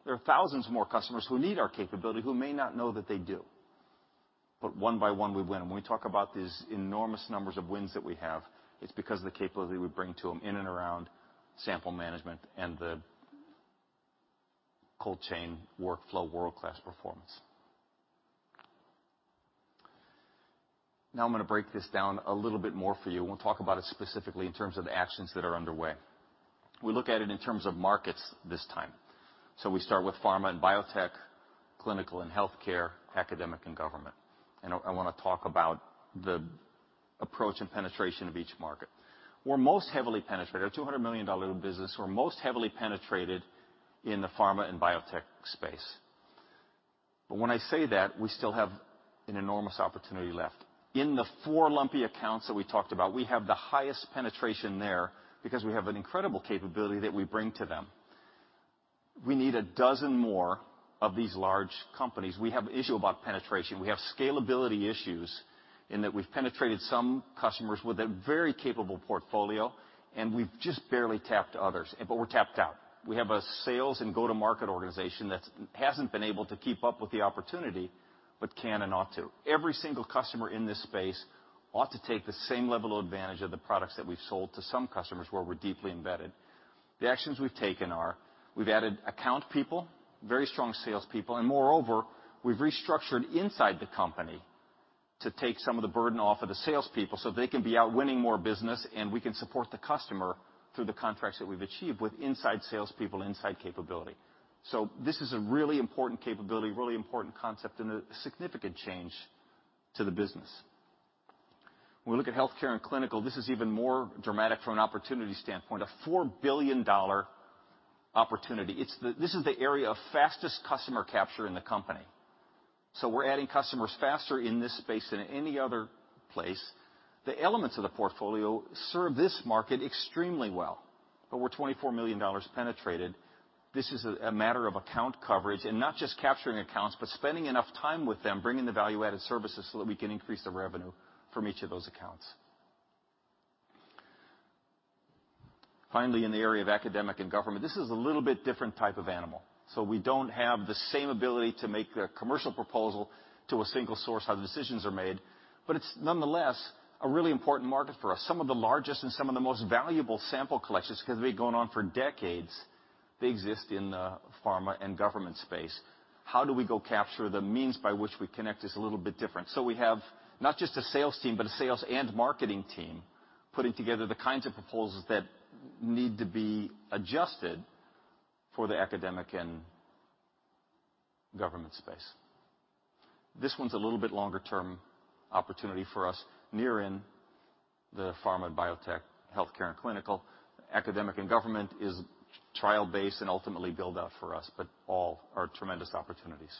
There are thousands more customers who need our capability who may not know that they do. One by one we win. When we talk about these enormous numbers of wins that we have, it's because of the capability we bring to them in and around sample management and the cold chain workflow world-class performance. I'm going to break this down a little bit more for you, and we'll talk about it specifically in terms of actions that are underway. We look at it in terms of markets this time. We start with pharma and biotech, clinical and healthcare, academic and government. I want to talk about the approach and penetration of each market. We're most heavily penetrated, a $200 million business. We're most heavily penetrated in the pharma and biotech space. When I say that, we still have an enormous opportunity left. In the four lumpy accounts that we talked about, we have the highest penetration there because we have an incredible capability that we bring to them. We need a dozen more of these large companies. We have issue about penetration. We have scalability issues in that we've penetrated some customers with a very capable portfolio, and we've just barely tapped others, but we're tapped out. We have a sales and go-to-market organization that hasn't been able to keep up with the opportunity, but can and ought to. Every single customer in this space ought to take the same level of advantage of the products that we've sold to some customers where we're deeply embedded. The actions we've taken are we've added account people, very strong salespeople, and moreover, we've restructured inside the company to take some of the burden off of the salespeople so they can be out winning more business, and we can support the customer through the contracts that we've achieved with inside salespeople, inside capability. This is a really important capability, really important concept, and a significant change to the business. When we look at healthcare and clinical, this is even more dramatic from an opportunity standpoint, a $4 billion opportunity. This is the area of fastest customer capture in the company. We're adding customers faster in this space than any other place. The elements of the portfolio serve this market extremely well, but we're $24 million penetrated. This is a matter of account coverage and not just capturing accounts, but spending enough time with them, bringing the value-added services so that we can increase the revenue from each of those accounts. Finally, in the area of academic and government, this is a little bit different type of animal. We don't have the same ability to make a commercial proposal to a single source how the decisions are made. It's nonetheless a really important market for us, some of the largest and some of the most valuable sample collections, because they've been going on for decades. They exist in the pharma and government space. How do we go capture the means by which we connect is a little bit different. We have not just a sales team, but a sales and marketing team putting together the kinds of proposals that need to be adjusted for the academic and government space. This one's a little bit longer-term opportunity for us near in the pharma and biotech, healthcare and clinical. Academic and government is trial base and ultimately build out for us, but all are tremendous opportunities.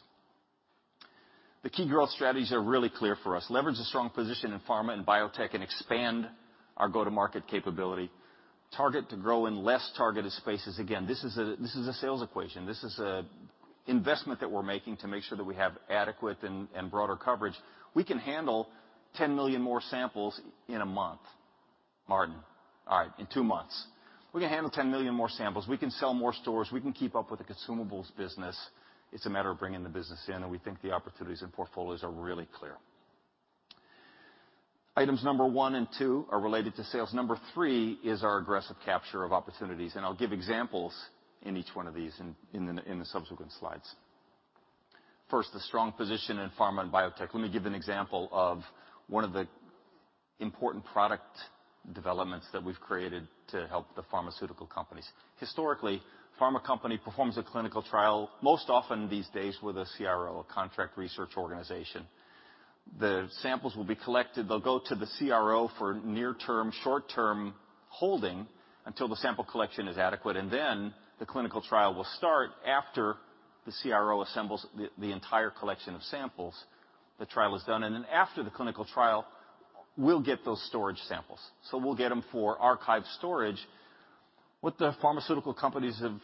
The key growth strategies are really clear for us. Leverage the strong position in pharma and biotech and expand our go-to-market capability. Target to grow in less targeted spaces. Again, this is a sales equation. This is an investment that we're making to make sure that we have adequate and broader coverage. We can handle 10 million more samples in a month, Martin. All right, in two months. We can handle 10 million more samples. We can sell more stores. We can keep up with the consumables business. It's a matter of bringing the business in. We think the opportunities and portfolios are really clear. Items number one and two are related to sales. Number three is our aggressive capture of opportunities. I'll give examples in each one of these in the subsequent slides. First, the strong position in pharma and biotech. Let me give an example of one of the important product developments that we've created to help the pharmaceutical companies. Historically, pharma company performs a clinical trial, most often these days with a CRO, a contract research organization. The samples will be collected. They'll go to the CRO for near-term, short-term holding until the sample collection is adequate. Then the clinical trial will start after the CRO assembles the entire collection of samples. The trial is done, and then after the clinical trial, we'll get those storage samples. We'll get them for archive storage. What the pharmaceutical companies have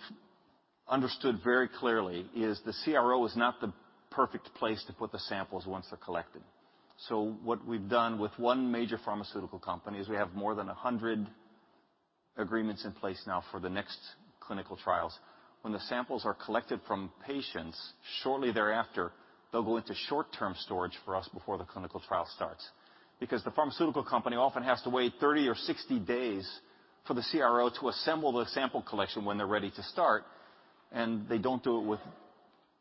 understood very clearly is the CRO is not the perfect place to put the samples once they're collected. What we've done with one major pharmaceutical company is we have more than 100 agreements in place now for the next clinical trials. When the samples are collected from patients, shortly thereafter, they'll go into short-term storage for us before the clinical trial starts. The pharmaceutical company often has to wait 30 or 60 days for the CRO to assemble the sample collection when they're ready to start, and they don't do it with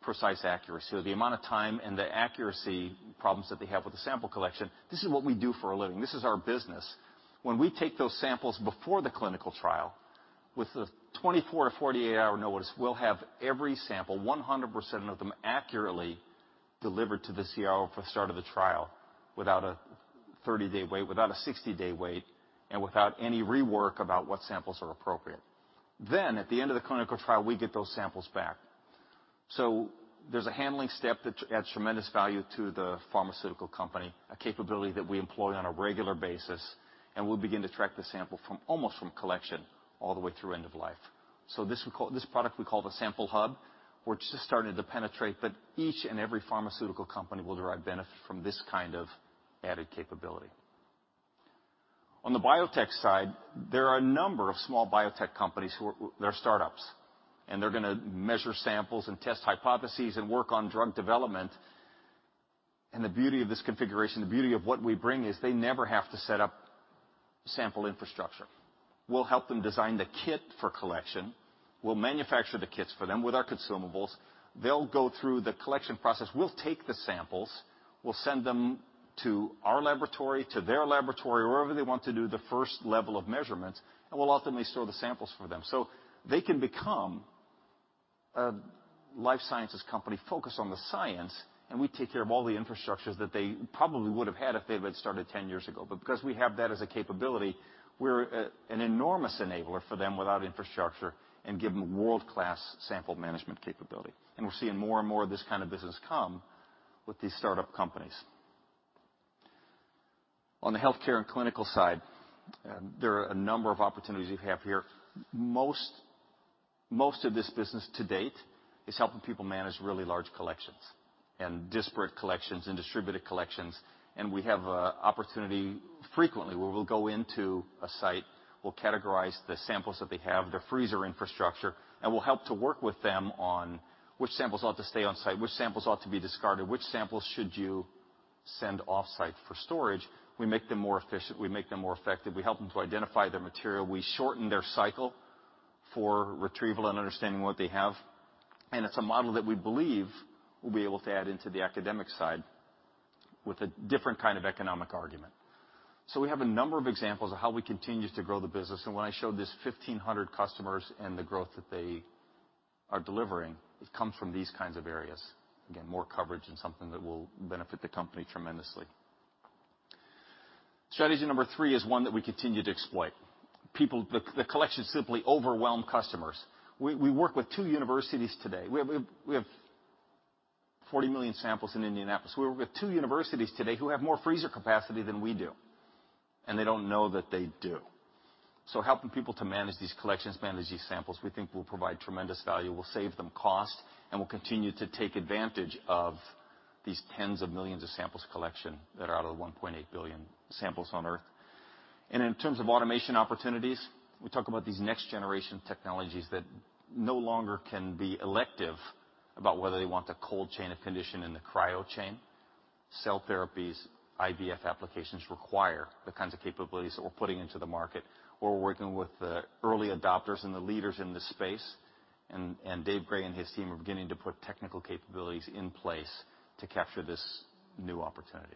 precise accuracy. The amount of time and the accuracy problems that they have with the sample collection, this is what we do for a living. This is our business. When we take those samples before the clinical trial, with the 24-to-48-hour notice, we'll have every sample, 100% of them, accurately delivered to the CRO for the start of the trial without a 30-day wait, without a 60-day wait, and without any rework about what samples are appropriate. At the end of the clinical trial, we get those samples back. There's a handling step that adds tremendous value to the pharmaceutical company, a capability that we employ on a regular basis, and we'll begin to track the sample from almost from collection all the way through end of life. This product we call the Sample Hub. We're just starting to penetrate. Each and every pharmaceutical company will derive benefit from this kind of added capability. On the biotech side, there are a number of small biotech companies who are startups, and they're going to measure samples and test hypotheses and work on drug development. The beauty of this configuration, the beauty of what we bring, is they never have to set up sample infrastructure. We'll help them design the kit for collection. We'll manufacture the kits for them with our consumables. They'll go through the collection process. We'll take the samples. We'll send them to our laboratory, to their laboratory, wherever they want to do the first level of measurements, and we'll ultimately store the samples for them. They can become a life sciences company focused on the science, and we take care of all the infrastructures that they probably would have had if they would've started 10 years ago. Because we have that as a capability, we're an enormous enabler for them without infrastructure and give them world-class sample management capability. We're seeing more and more of this kind of business come with these startup companies. On the healthcare and clinical side, there are a number of opportunities we have here. Most of this business to date is helping people manage really large collections and disparate collections and distributed collections. We have an opportunity frequently where we'll go into a site, we'll categorize the samples that they have, their freezer infrastructure, and we'll help to work with them on which samples ought to stay on site, which samples ought to be discarded, which samples should you send off-site for storage. We make them more efficient. We make them more effective. We help them to identify their material. We shorten their cycle for retrieval and understanding what they have. It's a model that we believe we'll be able to add into the academic side with a different kind of economic argument. We have a number of examples of how we continue to grow the business. When I showed this 1,500 customers and the growth that they are delivering, it comes from these kinds of areas. Again, more coverage and something that will benefit the company tremendously. Strategy number three is one that we continue to exploit. The collection is simply overwhelmed customers. We work with two universities today. We have 40 million samples in Indianapolis. We work with two universities today who have more freezer capacity than we do, and they don't know that they do. Helping people to manage these collections, manage these samples, we think will provide tremendous value, will save them cost, and will continue to take advantage of these tens of millions of samples collection that are out of the 1.8 billion samples on Earth. In terms of automation opportunities, we talk about these next-generation technologies that no longer can be elective about whether they want the cold chain of custody in the cryo chain. Cell therapies, IVF applications require the kinds of capabilities that we're putting into the market. We're working with the early adopters and the leaders in the space. David Gray and his team are beginning to put technical capabilities in place to capture this new opportunity.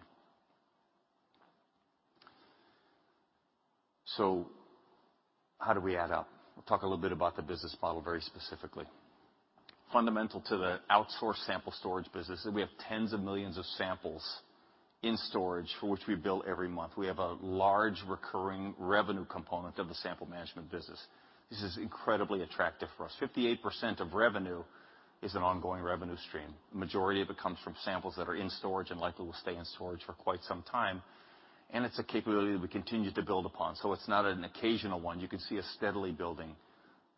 How do we add up? We'll talk a little bit about the business model very specifically. Fundamental to the outsourced sample storage business is we have tens of millions of samples in storage for which we bill every month. We have a large recurring revenue component of the sample management business. This is incredibly attractive for us. 58% of revenue is an ongoing revenue stream. Majority of it comes from samples that are in storage and likely will stay in storage for quite some time. It's a capability that we continue to build upon. It's not an occasional one. You can see us steadily building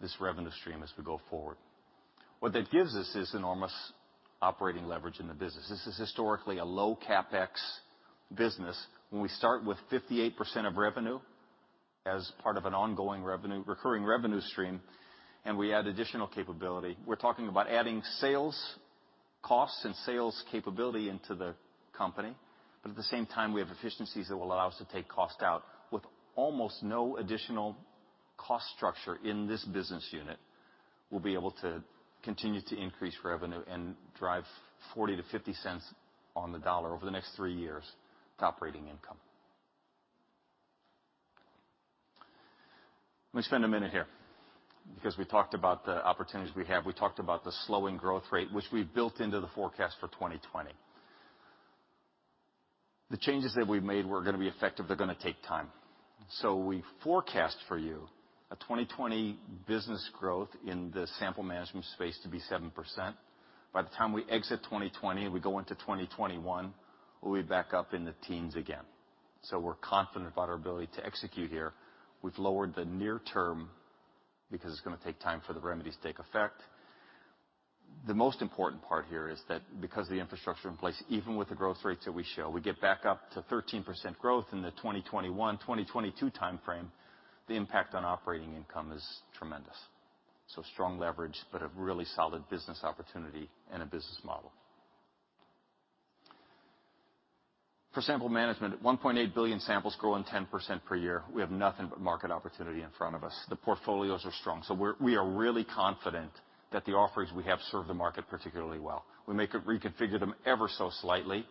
this revenue stream as we go forward. What that gives us is enormous operating leverage in the business. This is historically a low CapEx business. When we start with 58% of revenue as part of an ongoing revenue, recurring revenue stream, and we add additional capability, we're talking about adding sales costs and sales capability into the company. At the same time, we have efficiencies that will allow us to take cost out. With almost no additional cost structure in this business unit, we'll be able to continue to increase revenue and drive $0.40-$0.50 on the dollar over the next three years to operating income. Let me spend a minute here because we talked about the opportunities we have. We talked about the slowing growth rate, which we built into the forecast for 2020. The changes that we've made were going to be effective. They're going to take time. We forecast for you a 2020 business growth in the sample management space to be 7%. By the time we exit 2020, we go into 2021, we'll be back up in the teens again. We're confident about our ability to execute here. We've lowered the near-term because it's going to take time for the remedies to take effect. The most important part here is that because of the infrastructure in place, even with the growth rates that we show, we get back up to 13% growth in the 2021-2022 timeframe. The impact on operating income is tremendous. Strong leverage, but a really solid business opportunity and a business model. For sample management, at 1.8 billion samples growing 10% per year, we have nothing but market opportunity in front of us. The portfolios are strong, so we are really confident that the offerings we have serve the market particularly well. We may reconfigure them ever so slightly,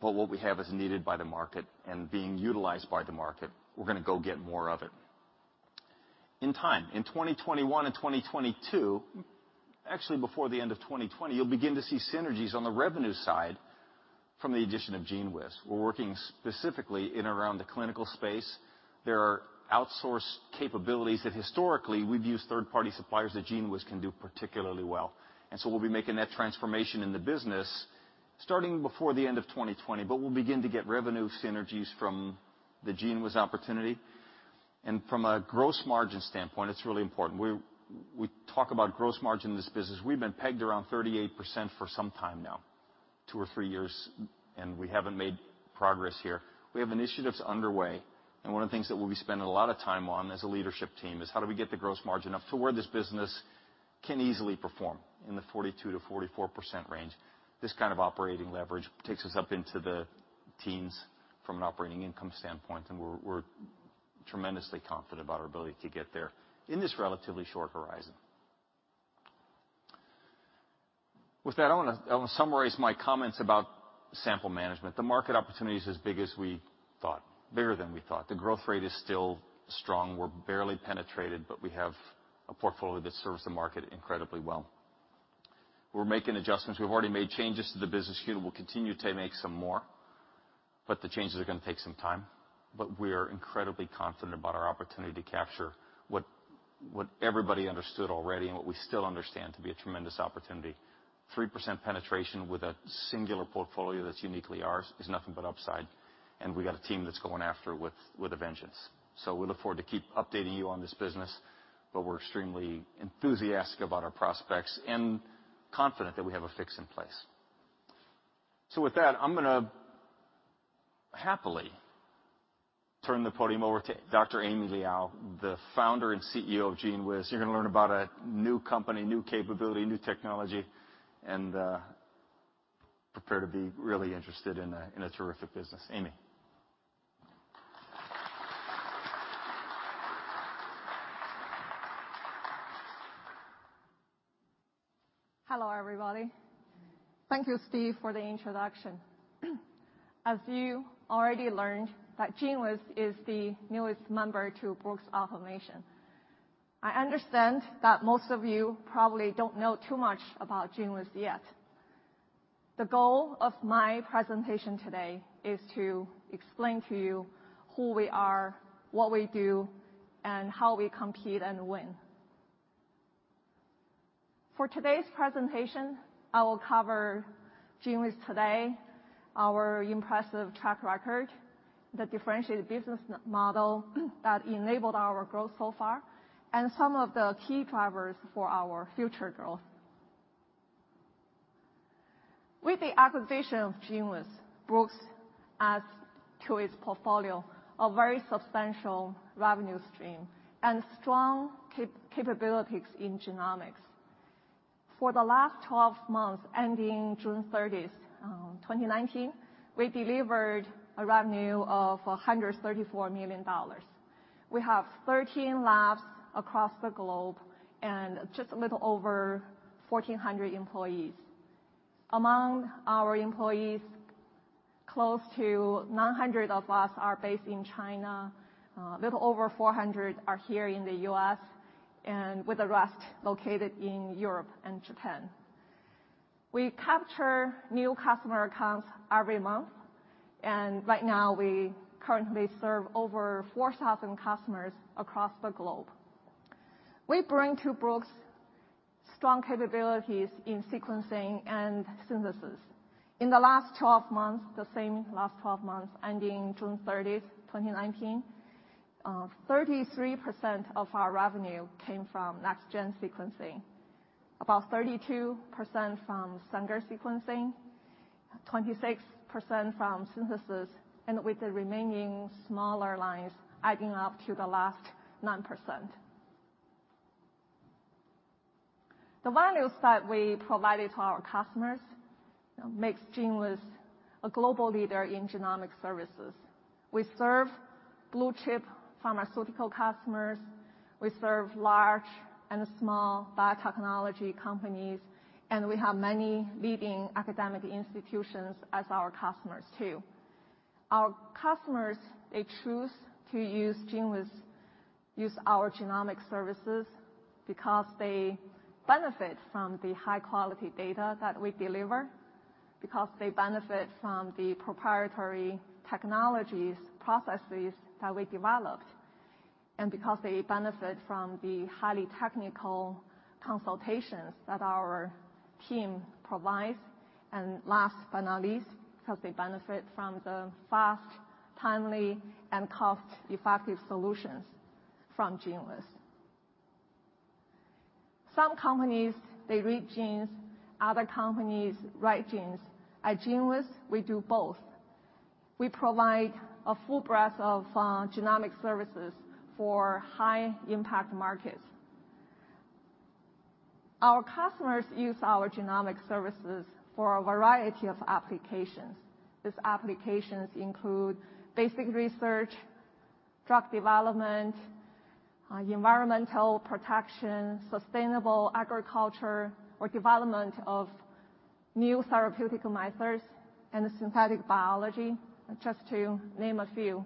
but what we have is needed by the market and being utilized by the market. We're going to go get more of it. In time, in 2021 and 2022, actually before the end of 2020, you'll begin to see synergies on the revenue side from the addition of GENEWIZ. We're working specifically in around the clinical space. There are outsourced capabilities that historically we've used third-party suppliers that GENEWIZ can do particularly well. We'll be making that transformation in the business starting before the end of 2020, but we'll begin to get revenue synergies from the GENEWIZ opportunity. From a gross margin standpoint, it's really important. We talk about gross margin in this business. We've been pegged around 38% for some time now, two or three years, and we haven't made progress here. We have initiatives underway, and one of the things that we'll be spending a lot of time on as a leadership team is how do we get the gross margin up to where this business can easily perform, in the 42%-44% range. This kind of operating leverage takes us up into the teens from an operating income standpoint, and we're tremendously confident about our ability to get there in this relatively short horizon. With that, I want to summarize my comments about sample management. The market opportunity is as big as we thought, bigger than we thought. The growth rate is still strong. We're barely penetrated, but we have a portfolio that serves the market incredibly well. We're making adjustments. We've already made changes to the business unit. We'll continue to make some more, but the changes are going to take some time. We're incredibly confident about our opportunity to capture what everybody understood already and what we still understand to be a tremendous opportunity. 3% penetration with a singular portfolio that's uniquely ours is nothing but upside, and we've got a team that's going after it with a vengeance. We look forward to keep updating you on this business. We're extremely enthusiastic about our prospects and confident that we have a fix in place. With that, I'm going to happily turn the podium over to Dr. Amy Liao, the Founder and CEO of GENEWIZ. You're going to learn about a new company, new capability, new technology, and prepare to be really interested in a terrific business. Amy. Hello, everybody. Thank you, Steve, for the introduction. As you already learned, that GENEWIZ is the newest member to Brooks Automation. I understand that most of you probably don't know too much about GENEWIZ yet. The goal of my presentation today is to explain to you who we are, what we do, and how we compete and win. For today's presentation, I will cover GENEWIZ today, our impressive track record, the differentiated business model that enabled our growth so far, and some of the key drivers for our future growth. With the acquisition of GENEWIZ, Brooks adds to its portfolio a very substantial revenue stream and strong capabilities in genomics. For the last 12 months ending June 30th, 2019, we delivered a revenue of $134 million. We have 13 labs across the globe and just a little over 1,400 employees. Among our employees, close to 900 of us are based in China, a little over 400 are here in the U.S., with the rest located in Europe and Japan. We capture new customer accounts every month, right now we currently serve over 4,000 customers across the globe. We bring to Brooks strong capabilities in sequencing and synthesis. In the last 12 months, the same last 12 months ending June 30th, 2019, 33% of our revenue came from Next-generation sequencing, about 32% from Sanger sequencing, 26% from gene synthesis, with the remaining smaller lines adding up to the last 9%. The values that we provided to our customers makes GENEWIZ a global leader in genomic services. We serve blue-chip pharmaceutical customers, we serve large and small biotechnology companies, we have many leading academic institutions as our customers, too. Our customers, they choose to use GENEWIZ, use our genomic services because they benefit from the high-quality data that we deliver, because they benefit from the proprietary technologies, processes that we developed, and because they benefit from the highly technical consultations that our team provides, and last but not least, because they benefit from the fast, timely, and cost-effective solutions from GENEWIZ. Some companies, they read genes, other companies write genes. At GENEWIZ, we do both. We provide a full breadth of genomic services for high-impact markets. Our customers use our genomic services for a variety of applications. These applications include basic research, drug development, environmental protection, sustainable agriculture, or development of new therapeutic methods and synthetic biology, just to name a few.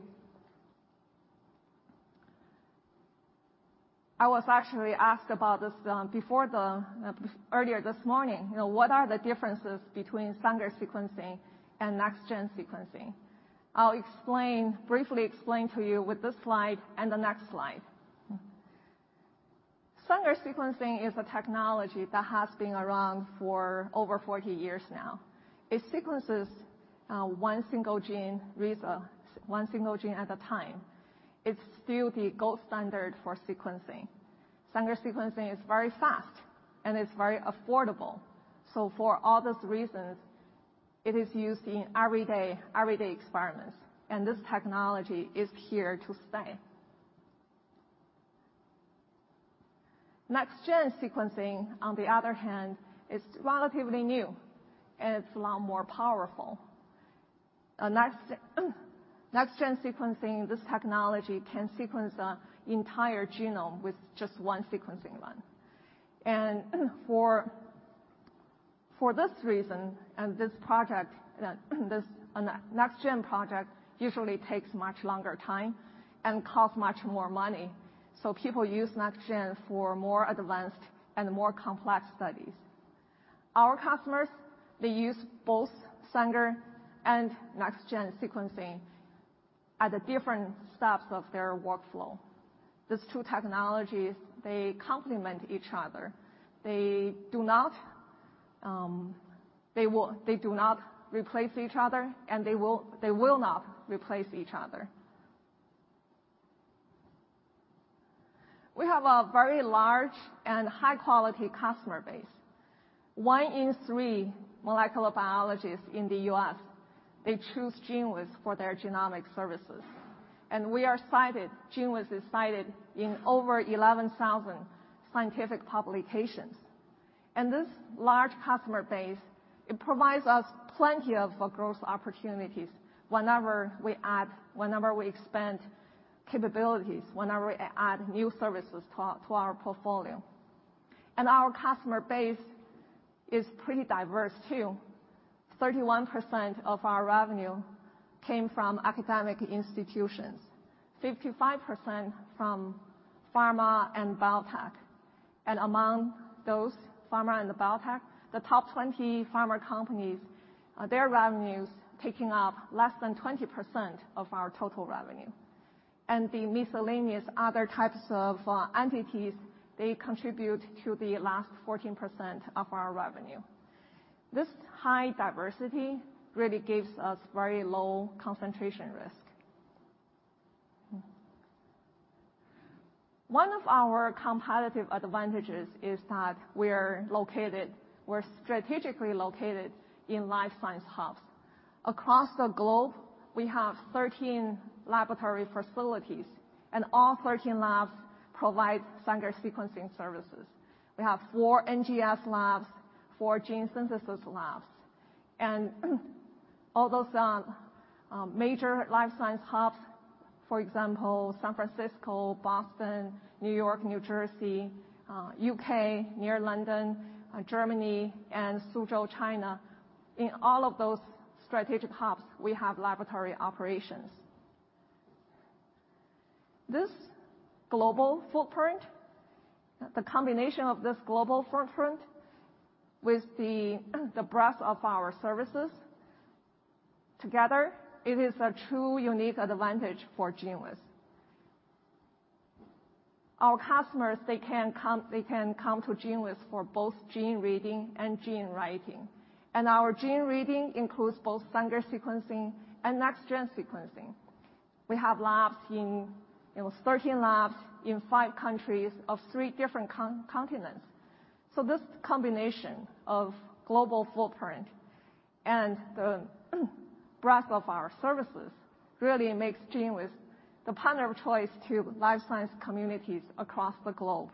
I was actually asked about this earlier this morning. What are the differences between Sanger sequencing and Next-generation sequencing? I'll briefly explain to you with this slide and the next slide. Sanger sequencing is a technology that has been around for over 40 years now. It sequences one single gene at a time. It's still the gold standard for sequencing. Sanger sequencing is very fast, and it's very affordable. For all those reasons, it is used in everyday experiments, and this technology is here to stay. Next-generation sequencing, on the other hand, is relatively new, and it's a lot more powerful. Next-generation sequencing, this technology can sequence an entire genome with just one sequencing run. For this reason and this project, this Next-generation sequencing project usually takes much longer time and costs much more money. People use Next-generation sequencing for more advanced and more complex studies. Our customers, they use both Sanger and Next-generation sequencing at the different steps of their workflow. These two technologies, they complement each other. They do not replace each other, and they will not replace each other. We have a very large and high-quality customer base. One in three molecular biologists in the U.S., they choose GENEWIZ for their genomic services. GENEWIZ is cited in over 11,000 scientific publications. This large customer base, it provides us plenty of growth opportunities whenever we expand capabilities, whenever we add new services to our portfolio. Our customer base is pretty diverse too. 31% of our revenue came from academic institutions, 55% from pharma and biotech. Among those pharma and the biotech, the top 20 pharma companies, their revenues taking up less than 20% of our total revenue. The miscellaneous other types of entities, they contribute to the last 14% of our revenue. This high diversity really gives us very low concentration risk. One of our competitive advantages is that we're strategically located in life science hubs. Across the globe, we have 13 laboratory facilities. All 13 labs provide Sanger sequencing services. We have four NGS labs, four gene synthesis labs. All those are major life science hubs, for example, San Francisco, Boston, New York, New Jersey, U.K., near London, Germany, and Suzhou, China. In all of those strategic hubs, we have laboratory operations. This global footprint, the combination of this global footprint with the breadth of our services, together, it is a true unique advantage for GENEWIZ. Our customers, they can come to GENEWIZ for both gene reading and gene writing. Our gene reading includes both Sanger sequencing and Next-generation sequencing. We have 13 labs in five countries of three different continents. This combination of global footprint and the breadth of our services really makes GENEWIZ the partner of choice to life science communities across the globe.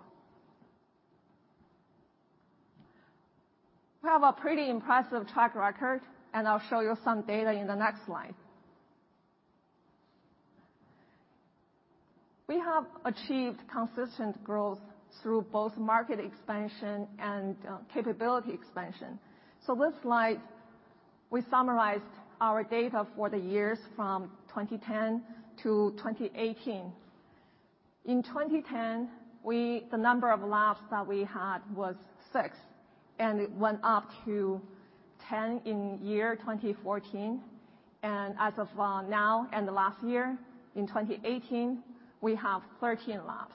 We have a pretty impressive track record, and I'll show you some data in the next slide. We have achieved consistent growth through both market expansion and capability expansion. This slide, we summarized our data for the years from 2010 to 2018. In 2010, the number of labs that we had was six, and it went up to 10 in year 2014. As of now and the last year, in 2018, we have 13 labs.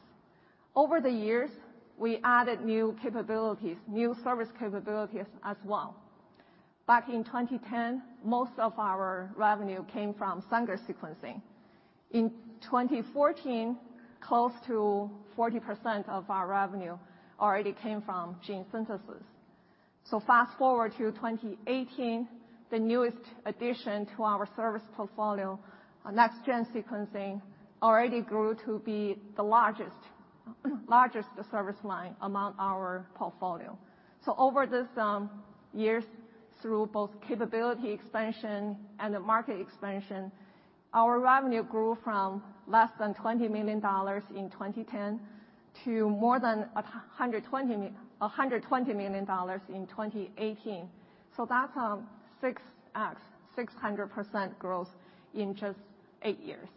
Over the years, we added new service capabilities as well. Back in 2010, most of our revenue came from Sanger sequencing. In 2014, close to 40% of our revenue already came from gene synthesis. Fast-forward to 2018, the newest addition to our service portfolio, Next-generation sequencing, already grew to be the largest service line among our portfolio. Over these years, through both capability expansion and the market expansion, our revenue grew from less than $20 million in 2010 to more than $120 million in 2018. That's 600% growth in just eight years.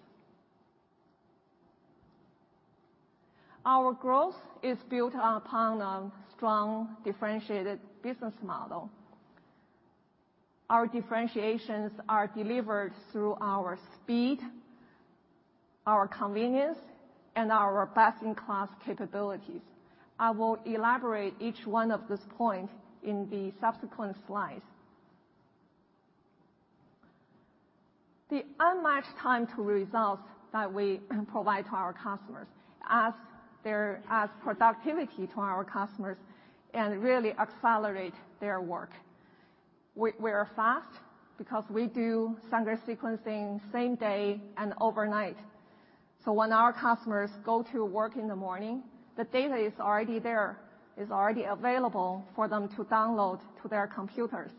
Our growth is built upon a strong, differentiated business model. Our differentiations are delivered through our speed, our convenience, and our best-in-class capabilities. I will elaborate each one of this point in the subsequent slide. The unmatched time to results that we provide to our customers adds productivity to our customers and really accelerate their work. We are fast because we do Sanger sequencing same day and overnight. When our customers go to work in the morning, the data is already there, is already available for them to download to their computers.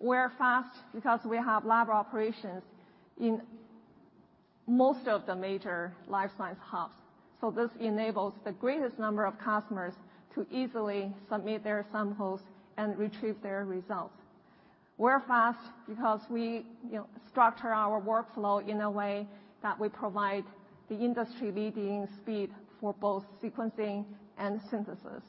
We're fast because we have lab operations in most of the major life science hubs. This enables the greatest number of customers to easily submit their samples and retrieve their results. We're fast because we structure our workflow in a way that we provide the industry leading speed for both sequencing and synthesis.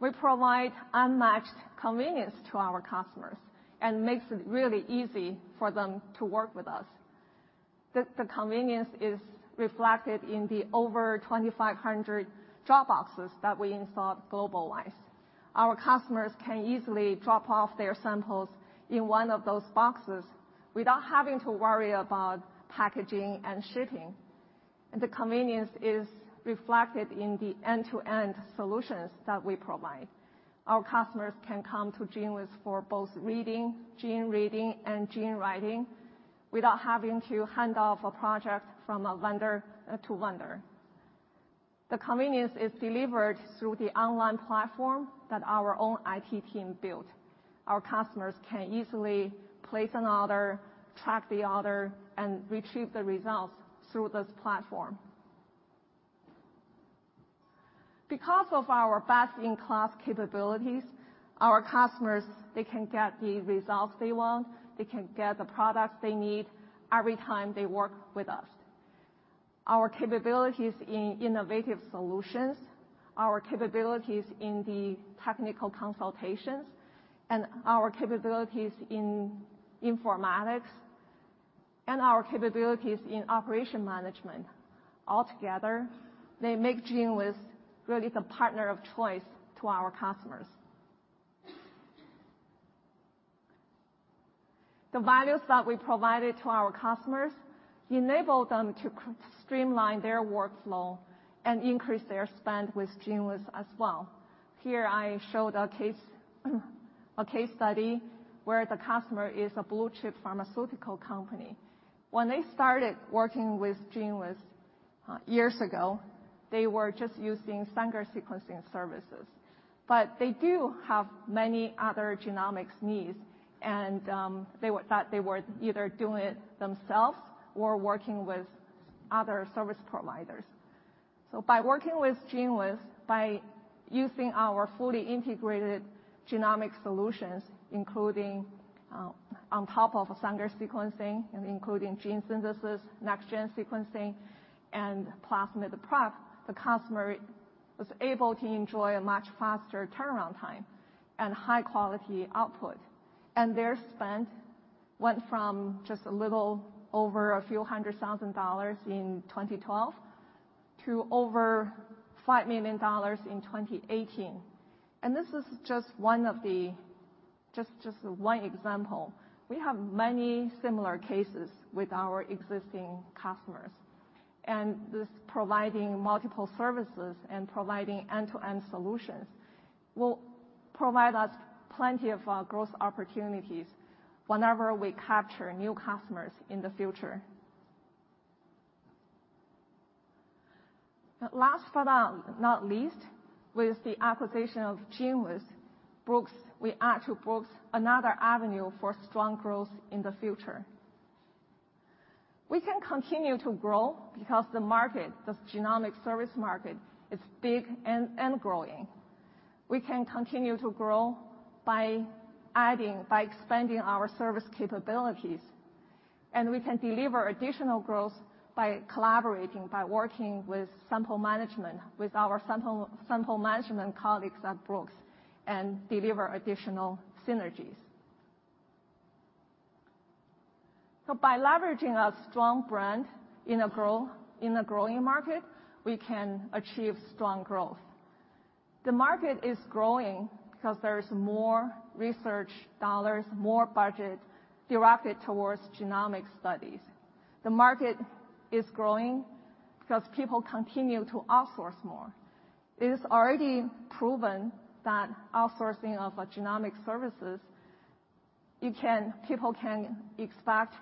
We provide unmatched convenience to our customers and makes it really easy for them to work with us. The convenience is reflected in the over 2,500 drop boxes that we installed global-wise. Our customers can easily drop off their samples in one of those boxes without having to worry about packaging and shipping. The convenience is reflected in the end-to-end solutions that we provide. Our customers can come to GENEWIZ for both gene reading and gene writing without having to hand off a project from a vendor to vendor. The convenience is delivered through the online platform that our own IT team built. Our customers can easily place an order, track the order, and retrieve the results through this platform. Because of our best-in-class capabilities, our customers, they can get the results they want. They can get the products they need every time they work with us. Our capabilities in innovative solutions, our capabilities in the technical consultations, and our capabilities in informatics, and our capabilities in operation management, altogether, they make GENEWIZ really the partner of choice to our customers. The values that we provided to our customers enable them to streamline their workflow and increase their spend with GENEWIZ as well. Here I showed a case study where the customer is a blue-chip pharmaceutical company. When they started working with GENEWIZ years ago, they were just using Sanger sequencing services. They do have many other genomics needs, and they were either doing it themselves or working with other service providers. By working with GENEWIZ, by using our fully integrated genomic solutions, including on top of Sanger sequencing and including gene synthesis, Next-generation sequencing, and plasmid preparation, the customer was able to enjoy a much faster turnaround time and high-quality output. Their spend went from just a little over a few hundred thousand dollars in 2012 to over $5 million in 2018. This is just one example. We have many similar cases with our existing customers. This providing multiple services and providing end-to-end solutions will provide us plenty of growth opportunities whenever we capture new customers in the future. Last but not least, with the acquisition of GENEWIZ, we add to Brooks another avenue for strong growth in the future. We can continue to grow because the market, this genomic service market, is big and growing. We can continue to grow by expanding our service capabilities, and we can deliver additional growth by working with sample management, with our sample management colleagues at Brooks and deliver additional synergies. By leveraging a strong brand in a growing market, we can achieve strong growth. The market is growing because there is more research dollars, more budget directed towards genomic studies. The market is growing because people continue to outsource more. It is already proven that outsourcing of genomic services, people can expect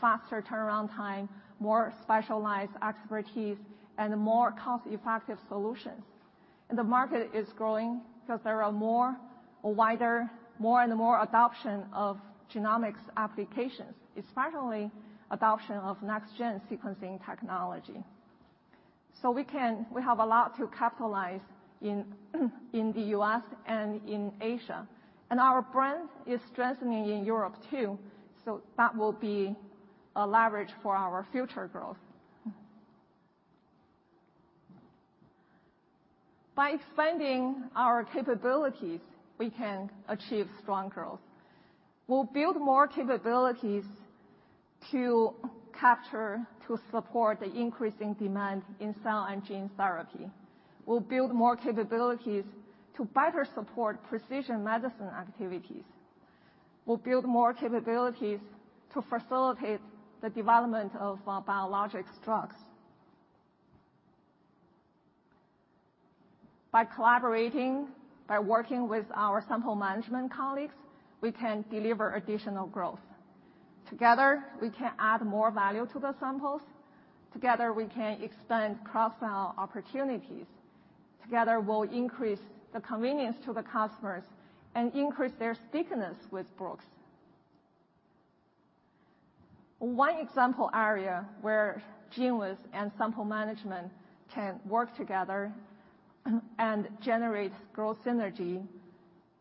faster turnaround time, more specialized expertise, and more cost-effective solutions. The market is growing because there are more and more adoption of genomics applications, especially adoption of Next-generation sequencing technology. We have a lot to capitalize in the U.S. and in Asia. Our brand is strengthening in Europe too. That will be a leverage for our future growth. By expanding our capabilities, we can achieve strong growth. We'll build more capabilities to capture, to support the increasing demand in cell and gene therapy. We'll build more capabilities to better support precision medicine activities. We'll build more capabilities to facilitate the development of our biologics drugs. By collaborating, by working with our sample management colleagues, we can deliver additional growth. Together, we can add more value to the samples. Together, we can expand cross-sell opportunities. Together, we'll increase the convenience to the customers and increase their stickiness with Brooks. One example area where GENEWIZ and sample management can work together and generate growth synergy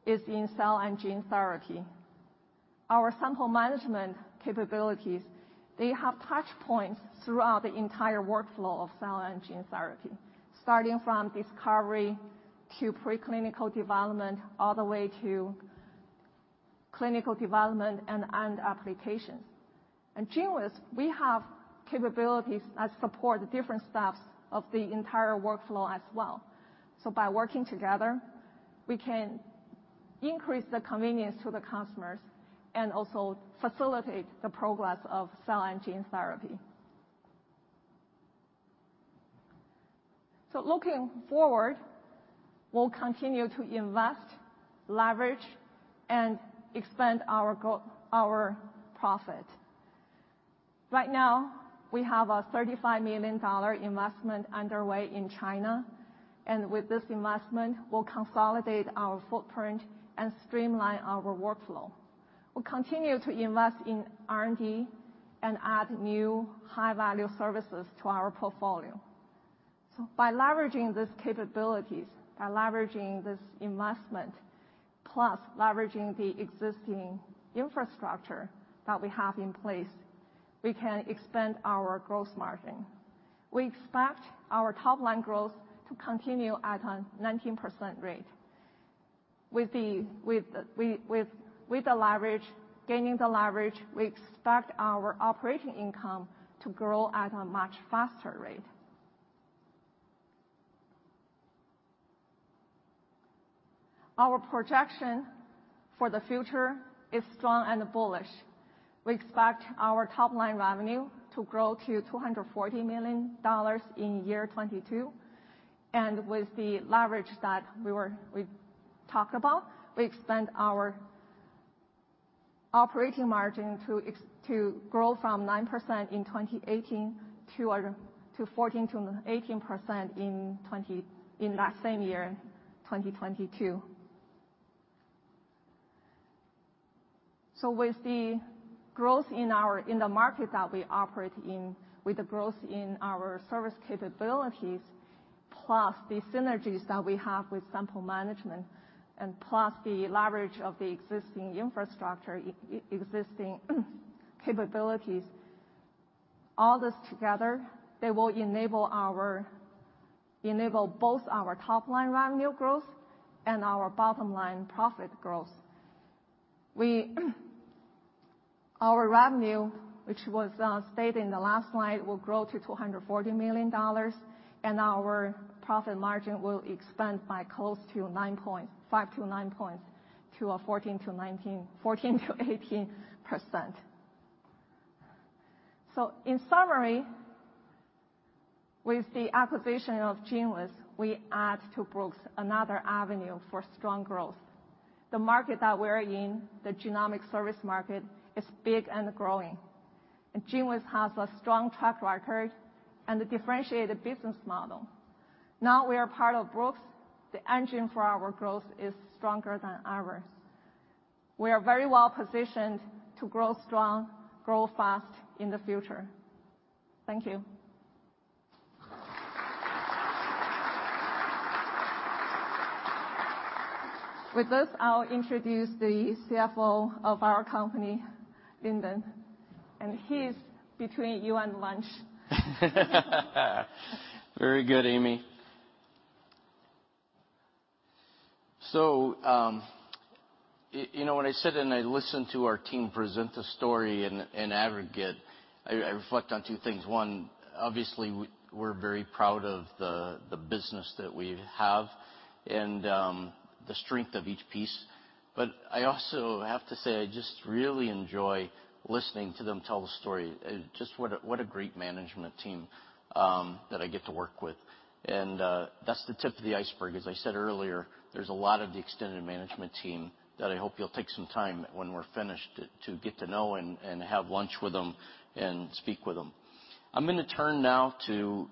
is in cell and gene therapy. Our sample management capabilities, they have touch points throughout the entire workflow of cell and gene therapy, starting from discovery to preclinical development, all the way to clinical development and end applications. In GENEWIZ, we have capabilities that support the different steps of the entire workflow as well. By working together, we can increase the convenience to the customers and also facilitate the progress of cell and gene therapy. Looking forward, we'll continue to invest, leverage, and expand our profit. Right now, we have a $35 million investment underway in China, and with this investment, we'll consolidate our footprint and streamline our workflow. We'll continue to invest in R&D and add new high-value services to our portfolio. By leveraging these capabilities, by leveraging this investment, plus leveraging the existing infrastructure that we have in place, we can expand our gross margin. We expect our top-line growth to continue at a 19% rate. With gaining the leverage, we expect our operating income to grow at a much faster rate. Our projection for the future is strong and bullish. We expect our top-line revenue to grow to $240 million in year 2022. With the leverage that we've talked about, we expect our operating margin to grow from 9% in 2018 to 14%-18% in that same year, 2022. With the growth in the market that we operate in, with the growth in our service capabilities, plus the synergies that we have with sample management, and plus the leverage of the existing infrastructure, existing capabilities, all this together, they will enable both our top-line revenue growth and our bottom-line profit growth. Our revenue, which was stated in the last slide, will grow to $240 million, and our profit margin will expand by close to 5-9 points to 14%-18%. In summary, with the acquisition of GENEWIZ, we add to Brooks another avenue for strong growth. The market that we're in, the genomic service market, is big and growing. GENEWIZ has a strong track record and a differentiated business model. We are part of Brooks, the engine for our growth is stronger than ever. We are very well-positioned to grow strong, grow fast in the future. Thank you. With this, I'll introduce the CFO of our company, Lindon, and he's between you and lunch. Very good, Amy. When I sit and I listen to our team present the story in aggregate, I reflect on two things. One, obviously, we're very proud of the business that we have and the strength of each piece. I also have to say, I just really enjoy listening to them tell the story. Just what a great management team that I get to work with. That's the tip of the iceberg. As I said earlier, there's a lot of the extended management team that I hope you'll take some time when we're finished to get to know and have lunch with them and speak with them. I'm going to turn now to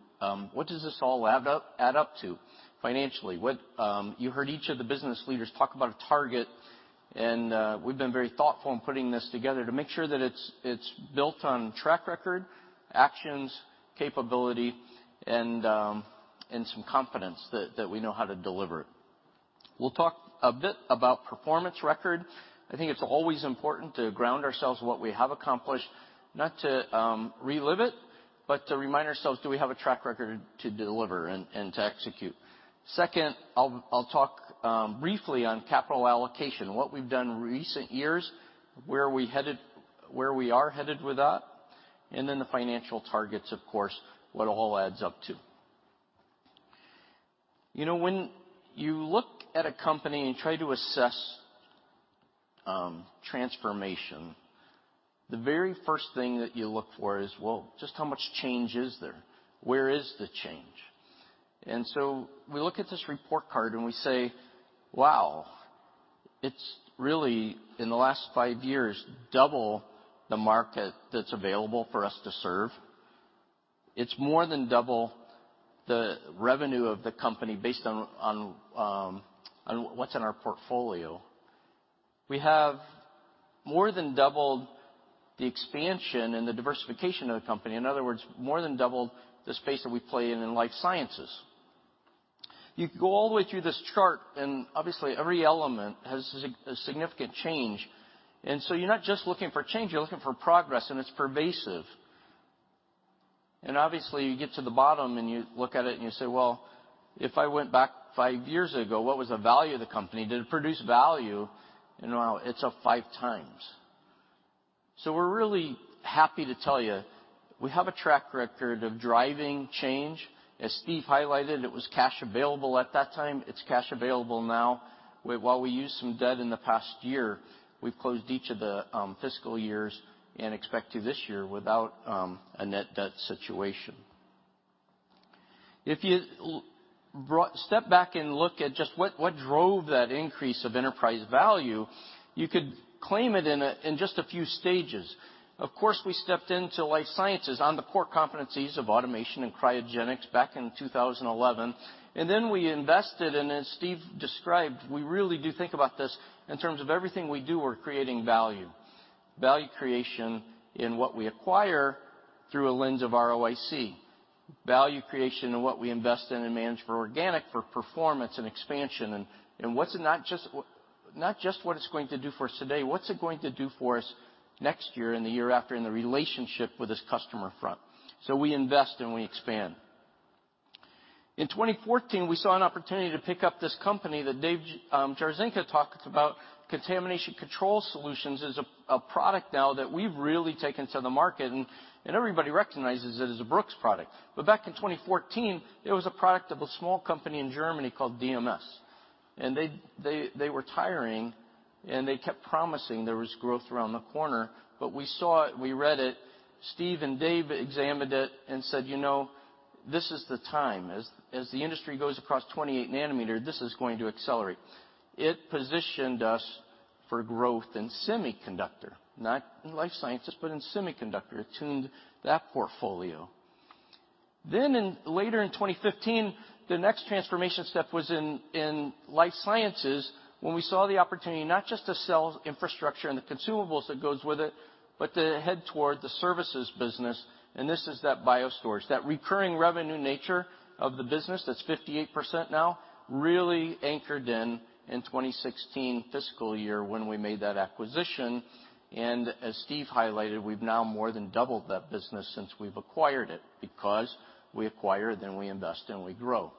what does this all add up to financially? You heard each of the business leaders talk about a target, and we've been very thoughtful in putting this together to make sure that it's built on track record, actions, capability, and some confidence that we know how to deliver it. We'll talk a bit about performance record. I think it's always important to ground ourselves in what we have accomplished, not to relive it, but to remind ourselves, do we have a track record to deliver and to execute? Second, I'll talk briefly on capital allocation, what we've done in recent years, where we are headed with that, and then the financial targets, of course, what it all adds up to. When you look at a company and try to assess transformation, the very first thing that you look for is, well, just how much change is there? Where is the change? We look at this report card and we say, "Wow, it's really, in the last five years, double the market that's available for us to serve." It's more than double the revenue of the company based on what's in our portfolio. We have more than doubled the expansion and the diversification of the company. In other words, more than doubled the space that we play in life sciences. You can go all the way through this chart, and obviously every element has a significant change. You're not just looking for change, you're looking for progress, and it's pervasive. Obviously, you get to the bottom and you look at it and you say, "Well, if I went back five years ago, what was the value of the company? Did it produce value?" It's up 5x. We're really happy to tell you, we have a track record of driving change. As Steve highlighted, it was cash available at that time. It's cash available now. While we used some debt in the past year, we've closed each of the fiscal years and expect to this year without a net debt situation. If you step back and look at just what drove that increase of enterprise value, you could claim it in just a few stages. We stepped into life sciences on the core competencies of automation and cryogenics back in 2011. We invested, and as Steve described, we really do think about this in terms of everything we do, we're creating value. Value creation in what we acquire through a lens of ROIC. Value creation in what we invest in and manage for organic performance and expansion. Not just what it's going to do for us today, what's it going to do for us next year and the year after in the relationship with this customer front? We invest and we expand. In 2014, we saw an opportunity to pick up this company that Dave Jarzynka talked about. Contamination Control Solutions is a product now that we've really taken to the market, and everybody recognizes it as a Brooks product. Back in 2014, it was a product of a small company in Germany called DMS. They were tiring, and they kept promising there was growth around the corner. We saw it, we read it. Steve and Dave examined it and said, "This is the time. As the industry goes across 28 nm, this is going to accelerate." It positioned us for growth in semiconductor. Not in life sciences, but in semiconductor. It tuned that portfolio. Later in 2015, the next transformation step was in life sciences, when we saw the opportunity not just to sell infrastructure and the consumables that goes with it, but to head toward the services business, and this is that BioStorage. That recurring revenue nature of the business that's 58% now, really anchored in 2016 fiscal year when we made that acquisition. As Steve highlighted, we've now more than doubled that business since we've acquired it, because we acquire, then we invest, and we grow.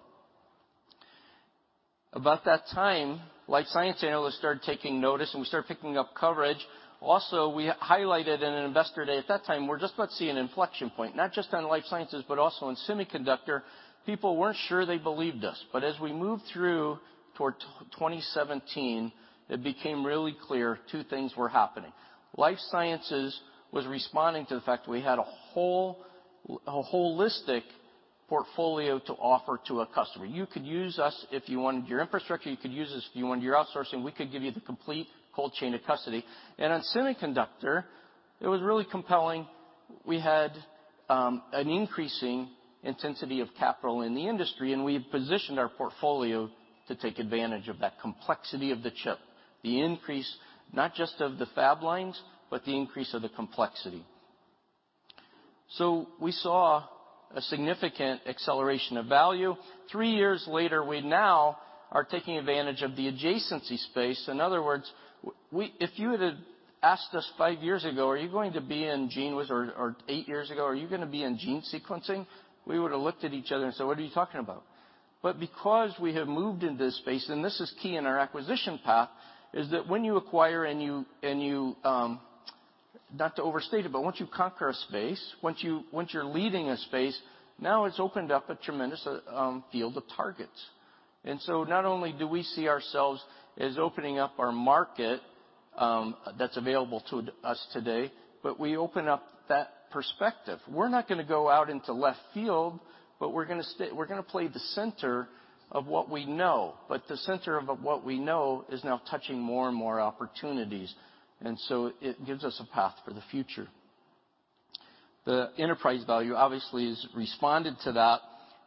About that time, life science analysts started taking notice, and we started picking up coverage. Also, we highlighted in an Investor Day at that time, we're just about to see an inflection point, not just on life sciences, but also on semiconductor. People weren't sure they believed us. As we moved through toward 2017, it became really clear two things were happening. Life sciences was responding to the fact that we had a holistic portfolio to offer to a customer. You could use us if you wanted your infrastructure. You could use us if you wanted your outsourcing. We could give you the complete cold chain of custody. On semiconductor, it was really compelling. We had an increasing intensity of capital in the industry, and we had positioned our portfolio to take advantage of that complexity of the chip, the increase, not just of the fab lines, but the increase of the complexity. We saw a significant acceleration of value. Three years later, we now are taking advantage of the adjacency space. In other words, if you would've asked us five years ago or eight years ago, "Are you going to be in gene sequencing?" We would've looked at each other and said, "What are you talking about?" Because we have moved into this space, and this is key in our acquisition path, is that when you acquire and you, not to overstate it, but once you conquer a space, once you're leading a space, now it's opened up a tremendous field of targets. Not only do we see ourselves as opening up our market that's available to us today, but we open up that perspective. We're not going to go out into left field, but we're going to play the center of what we know. The center of what we know is now touching more and more opportunities. It gives us a path for the future. The enterprise value obviously has responded to that,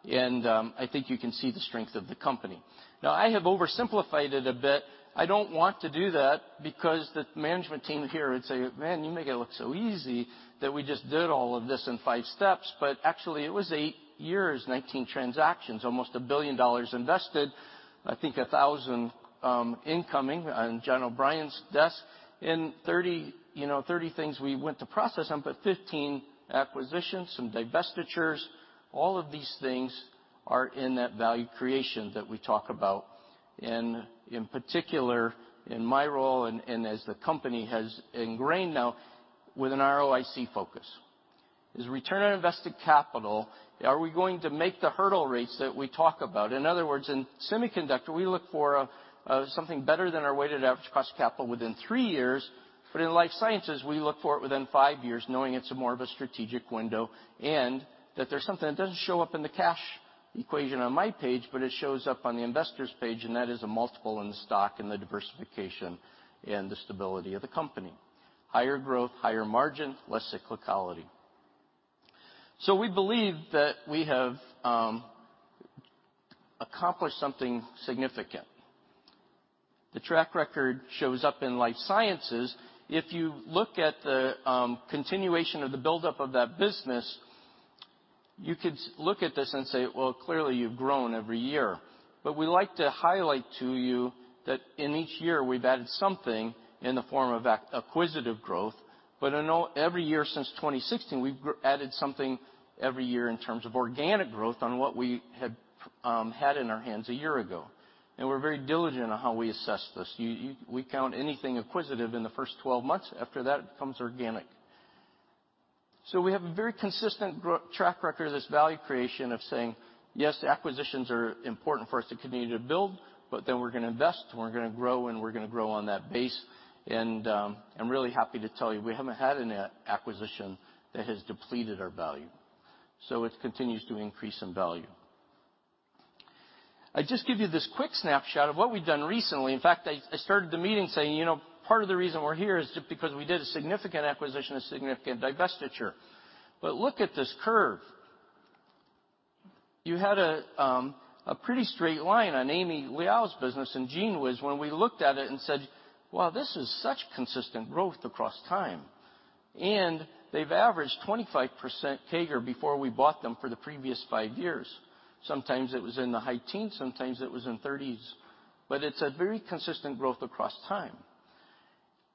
and I think you can see the strength of the company. I have oversimplified it a bit. I don't want to do that because the management team here would say, "Man, you make it look so easy that we just did all of this in five steps." It was eight years, 19 transactions, almost $1 billion invested. I think 1,000 incoming on John O'Brien's desk and 30 things we went to process on, but 15 acquisitions, some divestitures. All of these things are in that value creation that we talk about. In particular, in my role and as the company has ingrained now with an ROIC focus. Is return on invested capital, are we going to make the hurdle rates that we talk about? In other words, in semiconductor, we look for something better than our weighted average cost of capital within three years. In life sciences, we look for it within five years, knowing it's more of a strategic window, and that there's something that doesn't show up in the cash equation on my page, but it shows up on the Investors page, and that is a multiple in the stock and the diversification and the stability of the company. Higher growth, higher margin, less cyclicality. We believe that we have accomplished something significant. The track record shows up in life sciences. If you look at the continuation of the buildup of that business, you could look at this and say, "Well, clearly you've grown every year." We like to highlight to you that in each year we've added something in the form of acquisitive growth. Every year since 2016, we've added something every year in terms of organic growth on what we had had in our hands a year ago. We're very diligent on how we assess this. We count anything acquisitive in the first 12 months. After that, it becomes organic. We have a very consistent track record of this value creation of saying, yes, acquisitions are important for us to continue to build, but then we're going to invest, and we're going to grow, and we're going to grow on that base. I'm really happy to tell you, we haven't had an acquisition that has depleted our value. It continues to increase in value. I just give you this quick snapshot of what we've done recently. In fact, I started the meeting saying, part of the reason we're here is just because we did a significant acquisition, a significant divestiture. Look at this curve. You had a pretty straight line on Amy Liao's business and GENEWIZ when we looked at it and said, "Wow, this is such consistent growth across time." They've averaged 25% CAGR before we bought them for the previous five years. Sometimes it was in the high teens, sometimes it was in 30s%. It's a very consistent growth across time.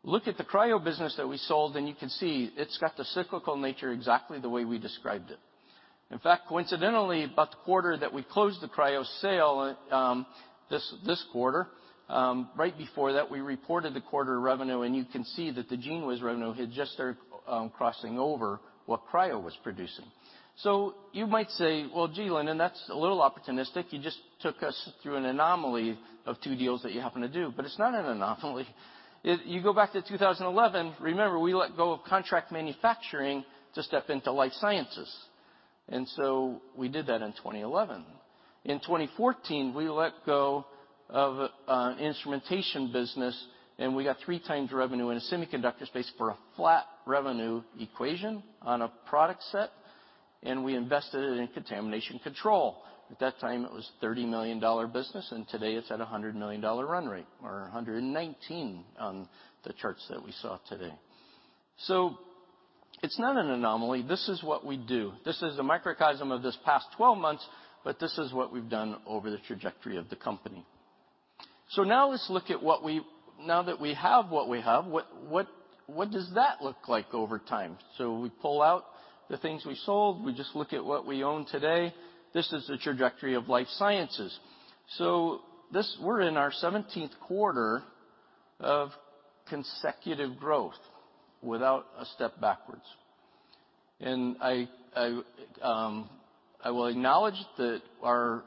Look at the cryo business that we sold, and you can see it's got the cyclical nature exactly the way we described it. In fact, coincidentally, about the quarter that we closed the cryo sale, this quarter, right before that, we reported the quarter revenue. You can see that the GENEWIZ revenue had just started crossing over what cryo was producing. You might say, "Well, gee, Lindon, that's a little opportunistic. You just took us through an anomaly of two deals that you happen to do." It's not an anomaly. You go back to 2011, remember, we let go of contract manufacturing to step into life sciences. We did that in 2011. In 2014, we let go of an instrumentation business, and we got 3x revenue in a semiconductor space for a flat revenue equation on a product set. We invested it in Contamination Control. At that time, it was a $30 million business, and today it's at a $100 million run rate, or $119 million on the charts that we saw today. It's not an anomaly. This is what we do. This is a microcosm of this past 12 months, but this is what we've done over the trajectory of the company. Now that we have what we have, what does that look like over time? We pull out the things we sold. We just look at what we own today. This is the trajectory of life sciences. We're in our 17th quarter of consecutive growth without a step backwards. I will acknowledge that our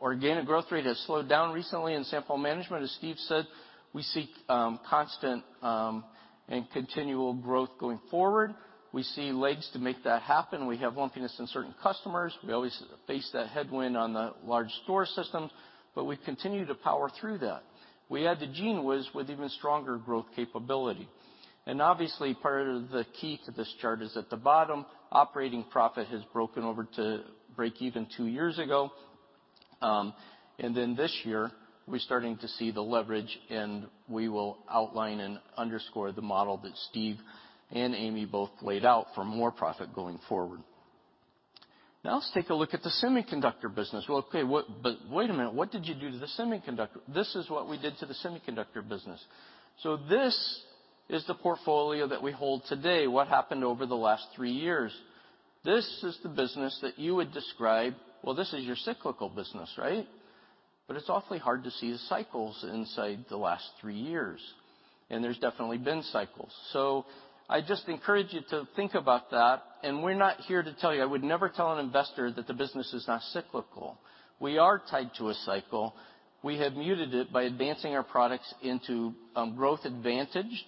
organic growth rate has slowed down recently in sample management. As Steve said, we seek constant and continual growth going forward. We see legs to make that happen. We have lumpiness in certain customers. We always face that headwind on the large store systems, but we continue to power through that. We add the GENEWIZ with even stronger growth capability. Part of the key to this chart is at the bottom, operating profit has broken over to break even two years ago. This year, we're starting to see the leverage, and we will outline and underscore the model that Steve and Amy both laid out for more profit going forward. Let's take a look at the semiconductor business. Wait a minute, what did you do to the semiconductor? This is what we did to the semiconductor business. This is the portfolio that we hold today, what happened over the last three years. This is the business that you would describe, this is your cyclical business, right? It's awfully hard to see the cycles inside the last three years, and there's definitely been cycles. I just encourage you to think about that, and we're not here to tell you, I would never tell an investor that the business is not cyclical. We are tied to a cycle. We have muted it by advancing our products into growth advantaged,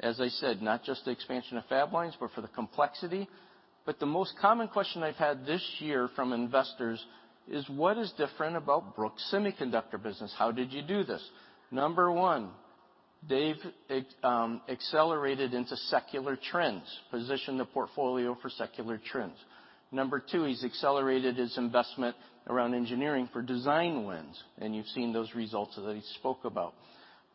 as I said, not just the expansion of fab lines, but for the complexity. The most common question I've had this year from investors is what is different about Brooks Semiconductor business? How did you do this? Number one. Dave accelerated into secular trends, positioned the portfolio for secular trends. Number two, he's accelerated his investment around engineering for design-in wins, and you've seen those results that he spoke about.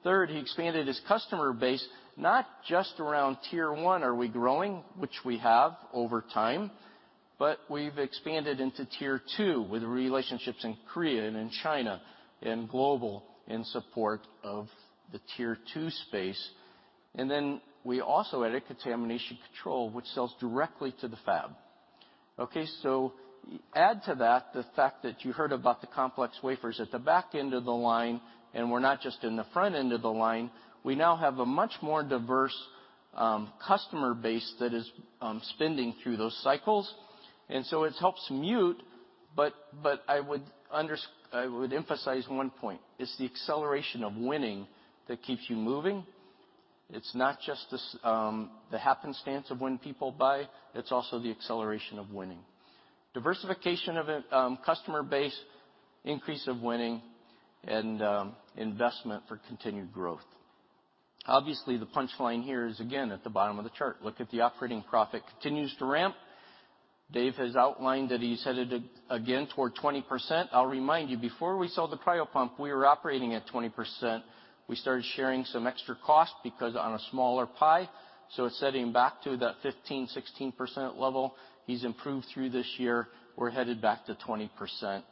Third, he expanded his customer base, not just around Tier 1 are we growing, which we have over time, but we've expanded into Tier 2 with relationships in Korea and in China and global in support of the Tier 2 space. Then we also added Contamination Control, which sells directly to the fab. Add to that the fact that you heard about the complex wafers at the back end of the line, we're not just in the front end of the line. We now have a much more diverse customer base that is spending through those cycles, it helps mute. I would emphasize one point. It's the acceleration of winning that keeps you moving. It's not just the happenstance of when people buy, it's also the acceleration of winning. Diversification of customer base, increase of winning, and investment for continued growth. Obviously, the punchline here is again at the bottom of the chart. Look at the operating profit. Continues to ramp. Dave has outlined that he's headed again toward 20%. I'll remind you, before we sold the cryo pump, we were operating at 20%. We started sharing some extra costs because on a smaller pie, it's setting back to that 15%, 16% level. He's improved through this year. We're headed back to 20%,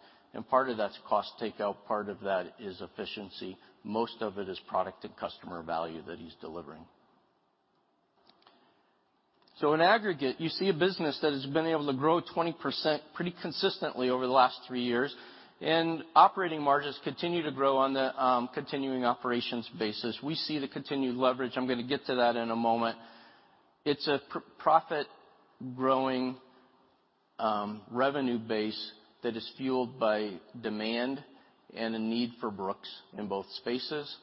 part of that's cost takeout, part of that is efficiency. Most of it is product and customer value that he's delivering. In aggregate, you see a business that has been able to grow 20% pretty consistently over the last three years, operating margins continue to grow on the continuing operations basis. We see the continued leverage. I'm going to get to that in a moment. It's a profit-growing revenue base that is fueled by demand and a need for Brooks in both spaces.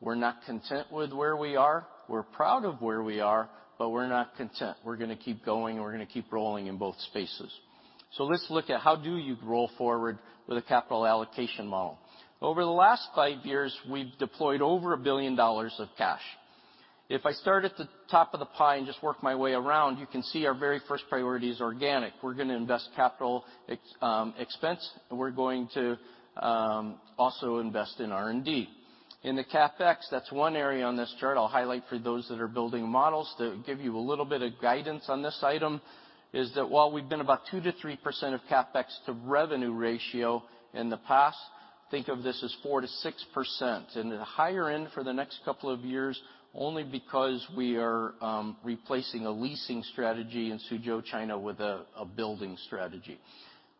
We're not content with where we are. We're proud of where we are, we're not content. We're going to keep going, we're going to keep rolling in both spaces. Let's look at how do you roll forward with a capital allocation model. Over the last five years, we've deployed over $1 billion of cash. If I start at the top of the pie and just work my way around, you can see our very first priority is organic. We're going to invest capital expense, we're going to also invest in R&D. In the CapEx, that's one area on this chart I'll highlight for those that are building models to give you a little bit of guidance on this item, is that while we've been about 2%-3% of CapEx to revenue ratio in the past, think of this as 4%-6%. In the higher end for the next couple of years, only because we are replacing a leasing strategy in Suzhou, China with a building strategy.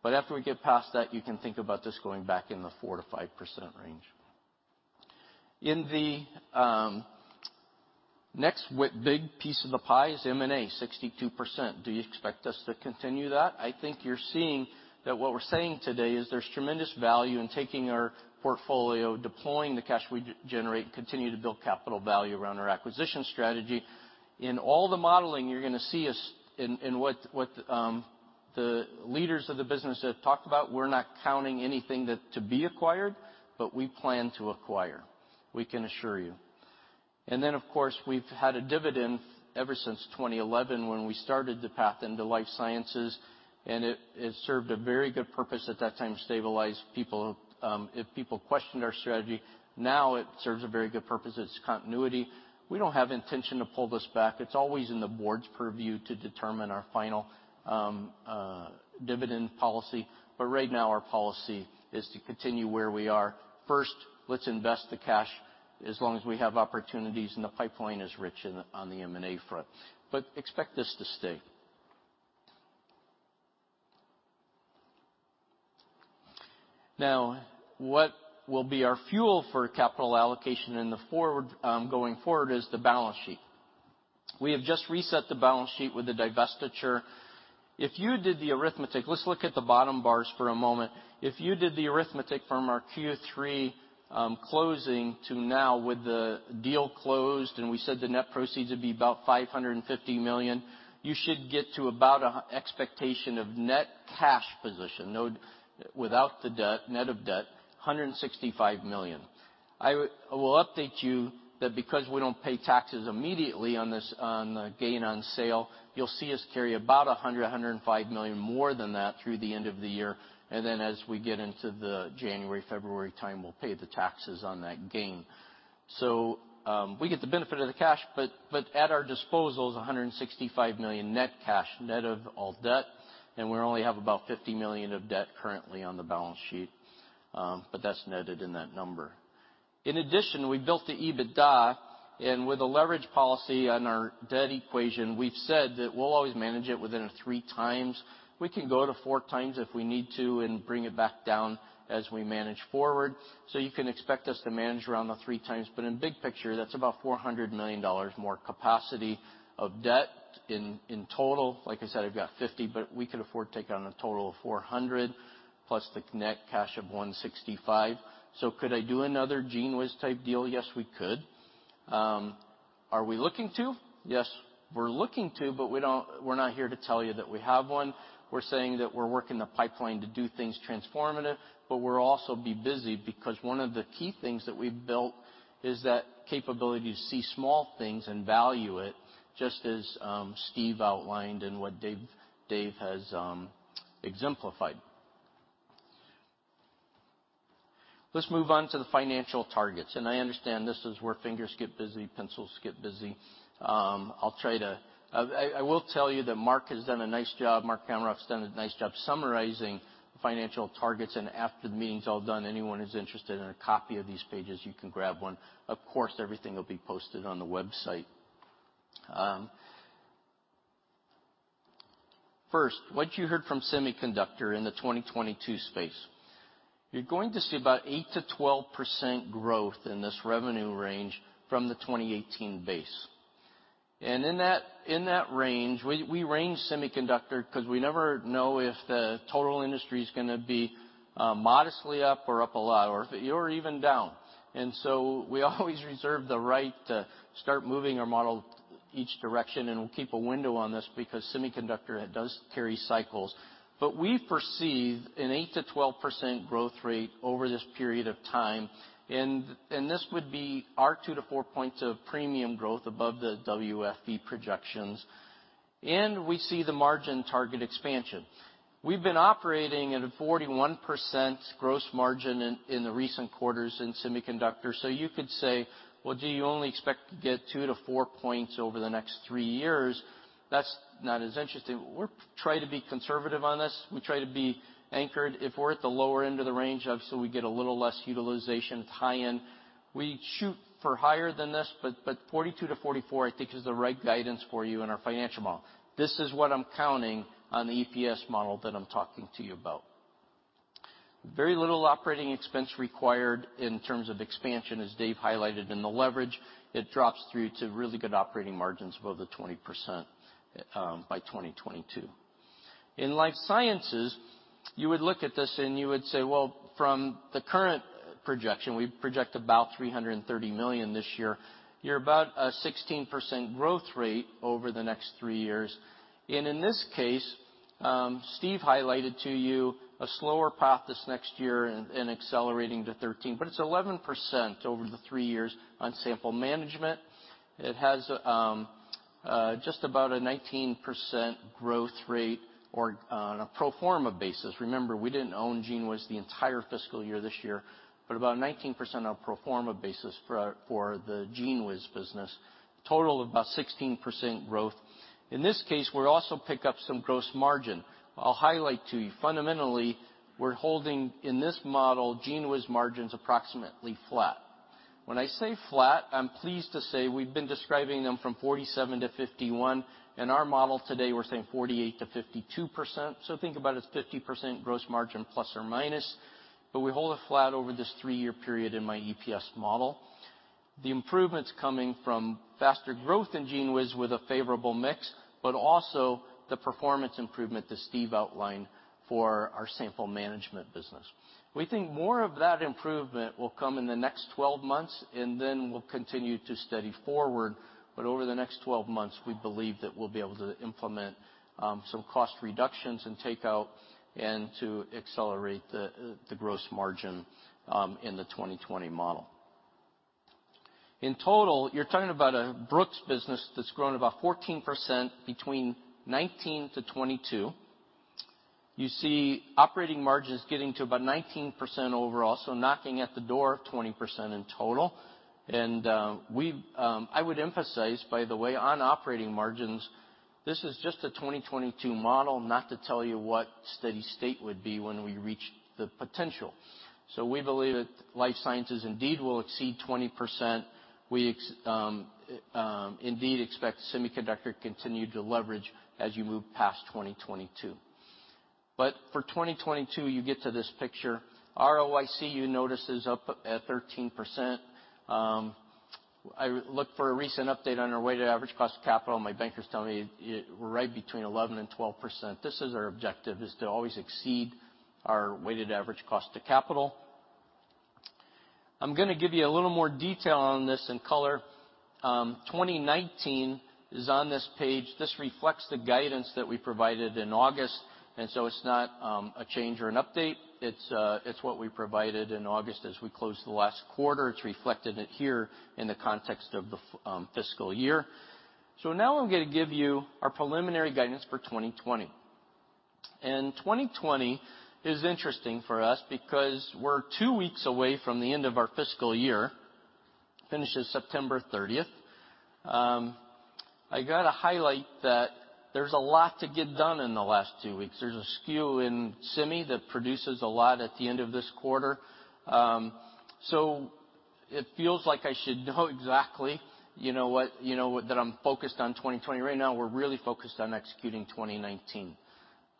After we get past that, you can think about this going back in the 4%-5% range. The next big piece of the pie is M&A, 62%. Do you expect us to continue that? I think you're seeing that what we're saying today is there's tremendous value in taking our portfolio, deploying the cash we generate, and continue to build capital value around our acquisition strategy. In all the modeling, you're going to see us in what the leaders of the business have talked about, we're not counting anything to be acquired. We plan to acquire, we can assure you. Of course, we've had a dividend ever since 2011 when we started the path into life sciences, and it served a very good purpose at that time to stabilize people. If people questioned our strategy, now it serves a very good purpose as continuity. We don't have intention to pull this back. It's always in the board's purview to determine our final dividend policy. Right now, our policy is to continue where we are. First, let's invest the cash as long as we have opportunities. The pipeline is rich on the M&A front. Expect this to stay. What will be our fuel for capital allocation going forward is the balance sheet. We have just reset the balance sheet with the divestiture. If you did the arithmetic, let's look at the bottom bars for a moment. If you did the arithmetic from our Q3 closing to now with the deal closed, we said the net proceeds would be about $550 million, you should get to about an expectation of net cash position, without the net of debt, $165 million. I will update you that because we don't pay taxes immediately on the gain on sale, you'll see us carry about $100 million-$105 million more than that through the end of the year, then as we get into the January, February time, we'll pay the taxes on that gain. We get the benefit of the cash, but at our disposal is $165 million net cash, net of all debt, and we only have about $50 million of debt currently on the balance sheet. That's netted in that number. In addition, we built the EBITDA, and with a leverage policy on our debt equation, we'll said that we'll always manage it within a 3x. We can go to 4x if we need to and bring it back down as we manage forward. You can expect us to manage around the 3x. In big picture, that's about $400 million more capacity of debt in total. Like I said, I've got $50, but we could afford to take on a total of $400 plus the net cash of $165. Could I do another GENEWIZ-type deal? Yes, we could. Are we looking to? Yes, we're looking to, but we're not here to tell you that we have one. We're saying that we're working the pipeline to do things transformative, but we'll also be busy because one of the key things that we've built is that capability to see small things and value it, just as Steve outlined and what Dave has exemplified. Let's move on to the financial targets. I understand this is where fingers get busy, pencils get busy. I will tell you that Mark Namaroff's done a nice job summarizing the financial targets. After the meeting's all done, anyone who's interested in a copy of these pages, you can grab one. Of course, everything will be posted on the website. First, what you heard from semiconductor in the 2022 space. You're going to see about 8%-12% growth in this revenue range from the 2018 base. In that range, we range semiconductor because we never know if the total industry's going to be modestly up or up a lot, or even down. So we always reserve the right to start moving our model each direction, and we'll keep a window on this because semiconductor does carry cycles. We foresee an 8%-12% growth rate over this period of time, and this would be our 2-4 points of premium growth above the WFE projections. We see the margin target expansion. We've been operating at a 41% gross margin in the recent quarters in semiconductor. You could say, "Well, do you only expect to get 2-4 points over the next three years?" That's not as interesting. We try to be conservative on this. We try to be anchored. If we're at the lower end of the range of so we get a little less utilization at the high end, we shoot for higher than this, but 42%-44% I think is the right guidance for you in our financial model. This is what I'm counting on the EPS model that I'm talking to you about. Very little operating expense required in terms of expansion, as Dave highlighted in the leverage. It drops through to really good operating margins above the 20% by 2022. In life sciences, you would look at this, and you would say, well, from the current projection, we project about $330 million this year. You're about a 16% growth rate over the next three years. In this case, Steve highlighted to you a slower path this next year and accelerating to 13%, but it's 11% over the three years on sample management. It has just about a 19% growth rate on a pro forma basis. Remember, we didn't own GENEWIZ the entire fiscal year this year, but about 19% on a pro forma basis for the GENEWIZ business, total of about 16% growth. In this case, we'll also pick up some gross margin. I'll highlight to you, fundamentally, we're holding, in this model, GENEWIZ margins approximately flat. When I say flat, I'm pleased to say we've been describing them from 47%-51%. In our model today, we're saying 48%-52%. Think about it as 50% gross margin, plus or minus. We hold it flat over this three-year period in my EPS model. The improvements coming from faster growth in GENEWIZ with a favorable mix, also the performance improvement that Steve outlined for our sample management business. We think more of that improvement will come in the next 12 months, and then will continue to steady forward. Over the next 12 months, we believe that we'll be able to implement some cost reductions and take out and to accelerate the gross margin in the 2020 model. In total, you're talking about a Brooks business that's grown about 14% between 2019 to 2022. You see operating margins getting to about 19% overall, so knocking at the door of 20% in total. I would emphasize, by the way, on operating margins, this is just a 2022 model, not to tell you what steady state would be when we reach the potential. We believe that life sciences indeed will exceed 20%. We indeed expect semiconductor continue to leverage as you move past 2022. For 2022, you get to this picture. ROIC, you notice, is up at 13%. I looked for a recent update on our weighted average cost of capital. My bankers tell me we're right between 11% and 12%. This is our objective is to always exceed our weighted average cost to capital. I'm going to give you a little more detail on this in color. 2019 is on this page. This reflects the guidance that we provided in August, it's not a change or an update. It's what we provided in August as we closed the last quarter. It's reflected here in the context of the fiscal year. Now I'm going to give you our preliminary guidance for 2020. 2020 is interesting for us because we're two weeks away from the end of our fiscal year, finishes September 30th. I got to highlight that there's a lot to get done in the last two weeks. There's a skew in semi that produces a lot at the end of this quarter. It feels like I should know exactly that I'm focused on 2020. Right now, we're really focused on executing 2019.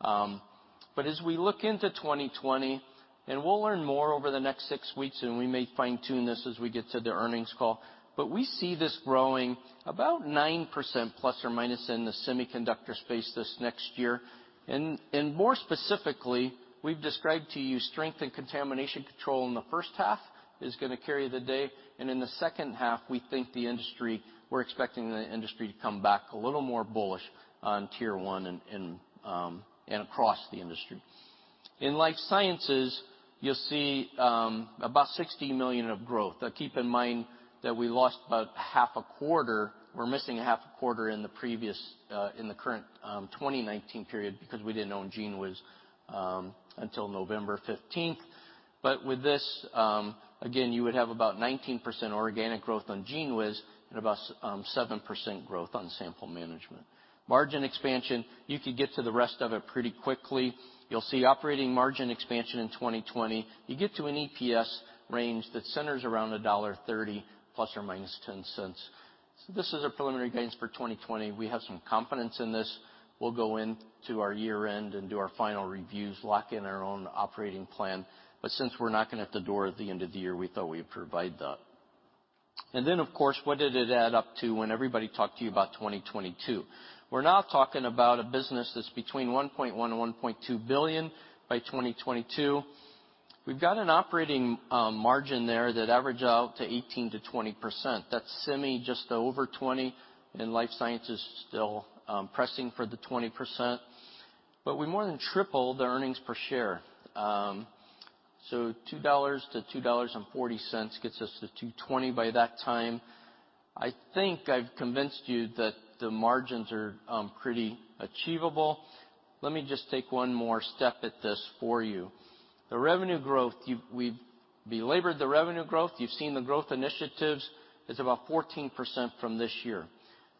As we look into 2020, and we'll learn more over the next six weeks, and we may fine-tune this as we get to the earnings call, we see this growing about 9%± in the semiconductor space this next year. More specifically, we've described to you strength in Contamination Control in the first half is going to carry the day. In the second half, we're expecting the industry to come back a little more bullish on Tier 1 and across the industry. In life sciences, you'll see about $60 million of growth. Keep in mind that we lost about half a quarter. We're missing a half a quarter in the current 2019 period because we didn't own GENEWIZ until November 15th. With this, again, you would have about 19% organic growth on GENEWIZ and about 7% growth on sample management. Margin expansion, you could get to the rest of it pretty quickly. You'll see operating margin expansion in 2020. You get to an EPS range that centers around $1.30 ±$0.10. This is our preliminary guidance for 2020. We have some confidence in this. We'll go into our year-end and do our final reviews, lock in our own operating plan. Since we're knocking at the door at the end of the year, we thought we'd provide that. Of course, what did it add up to when everybody talked to you about 2022? We're now talking about a business that's between $1.1 billion and $1.2 billion by 2022. We've got an operating margin there that average out to 18%-20%. That's semi just over 20%, and life science is still pressing for the 20%. We more than tripled the EPS. $2-$2.40 gets us to $2.20 by that time. I think I've convinced you that the margins are pretty achievable. Let me just take one more step at this for you. The revenue growth, we've belabored the revenue growth. You've seen the growth initiatives. It's about 14% from this year.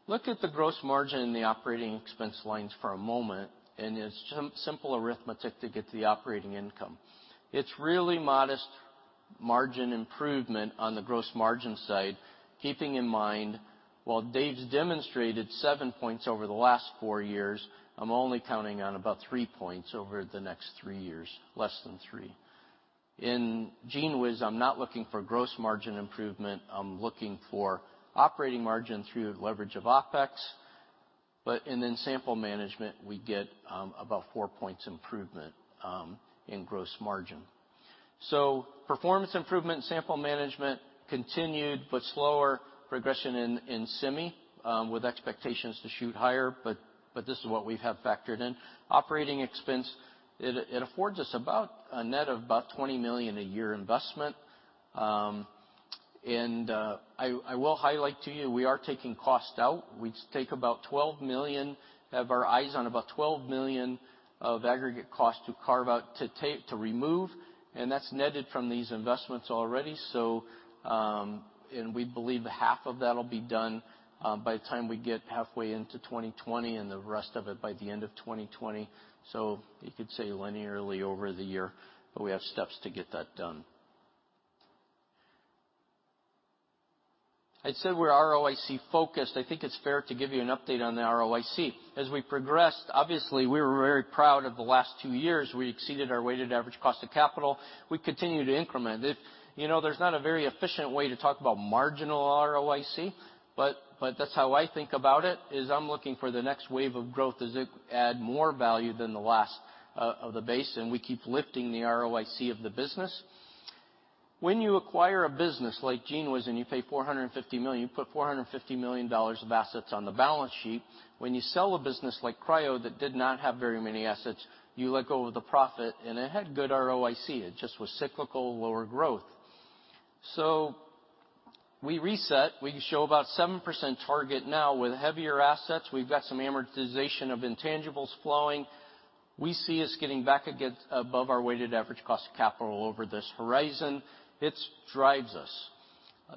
Look at the gross margin and the operating expense lines for a moment, it's simple arithmetic to get to the operating income. It's really modest margin improvement on the gross margin side, keeping in mind while Dave's demonstrated 7 points over the last four years, I'm only counting on about 3 points over the next three years, less than 3 points. In GENEWIZ, I'm not looking for gross margin improvement. I'm looking for operating margin through leverage of OpEx. In then sample management, we get about 4 points improvement in gross margin. Performance improvement, sample management continued but slower progression in semi with expectations to shoot higher, this is what we have factored in. Operating expense, it affords us about a net of about $20 million a year investment. I will highlight to you, we are taking cost out. We have our eyes on about $12 million of aggregate cost to carve out, to remove, and that's netted from these investments already. We believe half of that'll be done by the time we get halfway into 2020 and the rest of it by the end of 2020. You could say linearly over the year, but we have steps to get that done. I said we're ROIC-focused. I think it's fair to give you an update on the ROIC. As we progressed, obviously, we were very proud of the last two years. We exceeded our weighted average cost of capital. We continue to increment it. There's not a very efficient way to talk about marginal ROIC, but that's how I think about it, is I'm looking for the next wave of growth. Does it add more value than the last of the base? We keep lifting the ROIC of the business. When you acquire a business like GENEWIZ and you pay $450 million, you put $450 million of assets on the balance sheet. When you sell a business like cryo that did not have very many assets, you let go of the profit, and it had good ROIC. It just was cyclical, lower growth. We reset. We show about 7% target now with heavier assets. We've got some amortization of intangibles flowing. We see us getting back above our weighted average cost of capital over this horizon. It drives us.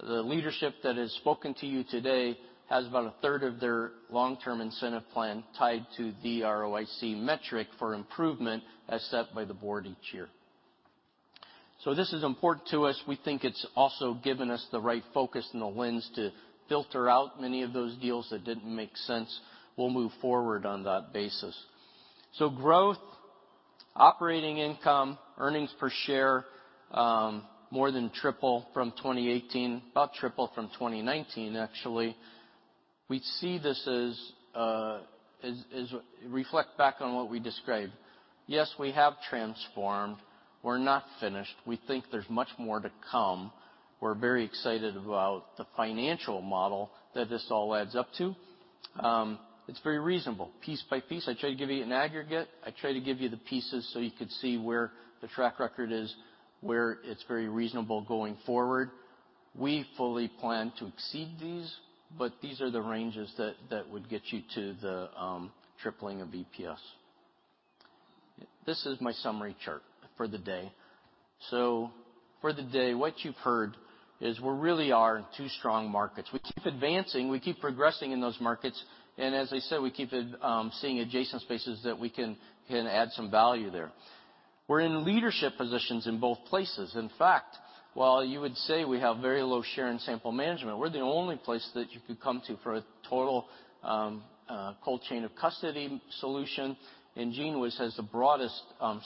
The leadership that has spoken to you today has about a third of their long-term incentive plan tied to the ROIC metric for improvement as set by the board each year. This is important to us. We think it's also given us the right focus and the lens to filter out many of those deals that didn't make sense. We'll move forward on that basis. Growth, operating income, earnings per share more than triple from 2018, about triple from 2019, actually. We see this as reflect back on what we described. Yes, we have transformed. We're not finished. We think there's much more to come. We're very excited about the financial model that this all adds up to. It's very reasonable. Piece by piece, I try to give you an aggregate. I try to give you the pieces so you could see where the track record is, where it's very reasonable going forward. We fully plan to exceed these, but these are the ranges that would get you to the tripling of EPS. This is my summary chart for the day. For the day, what you've heard is we really are in two strong markets. We keep advancing. We keep progressing in those markets, and as I said, we keep seeing adjacent spaces that we can add some value there. We're in leadership positions in both places. In fact, while you would say we have very low share in sample management, we're the only place that you could come to for a total cold chain of custody solution, and GENEWIZ has the broadest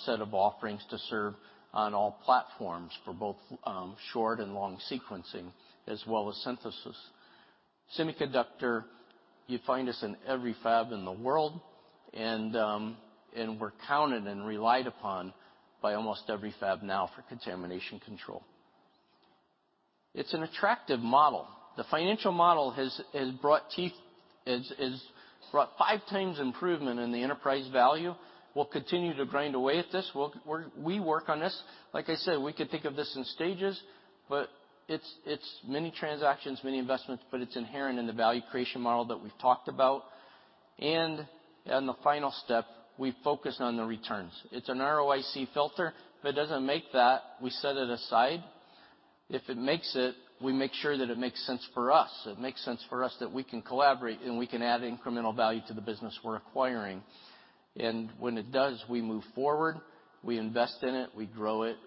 set of offerings to serve on all platforms for both short and long sequencing, as well as synthesis. Semiconductor, you find us in every fab in the world. We're counted and relied upon by almost every fab now for Contamination Control. It's an attractive model. The financial model has brought 5x improvement in the enterprise value. We'll continue to grind away at this. We work on this. Like I said, we could think of this in stages, but it's many transactions, many investments, but it's inherent in the value creation model that we've talked about. The final step, we focus on the returns. It's an ROIC filter. If it doesn't make that, we set it aside. If it makes it, we make sure that it makes sense for us, that we can collaborate, and we can add incremental value to the business we're acquiring. When it does, we move forward. We invest in it, we grow it.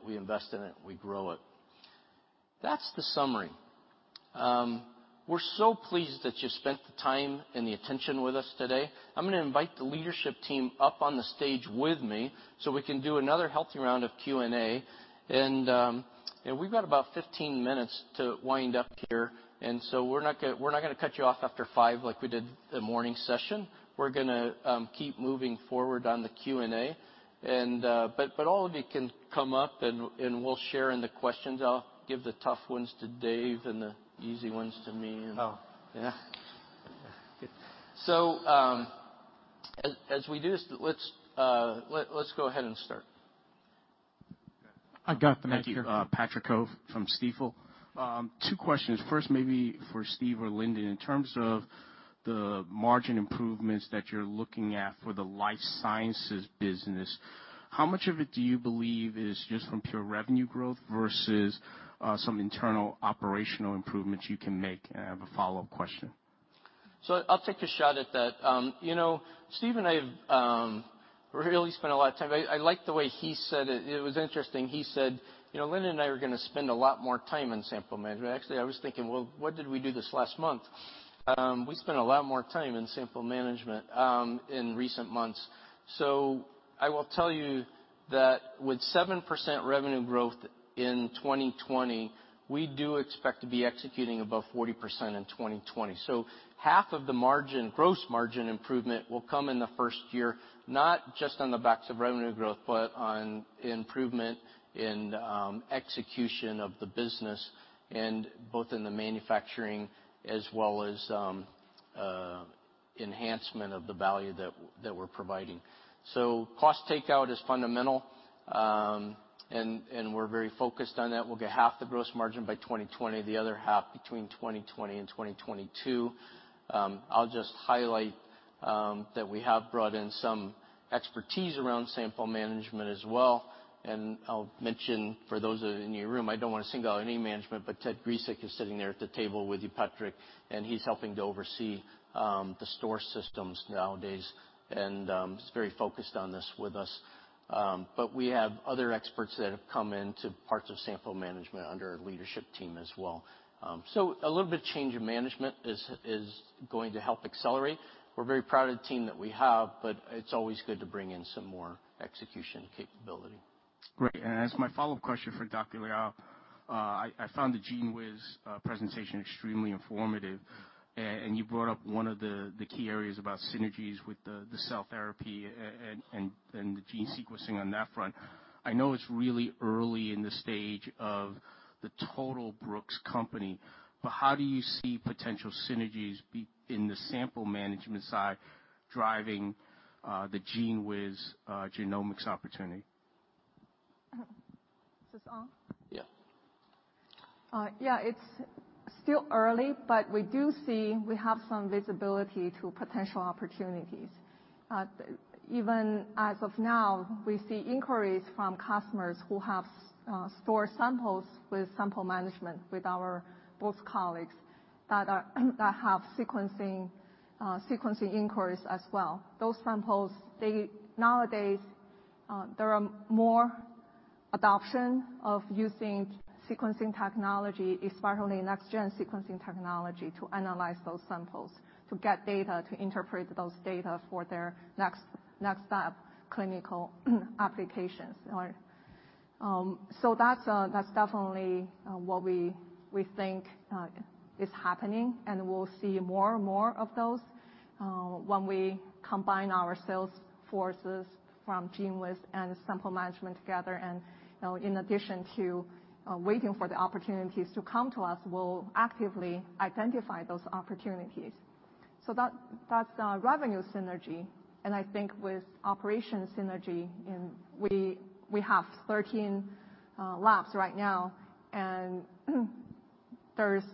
That's the summary. We're so pleased that you spent the time and the attention with us today. I'm going to invite the leadership team up on the stage with me so we can do another healthy round of Q&A. We've got about 15 minutes to wind up here. We're not going to cut you off after five like we did the morning session. We're going to keep moving forward on the Q&A. All of you can come up, and we'll share in the questions. I'll give the tough ones to Dave and the easy ones to me. Oh. Yeah. As we do this, let's go ahead and start. I've got the mic here. Thank you. Patrick Ho from Stifel. Two questions. First, maybe for Steve or Lindon, in terms of the margin improvements that you're looking at for the life sciences business, how much of it do you believe is just from pure revenue growth versus some internal operational improvements you can make? I have a follow-up question. I'll take a shot at that. Steve and I have really spent a lot of time. I like the way he said it. It was interesting. He said, "Lindon and I are going to spend a lot more time in sample management." Actually, I was thinking, "Well, what did we do this last month?" We spent a lot more time in sample management in recent months. I will tell you that with 7% revenue growth in 2020, we do expect to be executing above 40% in 2020. Half of the gross margin improvement will come in the first year, not just on the backs of revenue growth, but on improvement in execution of the business, and both in the manufacturing as well as enhancement of the value that we're providing. Cost takeout is fundamental. We're very focused on that. We'll get half the gross margin by 2020, the other half between 2020 and 2022. I'll just highlight that we have brought in some expertise around sample management as well. I'll mention for those in the room, I don't want to single out any management, but Ted Gresik is sitting there at the table with you, Patrick, and he's helping to oversee the store systems nowadays, and is very focused on this with us. We have other experts that have come into parts of sample management under our leadership team as well. A little bit change of management is going to help accelerate. We're very proud of the team that we have, but it's always good to bring in some more execution capability. Great. As my follow-up question for Dr. Liao, I found the GENEWIZ presentation extremely informative, and you brought up one of the key areas about synergies with the cell therapy and the gene sequencing on that front. I know it's really early in the stage of the total Brooks company. How do you see potential synergies be in the sample management side, driving the GENEWIZ genomics opportunity? Is this on? Yeah. Yeah. It's still early. We do see we have some visibility to potential opportunities. Even as of now, we see inquiries from customers who have stored samples with sample management, with our both colleagues that have sequencing inquiries as well. Those samples, nowadays, there are more adoption of using sequencing technology, especially Next-generation sequencing technology, to analyze those samples, to get data, to interpret those data for their next-step clinical applications. That's definitely what we think is happening, and we'll see more of those when we combine our sales forces from GENEWIZ and sample management together. In addition to waiting for the opportunities to come to us, we'll actively identify those opportunities. That's revenue synergy. I think with operation synergy in, we have 13 labs right now, There's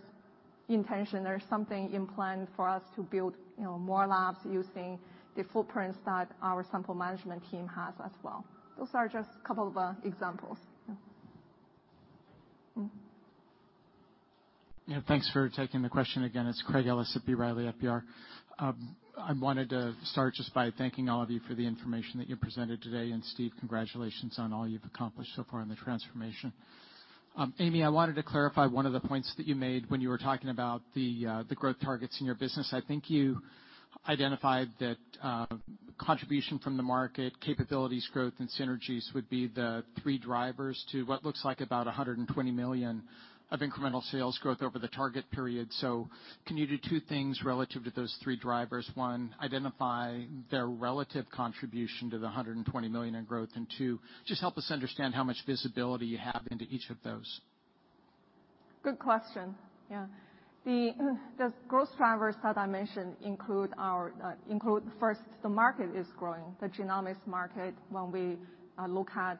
intention, there's something in plan for us to build more labs using the footprints that our sample management team has as well. Those are just couple of examples. Yeah. Thanks for taking the question again. It's Craig Ellis at B. Riley FBR. I wanted to start just by thanking all of you for the information that you presented today. Steve, congratulations on all you've accomplished so far in the transformation. Amy, I wanted to clarify one of the points that you made when you were talking about the growth targets in your business. I think you identified that contribution from the market, capabilities, growth, and synergies would be the three drivers to what looks like about $120 million of incremental sales growth over the target period. Can you do two things relative to those three drivers? One, identify their relative contribution to the $120 million in growth. And two, just help us understand how much visibility you have into each of those. Good question. Yeah. The growth drivers that I mentioned include, first, the market is growing, the genomics market. When we look at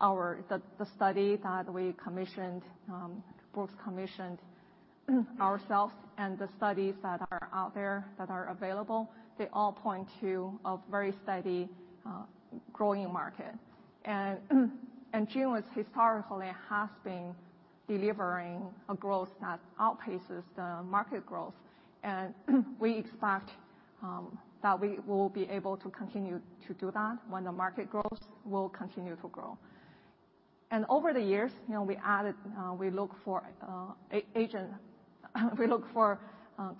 the study that we commissioned, both commissioned ourselves and the studies that are out there that are available, they all point to a very steady growing market. GENEWIZ historically has been delivering a growth that outpaces the market growth. We expect that we will be able to continue to do that. When the market grows, we'll continue to grow. Over the years, we look for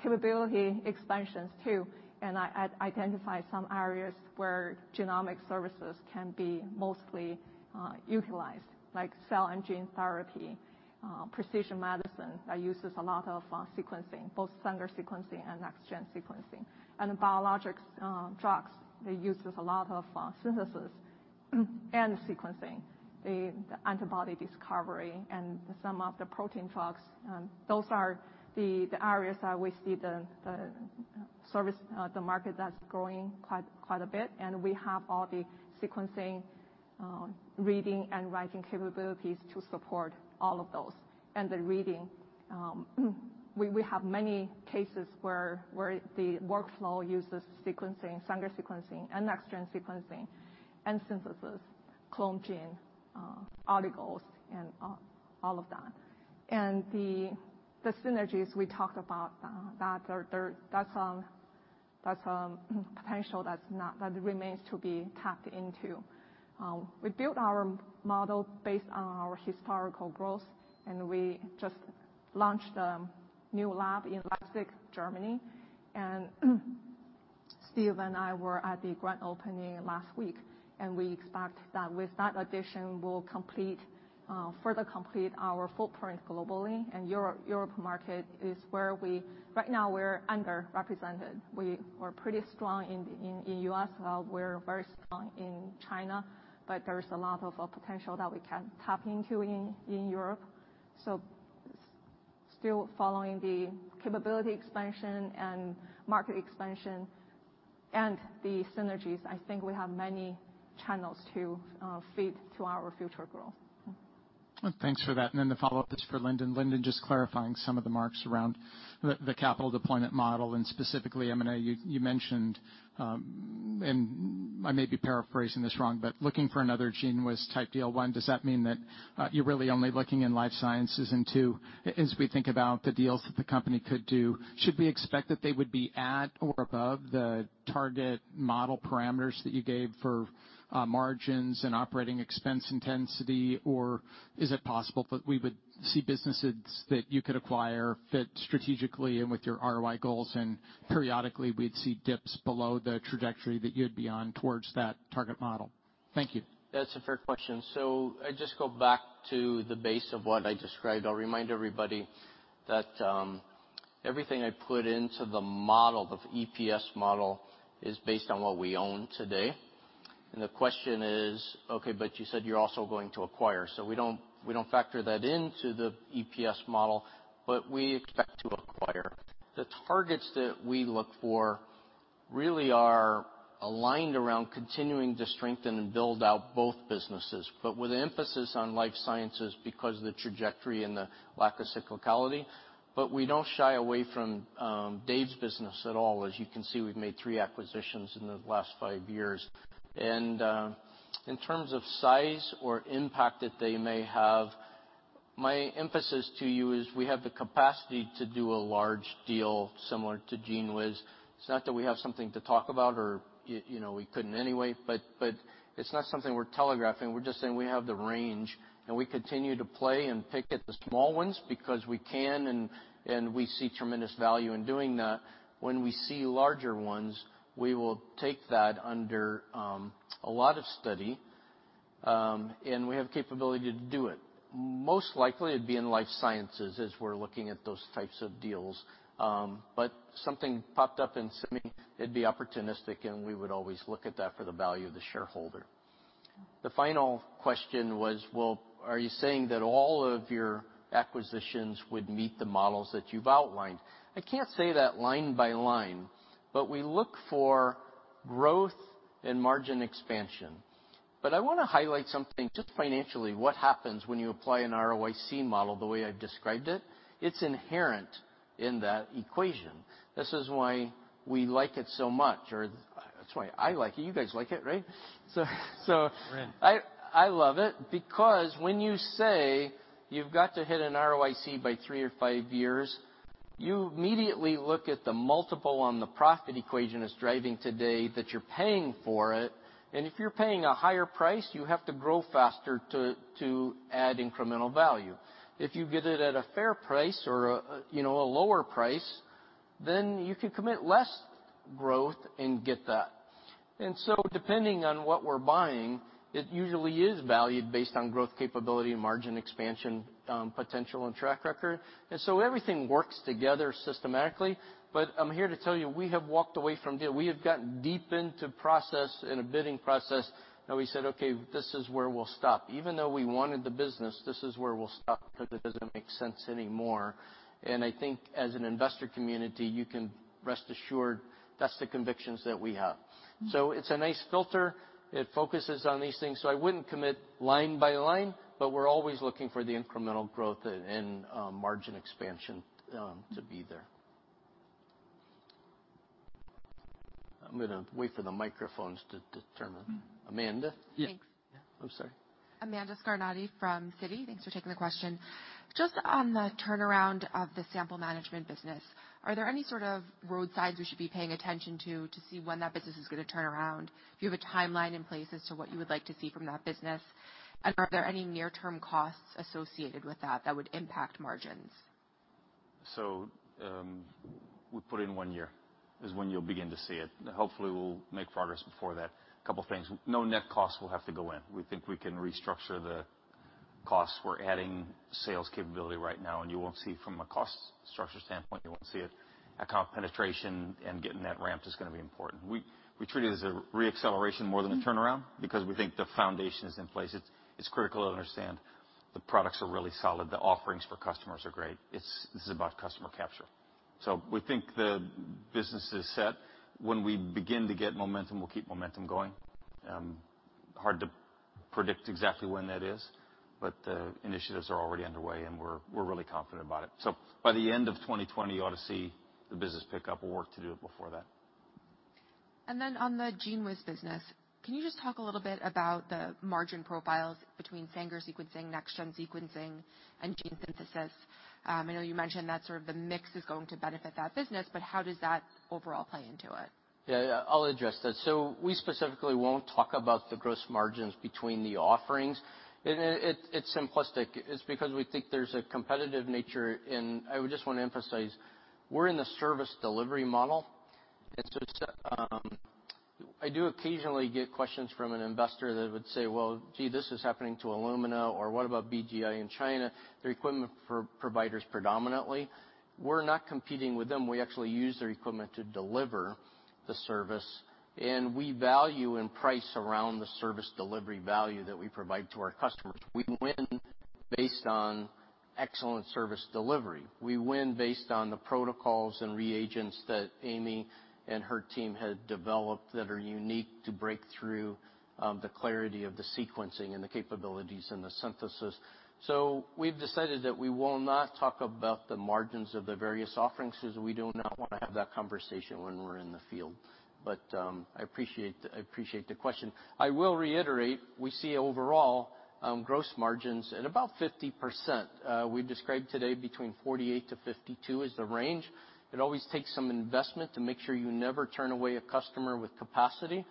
capability expansions, too. I identify some areas where genomic services can be mostly utilized, like cell and gene therapy, precision medicine, that uses a lot of sequencing, both Sanger sequencing and Next-generation sequencing. The biologics drugs, they uses a lot of synthesis and sequencing. The antibody discovery and some of the protein drugs, those are the areas that we see the market that's growing quite a bit. We have all the sequencing, reading, and writing capabilities to support all of those. The reading. We have many cases where the workflow uses sequencing, Sanger sequencing and Next-generation sequencing and gene synthesis, clone gene, oligos, and all of that. The synergies we talked about, that's potential that remains to be tapped into. We built our model based on our historical growth, and we just launched a new lab in Leipzig, Germany. Steve and I were at the grand opening last week. We expect that with that addition, we'll further complete our footprint globally. Europe market is where right now we're underrepresented. We're pretty strong in U.S. We're very strong in China. There's a lot of potential that we can tap into in Europe. Still following the capability expansion and market expansion and the synergies, I think we have many channels to feed to our future growth. Thanks for that. The follow-up is for Lindon. Lindon, just clarifying some of the marks around the capital deployment model and specifically M&A. You mentioned, and I may be paraphrasing this wrong, but looking for another GENEWIZ-type deal. One, does that mean that you're really only looking in life sciences? Two, as we think about the deals that the company could do, should we expect that they would be at or above the target model parameters that you gave for margins and operating expense intensity? Is it possible that we would see businesses that you could acquire fit strategically and with your ROI goals and periodically we'd see dips below the trajectory that you'd be on towards that target model? Thank you. That's a fair question. I just go back to the base of what I described. I'll remind everybody that everything I put into the model, the EPS model, is based on what we own today. The question is, okay, you said you're also going to acquire. We don't factor that into the EPS model, but we expect to acquire. The targets that we look for really are aligned around continuing to strengthen and build out both businesses, but with an emphasis on life sciences because of the trajectory and the lack of cyclicality. We don't shy away from Dave's business at all. As you can see, we've made three acquisitions in the last five years. In terms of size or impact that they may have, my emphasis to you is we have the capacity to do a large deal similar to GENEWIZ. It's not that we have something to talk about or we couldn't anyway, but it's not something we're telegraphing. We're just saying we have the range, and we continue to play and pick at the small ones because we can and we see tremendous value in doing that. When we see larger ones, we will take that under a lot of study, and we have capability to do it. Most likely it'd be in life sciences as we're looking at those types of deals. Something popped up in semi, it'd be opportunistic, and we would always look at that for the value of the shareholder. The final question was, well, are you saying that all of your acquisitions would meet the models that you've outlined? I can't say that line by line, we look for growth and margin expansion. I want to highlight something just financially, what happens when you apply an ROIC model the way I've described it? It's inherent in that equation. This is why we like it so much, or that's why I like it. You guys like it, right? Right I love it because when you say you've got to hit an ROIC by three or five years, you immediately look at the multiple on the profit equation it's driving today that you're paying for it. If you're paying a higher price, you have to grow faster to add incremental value. If you get it at a fair price or a lower price, you can commit less growth and get that. Depending on what we're buying, it usually is valued based on growth capability and margin expansion, potential and track record. Everything works together systematically. I'm here to tell you, we have walked away from deal. We have gotten deep into process, in a bidding process, and we said, "Okay, this is where we'll stop." Even though we wanted the business, this is where we'll stop because it doesn't make sense anymore. I think as an investor community, you can rest assured that's the convictions that we have. It's a nice filter. It focuses on these things. I wouldn't commit line by line, but we're always looking for the incremental growth and margin expansion to be there. I'm going to wait for the microphones to determine. Amanda? Thanks. I'm sorry. Amanda Scarnati from Citi. Thanks for taking the question. Just on the turnaround of the sample management business, are there any sort of road signs we should be paying attention to to see when that business is going to turn around? Do you have a timeline in place as to what you would like to see from that business? Are there any near-term costs associated with that that would impact margins? We put in one year is when you'll begin to see it. Hopefully, we'll make progress before that. Couple of things. No net costs will have to go in. We think we can restructure the costs. We're adding sales capability right now, you won't see from a cost structure standpoint, you won't see it. Account penetration and getting that ramped is going to be important. We treat it as a re-acceleration more than a turnaround because we think the foundation is in place. It's critical to understand the products are really solid. The offerings for customers are great. This is about customer capture. We think the business is set. When we begin to get momentum, we'll keep momentum going. Hard to predict exactly when that is, the initiatives are already underway and we're really confident about it. By the end of 2020, you ought to see the business pick up. We'll work to do it before that. On the GENEWIZ business, can you just talk a little bit about the margin profiles between Sanger sequencing, Next-generation sequencing and gene synthesis? I know you mentioned that sort of the mix is going to benefit that business, but how does that overall play into it? I'll address that. We specifically won't talk about the gross margins between the offerings. It's simplistic. It's because we think there's a competitive nature in. I would just want to emphasize, we're in the service delivery model. I do occasionally get questions from an investor that would say, "Well, gee, this is happening to Illumina" or "What about BGI in China?" They're equipment providers predominantly. We're not competing with them. We actually use their equipment to deliver the service, and we value and price around the service delivery value that we provide to our customers. We win based on excellent service delivery. We win based on the protocols and reagents that Amy and her team had developed that are unique to break through the clarity of the sequencing and the capabilities and the synthesis. We've decided that we will not talk about the margins of the various offerings as we do not want to have that conversation when we're in the field. I appreciate the question. I will reiterate, we see overall gross margins at about 50%. We described today between 48%-52% as the range. It always takes some investment to make sure you never turn away a customer with capacity.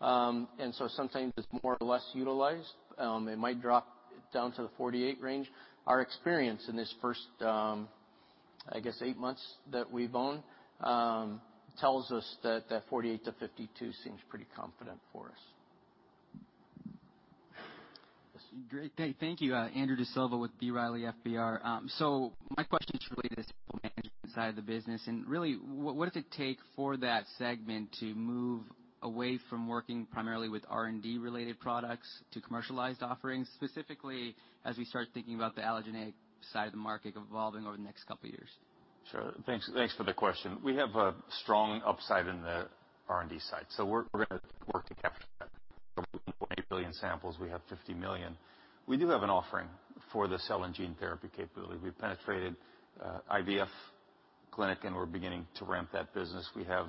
Sometimes it's more or less utilized. It might drop down to the 48% range. Our experience in this first, I guess eight months that we've owned, tells us that that 48%-52% seems pretty confident for us. Great. Thank you. Andrew D'Silva with B. Riley FBR. My question is related to the sample management side of the business and really what does it take for that segment to move away from working primarily with R&D related products to commercialized offerings, specifically as we start thinking about the allogeneic side of the market evolving over the next couple of years? Sure. Thanks for the question. We have a strong upside in the R&D side. We're going to work to capture that. 80 billion samples, we have 50 million. We do have an offering for the cell and gene therapy capability. We penetrated IVF clinic, and we're beginning to ramp that business. We have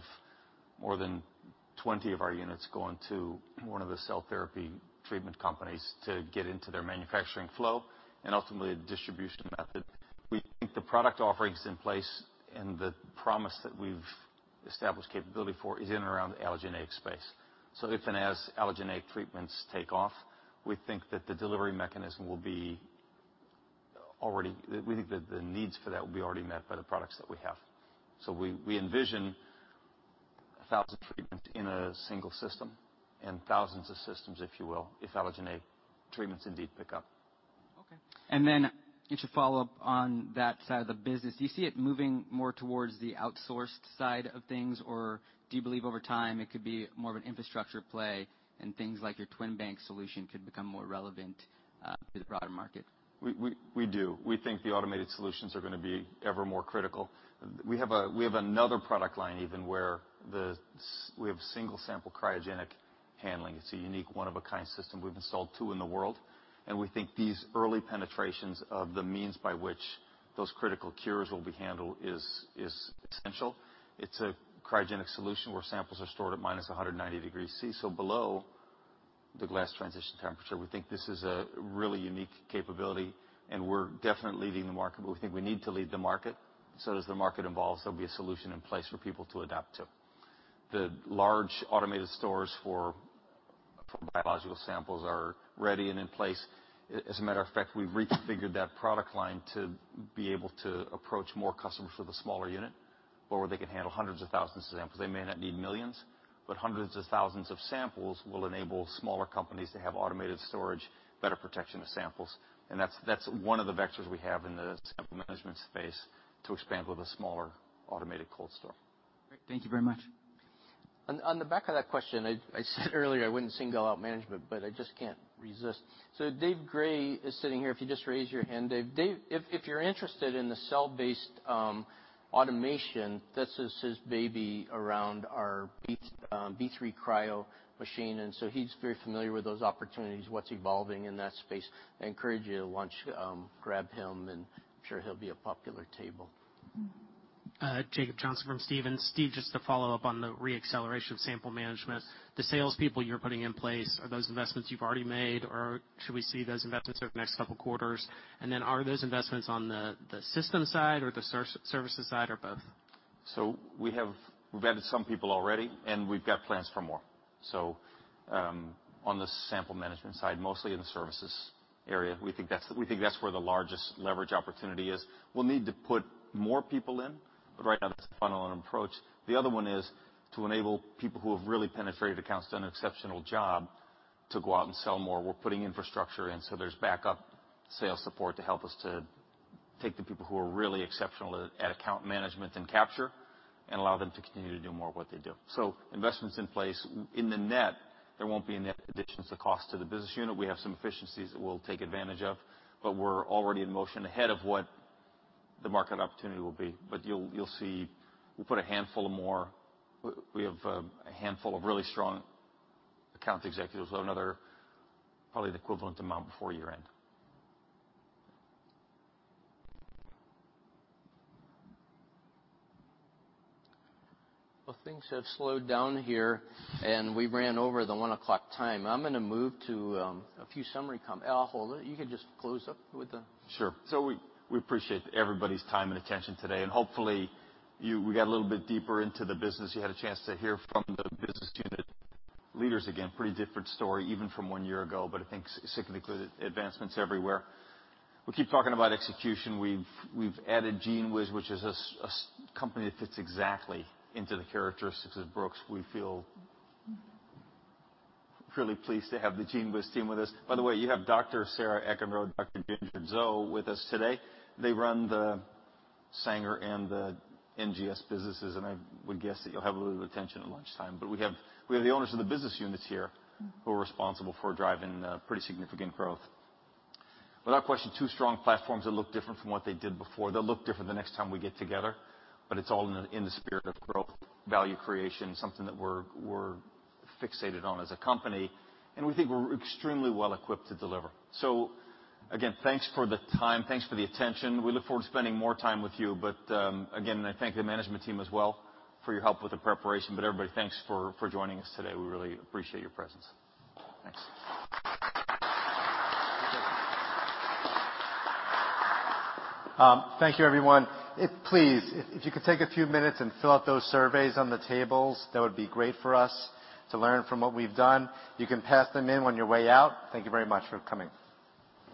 more than 20 of our units going to one of the cell therapy treatment companies to get into their manufacturing flow and ultimately the distribution method. We think the product offerings in place and the promise that we've established capability for is in and around the allogeneic space. If and as allogeneic treatments take off, we think that the needs for that will be already met by the products that we have. We envision 1,000 treatments in a single system and thousands of systems, if you will, if allogeneic treatments indeed pick up. Okay. Just to follow up on that side of the business, do you see it moving more towards the outsourced side of things, or do you believe over time it could be more of an infrastructure play and things like your Twin-Bank solution could become more relevant to the broader market? We do. We think the automated solutions are going to be ever more critical. We have another product line even where we have single sample cryogenic handling. It's a unique one of a kind system. We've installed two in the world, and we think these early penetrations of the means by which those critical cures will be handled is essential. It's a cryogenic solution where samples are stored at -190 degrees Celsius, so below the glass transition temperature. We think this is a really unique capability and we're definitely leading the market, but we think we need to lead the market. As the market evolves, there'll be a solution in place for people to adapt to. The large automated stores for- Biological samples are ready and in place. As a matter of fact, we've reconfigured that product line to be able to approach more customers for the smaller unit, where they can handle hundreds of thousands of samples. They may not need millions, but hundreds of thousands of samples will enable smaller companies to have automated storage, better protection of samples. That's one of the vectors we have in the sample management space to expand with a smaller automated cold storage. Great. Thank you very much. On the back of that question, I said earlier I wouldn't single out management, I just can't resist. David Gray is sitting here. If you just raise your hand, David. David, if you're interested in the cell-based automation, this is his baby around our BioStore III Cryo machine, he's very familiar with those opportunities, what's evolving in that space. I encourage you at lunch, grab him, I'm sure he'll be a popular table. Jacob Johnson from Stephens. Steve, just to follow up on the re-acceleration of sample management. The sales people you're putting in place, are those investments you've already made or should we see those investments over the next couple of quarters? Are those investments on the system side or the services side or both? We've added some people already and we've got plans for more. On the sample management side, mostly in the services area. We think that's where the largest leverage opportunity is. We'll need to put more people in, but right now that's the funnel and approach. The other one is to enable people who have really penetrated accounts, done an exceptional job, to go out and sell more. We're putting infrastructure in so there's backup sales support to help us to take the people who are really exceptional at account management and capture and allow them to continue to do more of what they do. Investments in place. In the net, there won't be any net additions to cost to the business unit. We have some efficiencies that we'll take advantage of, but we're already in motion ahead of what the market opportunity will be. You'll see, we have a handful of really strong account executives. We have another, probably the equivalent amount before year-end. Well, things have slowed down here, and we ran over the 1:00 P.M. time. I'll hold it. You can just close up. Sure. We appreciate everybody's time and attention today, and hopefully we got a little bit deeper into the business. You had a chance to hear from the business unit leaders again. Pretty different story, even from one year ago, but I think significant advancements everywhere. We keep talking about execution. We've added GENEWIZ, which is a company that fits exactly into the characteristics of Brooks. We feel really pleased to have the GENEWIZ team with us. By the way, you have Dr. Sarah Eckenrode, Dr. Ginger Zhou with us today. They run the Sanger and the NGS businesses, and I would guess that you'll have a little attention at lunchtime. We have the owners of the business units here who are responsible for driving pretty significant growth. Without question, two strong platforms that look different from what they did before. They'll look different the next time we get together, but it's all in the spirit of growth, value creation, something that we're fixated on as a company, and we think we're extremely well equipped to deliver. Again, thanks for the time. Thanks for the attention. We look forward to spending more time with you, but again, I thank the management team as well for your help with the preparation. Everybody, thanks for joining us today. We really appreciate your presence. Thanks. Thank you, everyone. Please, if you could take a few minutes and fill out those surveys on the tables, that would be great for us to learn from what we've done. You can pass them in on your way out. Thank you very much for coming.